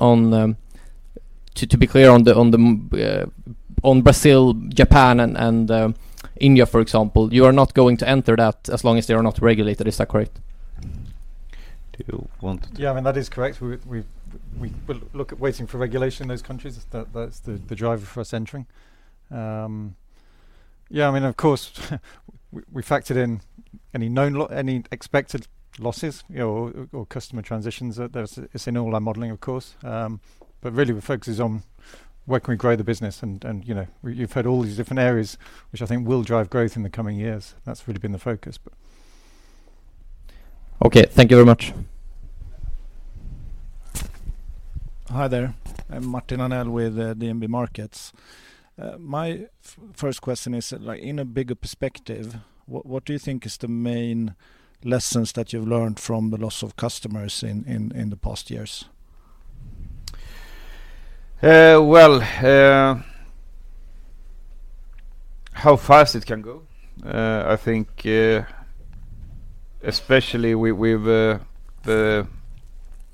to be clear on Brazil, Japan and India, for example, you are not going to enter that as long as they are not regulated. Is that correct? Do you want to- I mean, that is correct. We will look at waiting for regulation in those countries. That's the driver for us entering. I mean, of course we factored in any known any expected losses, you know, or customer transitions. That's, it's in all our modeling, of course. Really the focus is on where can we grow the business and, you know, you've heard all these different areas which I think will drive growth in the coming years. That's really been the focus but... Okay. Thank you very much. Hi there. I'm Martin Arnell with DNB Markets. My first question is like in a bigger perspective, what do you think is the main lessons that you've learned from the loss of customers in the past years? Well, how fast it can go. I think, especially with the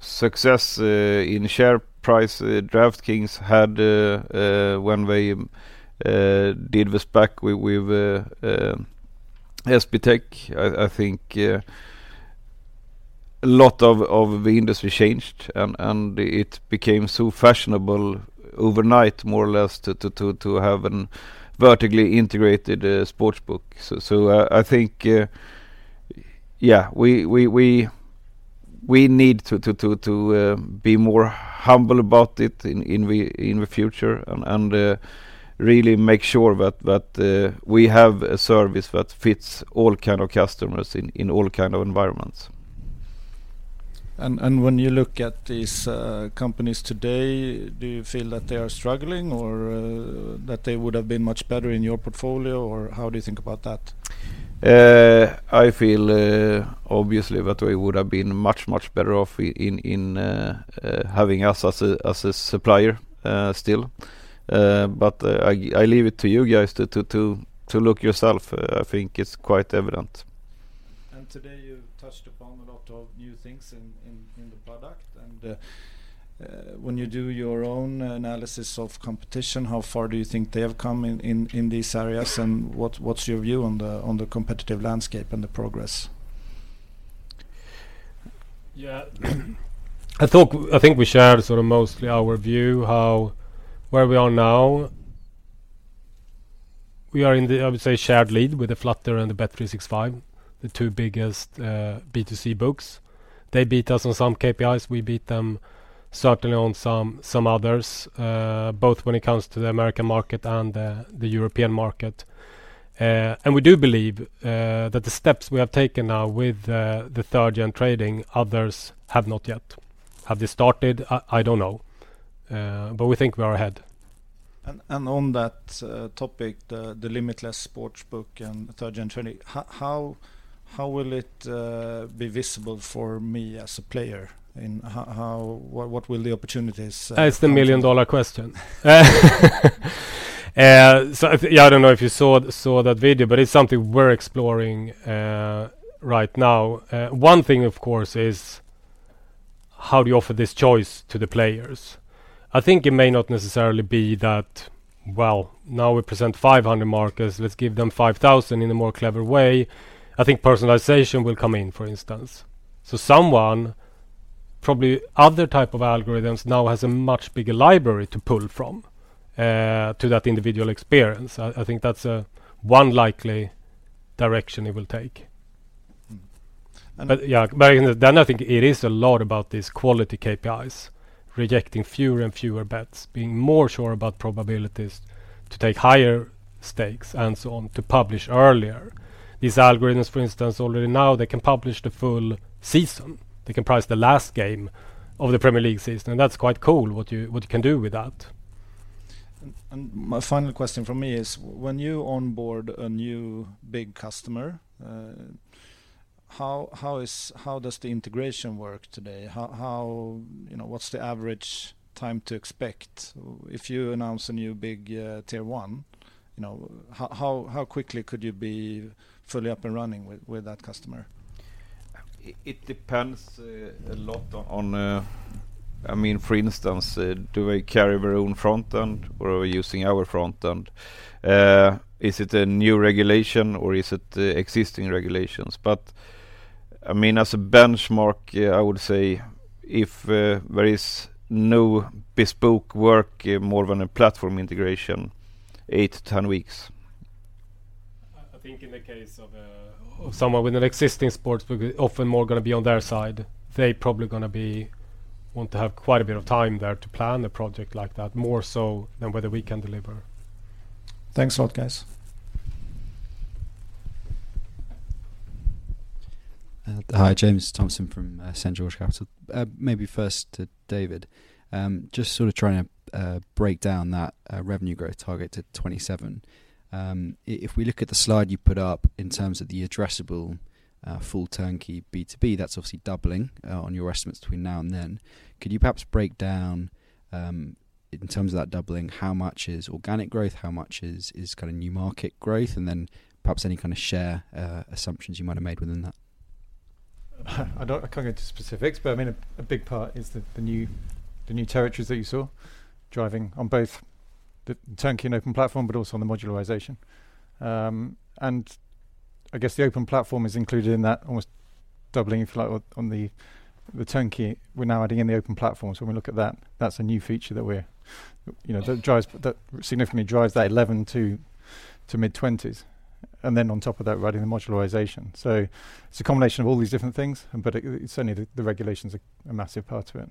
success in share price DraftKings had when they did the SPAC with SBTech. I think a lot of the industry changed and it became so fashionable overnight more or less to have an vertically integrated sportsbook. I think, yeah, we need to be more humble about it in the future and really make sure that we have a service that fits all kind of customers in all kind of environments. When you look at these companies today, do you feel that they are struggling or that they would have been much better in your portfolio, or how do you think about that? I feel obviously that they would have been much better off in having us as a supplier still. I leave it to you guys to look yourself. I think it's quite evident. today you've touched upon a lot of new things in the product. And when you do your own analysis of competition, how far do you think they have come in these areas and what's your view on the competitive landscape and the progress? Yeah. I think we shared sort of mostly our view how where we are now. We are in the, I would say, shared lead with the Flutter and the bet365, the two biggest B2C books. They beat us on some KPIs. We beat them certainly on some others, both when it comes to the American market and the European market. We do believe that the steps we have taken now with the third-gen trading, others have not yet. Have they started? I don't know. We think we are ahead. On that topic, the limitless sportsbook and third-gen trading, how will it be visible for me as a player? What will the opportunities? That's the million-dollar question. yeah, I don't know if you saw that video, but it's something we're exploring right now. One thing of course is how do you offer this choice to the players? I think it may not necessarily be that, well, now we present 500 markets, let's give them 5,000 in a more clever way. I think personalization will come in, for instance. Someone, probably other type of algorithms now has a much bigger library to pull from to that individual experience. I think that's one likely direction it will take. Mm. And- Yeah. I think it is a lot about these quality KPIs, rejecting fewer and fewer bets, being more sure about probabilities to take higher stakes and so on, to publish earlier. These algorithms, for instance, already now they can publish the full season. They comprise the last game of the Premier League season, and that's quite cool what you can do with that. My final question from me is when you onboard a new big customer, how does the integration work today? How, you know, what's the average time to expect if you announce a new big, tier one, you know, how quickly could you be fully up and running with that customer? It depends a lot on I mean, for instance, do they carry their own front end or are we using our front end? Is it a new regulation or is it existing regulations? I mean, as a benchmark, yeah, I would say if there is no bespoke work more than a platform integration, 8-10 weeks. I think in the case of someone with an existing sportsbook, we're often more gonna be on their side. They probably want to have quite a bit of time there to plan a project like that, more so than whether we can deliver. Thanks a lot, guys. Hi. James Thompson from St. George Capital. Maybe first to David, just sort of trying to break down that revenue growth target to 27. If we look at the slide you put up in terms of the addressable, full turnkey B2B, that's obviously doubling on your estimates between now and then. Could you perhaps break down, in terms of that doubling, how much is organic growth, how much is kind of new market growth, and then perhaps any kind of share assumptions you might have made within that? I can't get into specifics, but I mean, a big part is the new territories that you saw driving on both the turnkey and open platform, but also on the modularization. I guess the open platform is included in that almost doubling flow on the turnkey. We're now adding in the open platform. When we look at that's a new feature that we're, you know, that significantly drives that 11 to mid-20s. On top of that, we're adding the modularization. It's a combination of all these different things, but certainly the regulations are a massive part to it.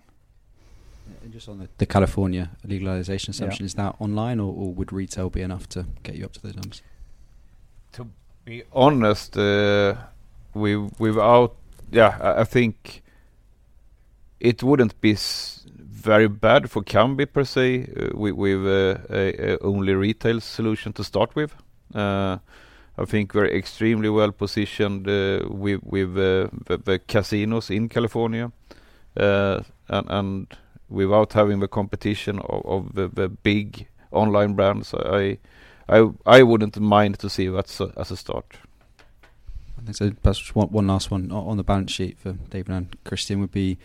just on the California legalization assumption. Yeah. Is that online or would retail be enough to get you up to those numbers? To be honest, Yeah, I think it wouldn't be very bad for Kambi per se with a only retail solution to start with. I think we're extremely well-positioned, with the casinos in California. Without having the competition of the big online brands, I wouldn't mind to see that as a start. Perhaps one last one on the balance sheet for David and Kristian would be,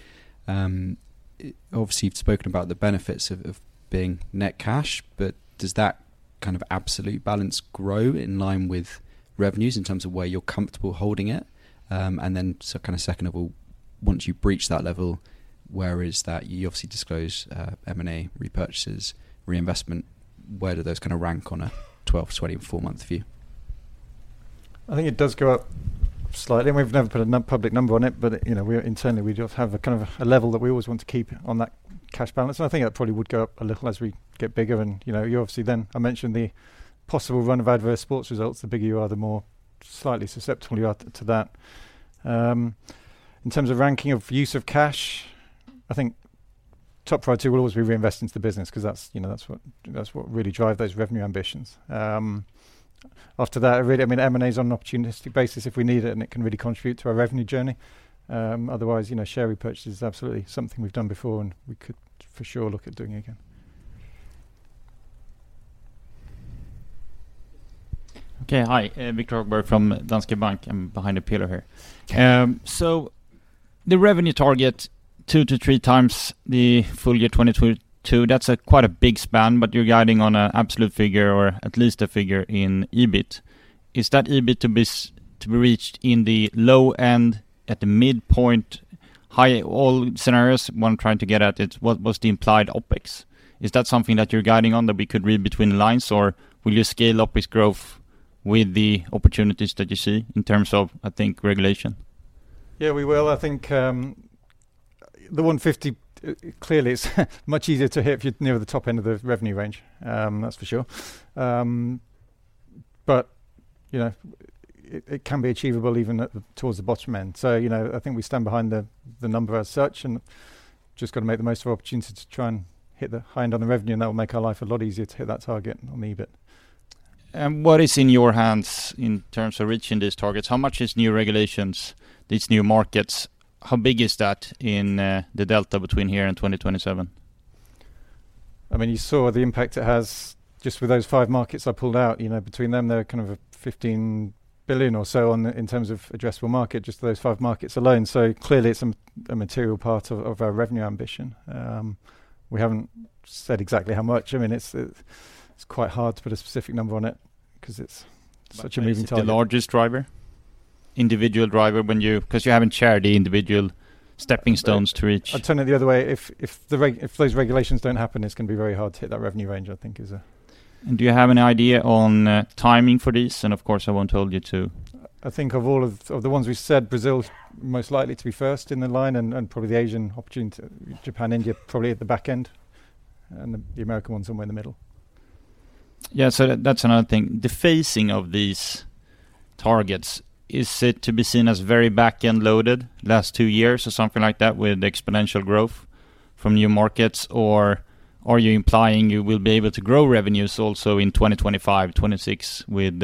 obviously you've spoken about the benefits of being net cash, but does that kind of absolute balance grow in line with revenues in terms of where you're comfortable holding it? Kind of second of all, once you breach that level, where is that? You obviously disclose M&A repurchases, reinvestment. Where do those kind of rank on a 12-24 month view? I think it does go up slightly, and we've never put a public number on it, but, you know, we internally, we just have a kind of a level that we always want to keep on that cash balance, and I think that probably would go up a little as we get bigger and, you know, you obviously then I mentioned the possible run of adverse sports results. The bigger you are, the more slightly susceptible you are to that. In terms of ranking of use of cash, I think top priority will always be reinvest into the business 'cause that's, you know, that's what really drive those revenue ambitions. After that, really, I mean, M&A is on an opportunistic basis if we need it and it can really contribute to our revenue journey. Otherwise, you know, share repurchase is absolutely something we've done before, and we could for sure look at doing again. Okay. Hi, Victor. What is in your hands in terms of reaching these targets? How much is new regulations, these new markets, how big is that in the delta between here and 2027? I mean, you saw the impact it has just with those five markets I pulled out, you know, between them, they're kind of $15 billion or so in terms of addressable market, just those five markets alone. Clearly it's a material part of our revenue ambition. We haven't said exactly how much. I mean, it's quite hard to put a specific number on it 'cause it's such an amazing target. maybe it's the largest driver, individual driver when 'cause you haven't shared the individual stepping stones to each. I'd turn it the other way. If those regulations don't happen, it's gonna be very hard to hit that revenue range, I think is, Do you have any idea on timing for this? Of course, I won't hold you to. I think of all of the ones we said, Brazil's most likely to be first in the line and probably the Asian opportunity, Japan, India, probably at the back end and the American one somewhere in the middle. Yeah. That's another thing. The phasing of these targets, is it to be seen as very back-end loaded, last two years or something like that with exponential growth from new markets? Are you implying you will be able to grow revenues also in 2025, 2026 with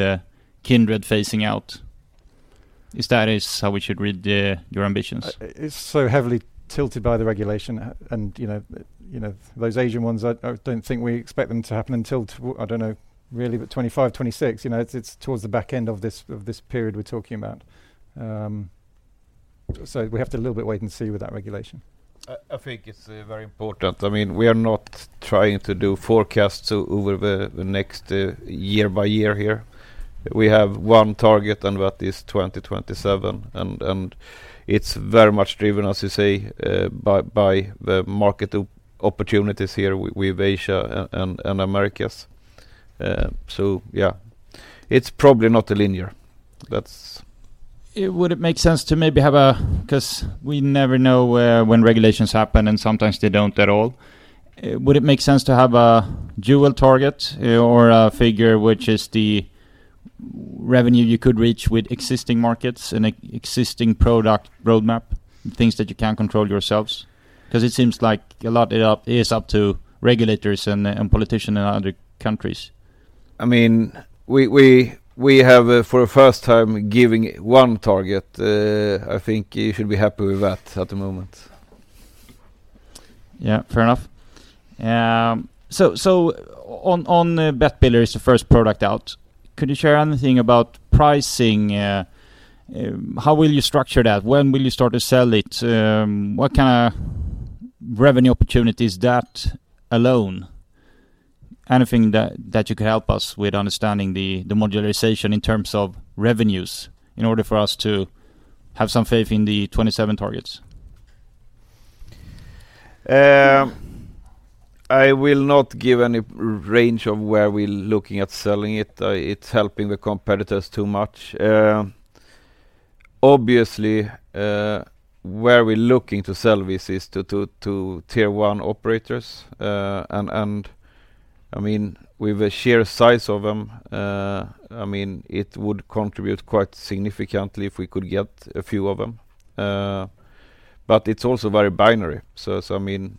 Kindred phasing out? Is that how we should read the, your ambitions? It's so heavily tilted by the regulation, you know, those Asian ones, I don't think we expect them to happen until I don't know really, but 2025, 2026. You know, it's towards the back end of this period we're talking about. We have to a little bit wait and see with that regulation. I think it's very important. I mean, we are not trying to do forecasts over the next year by year here. We have one target and that is 2027 and it's very much driven, as you say, by the market opportunities here with Asia and Americas. Yeah, it's probably not linear. That's... Would it make sense to maybe have 'cause we never know when regulations happen and sometimes they don't at all. Would it make sense to have a dual target or a figure, which is the revenue you could reach with existing markets and existing product roadmap, things that you can control yourselves? 'Cause it seems like a lot is up to regulators and politicians in other countries. I mean, we have for the first time giving one target. I think you should be happy with that at the moment. Yeah, fair enough. On Bet Builder is the first product out, could you share anything about pricing? How will you structure that? When will you start to sell it? What kinda revenue opportunities that alone? Anything that you could help us with understanding the modularization in terms of revenues in order for us to have some faith in the 2027 targets? I will not give any range of where we're looking at selling it. It's helping the competitors too much. Obviously, where we're looking to sell this is to tier 1 operators. I mean, with the sheer size of them, I mean, it would contribute quite significantly if we could get a few of them. It's also very binary. I mean,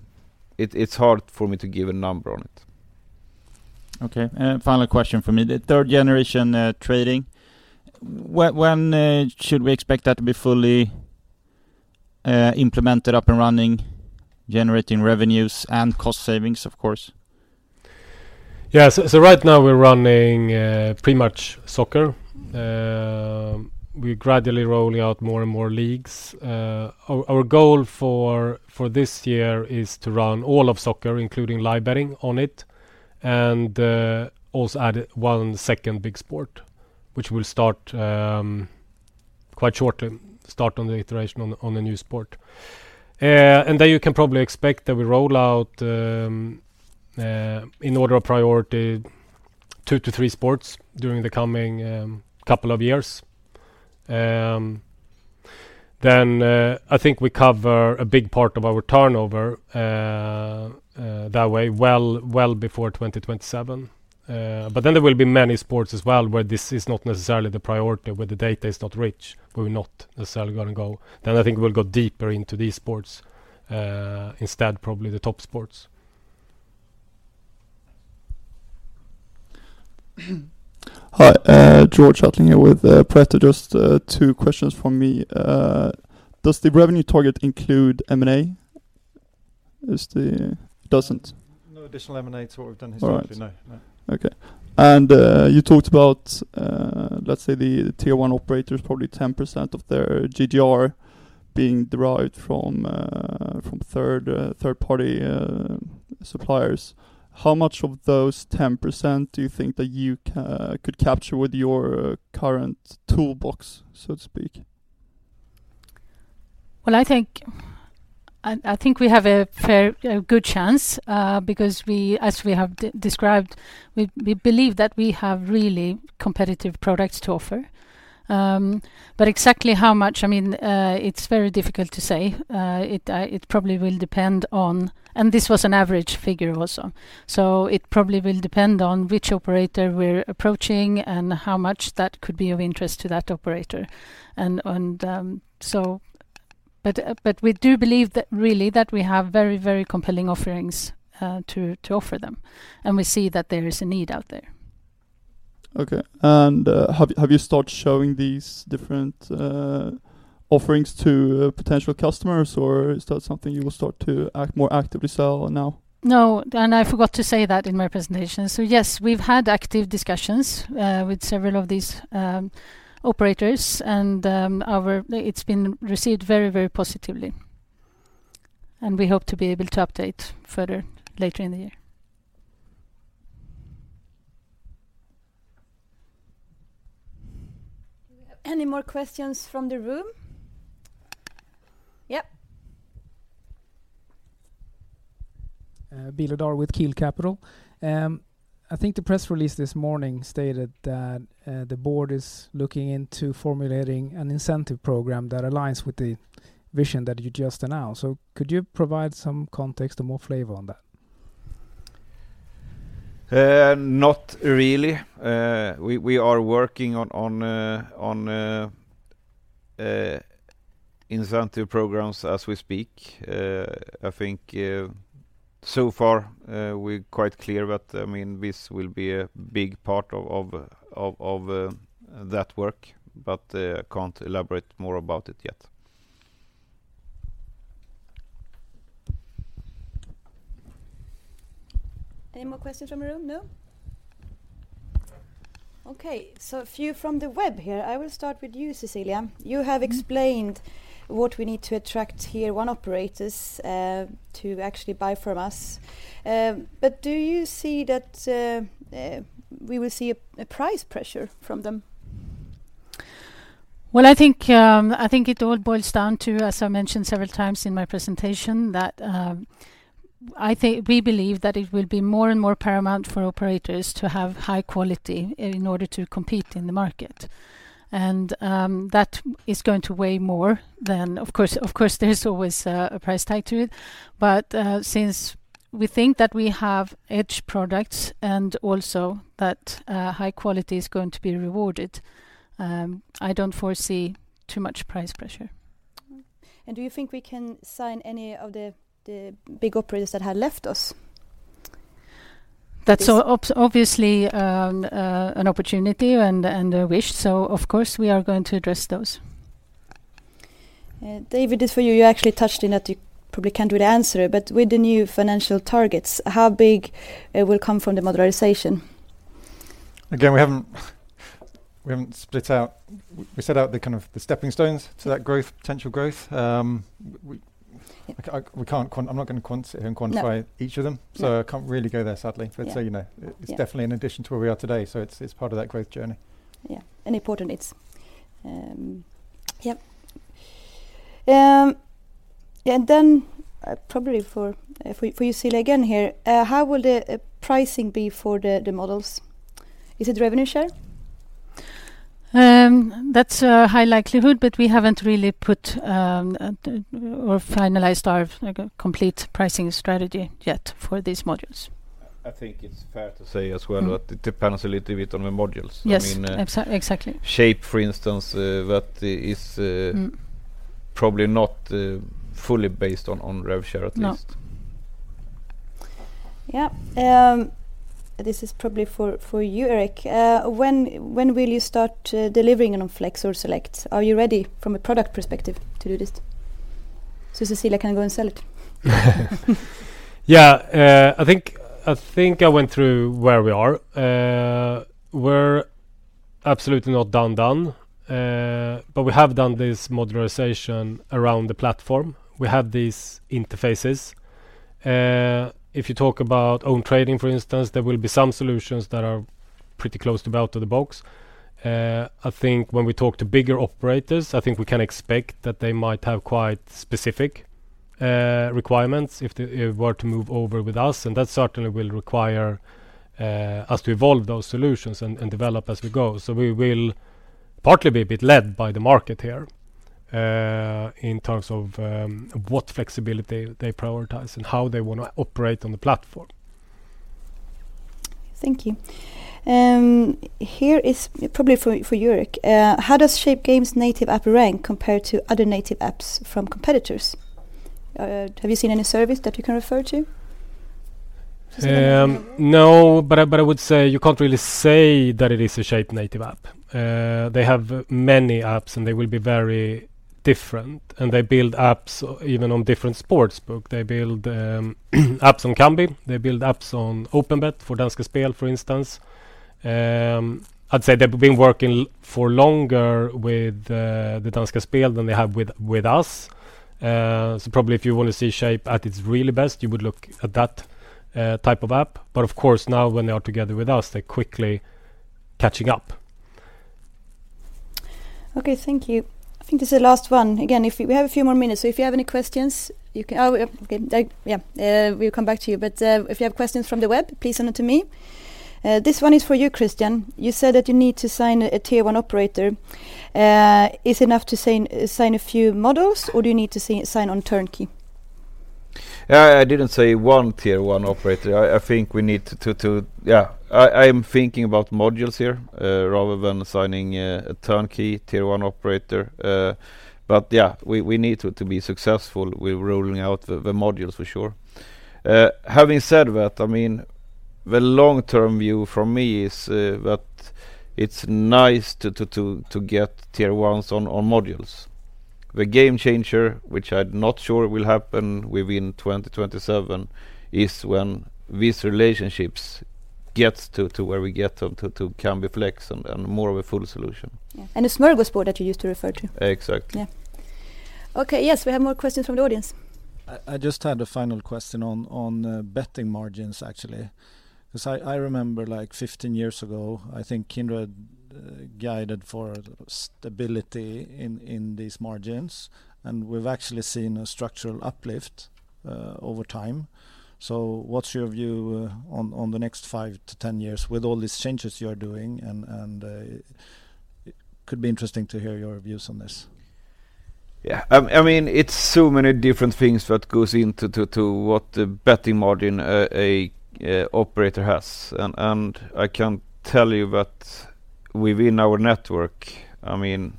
it's hard for me to give a number on it. Okay. Final question from me. The third-generation trading, when should we expect that to be fully implemented, up and running, generating revenues and cost savings, of course? Right now we're running pretty much soccer. We're gradually rolling out more and more leagues. Our goal for this year is to run all of soccer, including live betting on it, and also add one second big sport, which will start on the iteration on a new sport. You can probably expect that we roll out in order of priority 2-3 sports during the coming couple of years. I think we cover a big part of our turnover that way, well before 2027. There will be many sports as well where this is not necessarily the priority, where the data is not rich. We're not necessarily gonna go. I think we'll go deeper into these sports, instead, probably the top sports. Hi, Georg Attling with Pareto Securities. Just two questions from me. Does the revenue target include M&A? Is the-- Doesn't. No additional M&A sort we've done historically, no. All right. Okay. You talked about, let's say, the tier one operators, probably 10% of their GGR being derived from third-party suppliers. How much of those 10% do you think that you could capture with your current toolbox, so to speak? Well, I think we have a fair, a good chance, because we, as we have described, we believe that we have really competitive products to offer. Exactly how much, I mean, it's very difficult to say. It probably will depend on. This was an average figure also. It probably will depend on which operator we're approaching and how much that could be of interest to that operator. We do believe that really that we have very, very compelling offerings to offer them, and we see that there is a need out there. Okay. Have you start showing these different offerings to potential customers, or is that something you will start to act more actively sell now? No. I forgot to say that in my presentation. Yes, we've had active discussions with several of these operators and It's been received very, very positively. We hope to be able to update further later in the year. Any more questions from the room? Yep. Bill Odar with Kiel Capital. I think the press release this morning stated that the board is looking into formulating an incentive program that aligns with the vision that you just announced. Could you provide some context or more flavor on that? Not really. We are working on incentive programs as we speak. I think so far, we're quite clear that, I mean, this will be a big part of that work, but can't elaborate more about it yet. Any more questions from the room? No? Okay. A few from the web here. I will start with you, Cecilia. You have explained what we need to attract tier one operators, to actually buy from us. But do you see that, we will see a price pressure from them? Well, I think it all boils down to, as I mentioned several times in my presentation, that we believe that it will be more and more paramount for operators to have high quality in order to compete in the market. That is going to weigh more than, of course, there's always a price tag to it. Since we think that we have edge products and also that high quality is going to be rewarded, I don't foresee too much price pressure. Do you think we can sign any of the big operators that have left us? That's obviously an opportunity and a wish. Of course we are going to address those. David, this is for you. You actually touched on that you probably can't really answer it, but with the new financial targets, how big it will come from the modularization? we haven't split out. We set out the kind of the stepping stones. That growth, potential growth, I'm not gonna quantify each of them. I can't really go there, sadly. Yeah. You know, it's definitely an addition to where we are today, so it's part of that growth journey. Yeah. Important, it's. Yep. Yeah. Then, probably for you, Cecilia, again here. How will the pricing be for the models? Is it revenue share? That's a high likelihood, but we haven't really put or finalized our, like, complete pricing strategy yet for these modules. I think it's fair to say as well that it depends a little bit on the modules. Yes. Exactly. I mean, Shape, for instance, that is, probably not, fully based on rev share, at least. No. Yeah. This is probably for you, Erik. When will you start delivering on Flex or Select? Are you ready from a product perspective to do this? Cecilia can go and sell it. I think I went through where we are. We're absolutely not done. But we have done this modularization around the platform. We have these interfaces. If you talk about own trading, for instance, there will be some solutions that are pretty close to out of the box. I think when we talk to bigger operators, I think we can expect that they might have quite specific requirements if they were to move over with us, and that certainly will require us to evolve those solutions and develop as we go. We will partly be a bit led by the market here, in terms of what flexibility they prioritize and how they wanna operate on the platform. Thank you. Here is probably for you, Erik. How does Shape Games native app rank compare to other native apps from competitors? Have you seen any service that you can refer to? I would say you can't really say that it is a Shape native app. They have many apps, and they will be very different, and they build apps even on different sportsbook. They build apps on Kambi. They build apps on OpenBet for Danske Spil, for instance. I'd say they've been working for longer with the Danske Spil than they have with us. Probably if you wanna see Shape at its really best, you would look at that type of app. But of course, now when they are together with us, they're quickly catching up. Okay. Thank you. I think this is the last one. Again, if we have a few more minutes, so if you have any questions, you can... Oh, okay. Yeah. We'll come back to you. If you have questions from the web, please send them to me. This one is for you, Kristian. You said that you need to sign a tier one operator. Is it enough to sign a few models, or do you need to sign on turnkey? Yeah. I didn't say one tier one operator. I think we need to. Yeah. I'm thinking about modules here, rather than signing a turnkey tier one operator. Yeah. We need to be successful. We're ruling out the modules for sure. Having said that, I mean, the long-term view from me is, that it's nice to get tier ones on modules. The game changer, which I'm not sure will happen within 2027, is when these relationships gets to where we get to Kambi Flex and more of a full solution. Yeah. The smorgasbord that you used to refer to. Exactly. Yeah. Okay. Yes, we have more questions from the audience. I just had a final question on betting margins, actually. I remember, like, 15 years ago, I think Kindred guided for stability in these margins, and we've actually seen a structural uplift over time. What's your view on the next 5-10 years with all these changes you're doing? Could be interesting to hear your views on this. Yeah. I mean, it's so many different things that goes into what the betting margin operator has. I can tell you that within our network, I mean,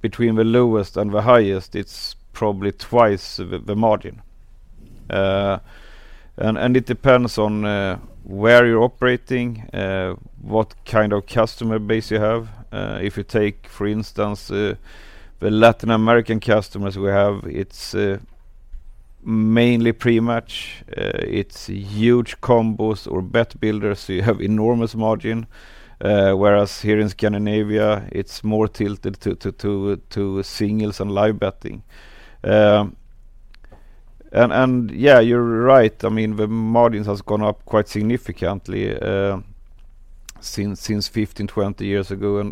between the lowest and the highest, it's probably twice the margin. It depends on where you're operating, what kind of customer base you have. If you take, for instance, the Latin American customers we have, it's mainly pre-match. It's huge combos or Bet Builders, you have enormous margin. Whereas here in Scandinavia, it's more tilted to singles and live betting. Yeah, you're right. I mean, the margins has gone up quite significantly since 15, 20 years ago.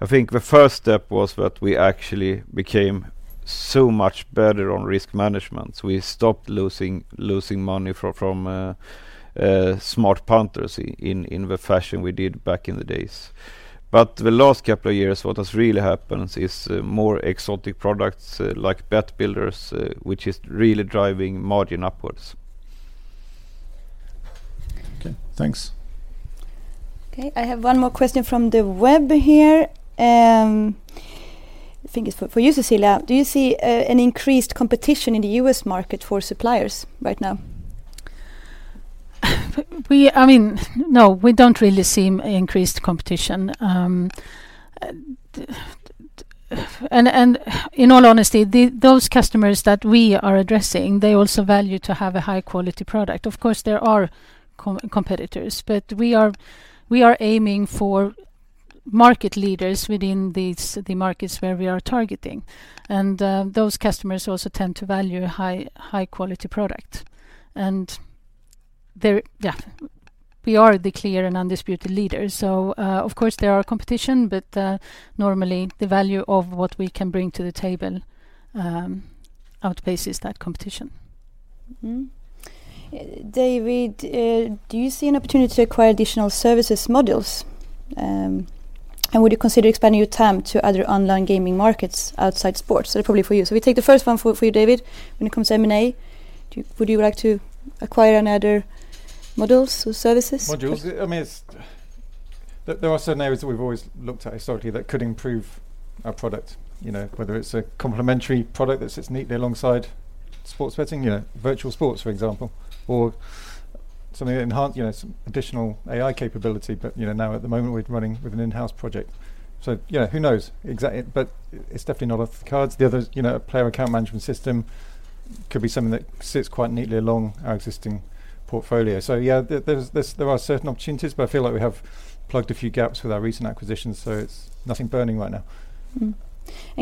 I think the first step was that we actually became so much better on risk management. We stopped losing money from smart punters in the fashion we did back in the days. The last couple of years, what has really happened is more exotic products, like Bet Builder, which is really driving margin upwards. Okay. Thanks. Okay. I have one more question from the web here. I think it's for you, Cecilia. Do you see an increased competition in the U.S. market for suppliers right now? I mean, no, we don't really see increased competition. In all honesty, those customers that we are addressing, they also value to have a high-quality product. Of course, there are competitors, but we are aiming for market leaders within these, the markets where we are targeting. Those customers also tend to value a high-quality product. Yeah. We are the clear and undisputed leader. Of course there are competition, but normally the value of what we can bring to the table outpaces that competition. David, do you see an opportunity to acquire additional services modules? Would you consider expanding your TAM to other online gaming markets outside sports? Probably for you. We take the first one for you, David. When it comes to M&A, would you like to acquire any other modules or services? Modules. I mean, there are certain areas that we've always looked at historically that could improve our product, you know, whether it's a complementary product that sits neatly alongside sports betting, you know, virtual sports, for example, or something that enhance, you know, some additional AI capability. You know, now at the moment, we're running with an in-house project. You know, who knows. It's definitely not off the cards. The other, you know, player account management system could be something that sits quite neatly along our existing portfolio. Yeah, there are certain opportunities, but I feel like we have plugged a few gaps with our recent acquisitions, so it's nothing burning right now. Mm-hmm.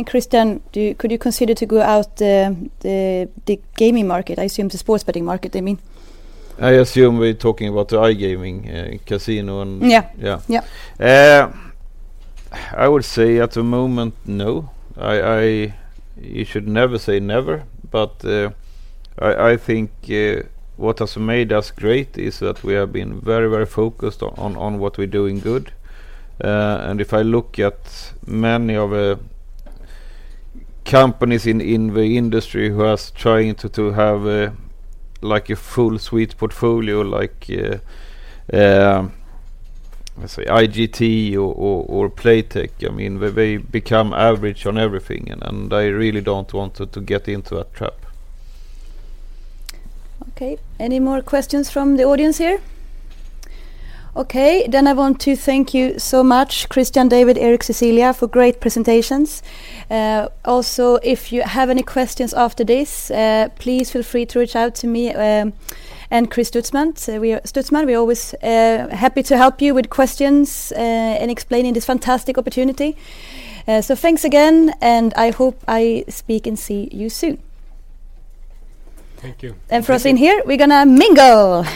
Kristian, could you consider to go out the, the gaming market? I assume the sports betting market, I mean. I assume we're talking about the iGaming, casino. Yeah. Yeah. Yeah. I would say at the moment, no. I You should never say never, but I think what has made us great is that we have been very focused on what we're doing good. If I look at many of companies in the industry who has trying to have a, like, a full suite portfolio, like, let's say, IGT or Playtech, I mean, they become average on everything and I really don't want to get into that trap. Okay. Any more questions from the audience here? Okay. I want to thank you so much, Kristian, David, Erik, Cecilia, for great presentations. If you have any questions after this, please feel free to reach out to me and Chris Stutzman. Stutzman, we're always happy to help you with questions and explaining this fantastic opportunity. Thanks again, and I hope I speak and see you soon. Thank you. For us in here, we're gonna mingle.